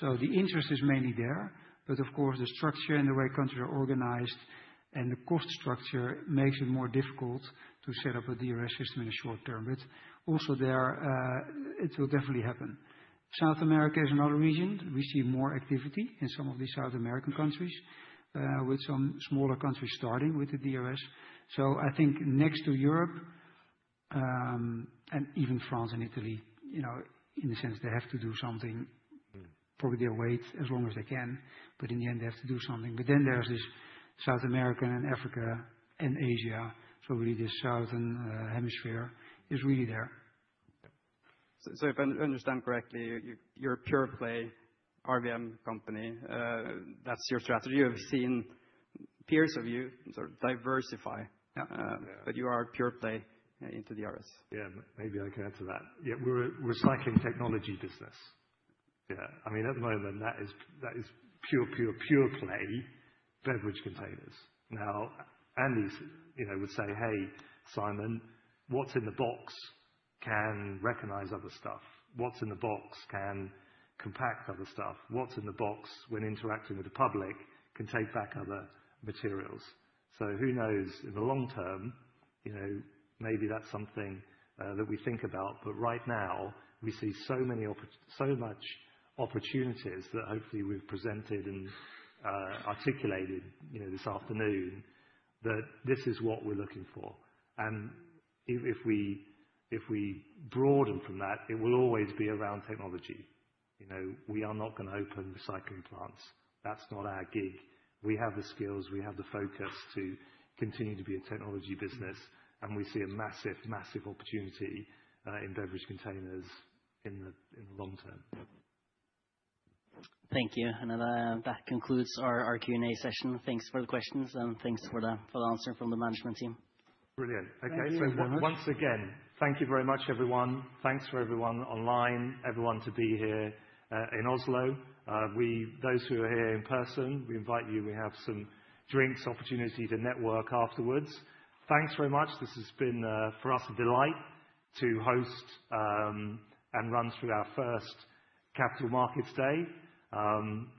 So the interest is mainly there. But of course, the structure and the way countries are organized and the cost structure makes it more difficult to set up a DRS system in the short term. But also there, it will definitely happen. South America is another region. We see more activity in some of these South American countries, with some smaller countries starting with the DRS. So I think next to Europe, and even France and Italy, you know, in a sense, they have to do something, probably they'll wait as long as they can, but in the end, they have to do something. But then there's this South America and Africa and Asia. So really this southern hemisphere is really there. So if I understand correctly, you're a pure play RVM company. That's your strategy. You have seen peers of you sort of diversify. Yeah. But you are a pure play into the DRS. Yeah. Maybe I can answer that. Yeah. We're a recycling technology business. Yeah. I mean, at the moment, that is pure, pure, pure play beverage containers. Now, Andy's, you know, would say, "Hey, Simon, what's in the box can recognize other stuff. What's in the box can compact other stuff. What's in the box when interacting with the public can take back other materials." So who knows in the long term, you know, maybe that's something that we think about. But right now we see so much opportunities that hopefully we've presented and articulated, you know, this afternoon that this is what we're looking for. And if we broaden from that, it will always be around technology. You know, we are not gonna open recycling plants. That's not our gig. We have the skills, we have the focus to continue to be a technology business. And we see a massive, massive opportunity in beverage containers in the long term. Thank you. And that concludes our Q&A session. Thanks for the questions and thanks for the answer from the management team. Brilliant. Okay. So once again, thank you very much, everyone. Thanks for everyone online, everyone to be here in Oslo. We, those who are here in person, we invite you, we have some drinks, opportunity to network afterwards. Thanks very much. This has been, for us, a delight to host and run through our first Capital Markets Day.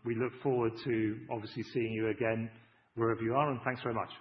We look forward to obviously seeing you again wherever you are, and thanks very much.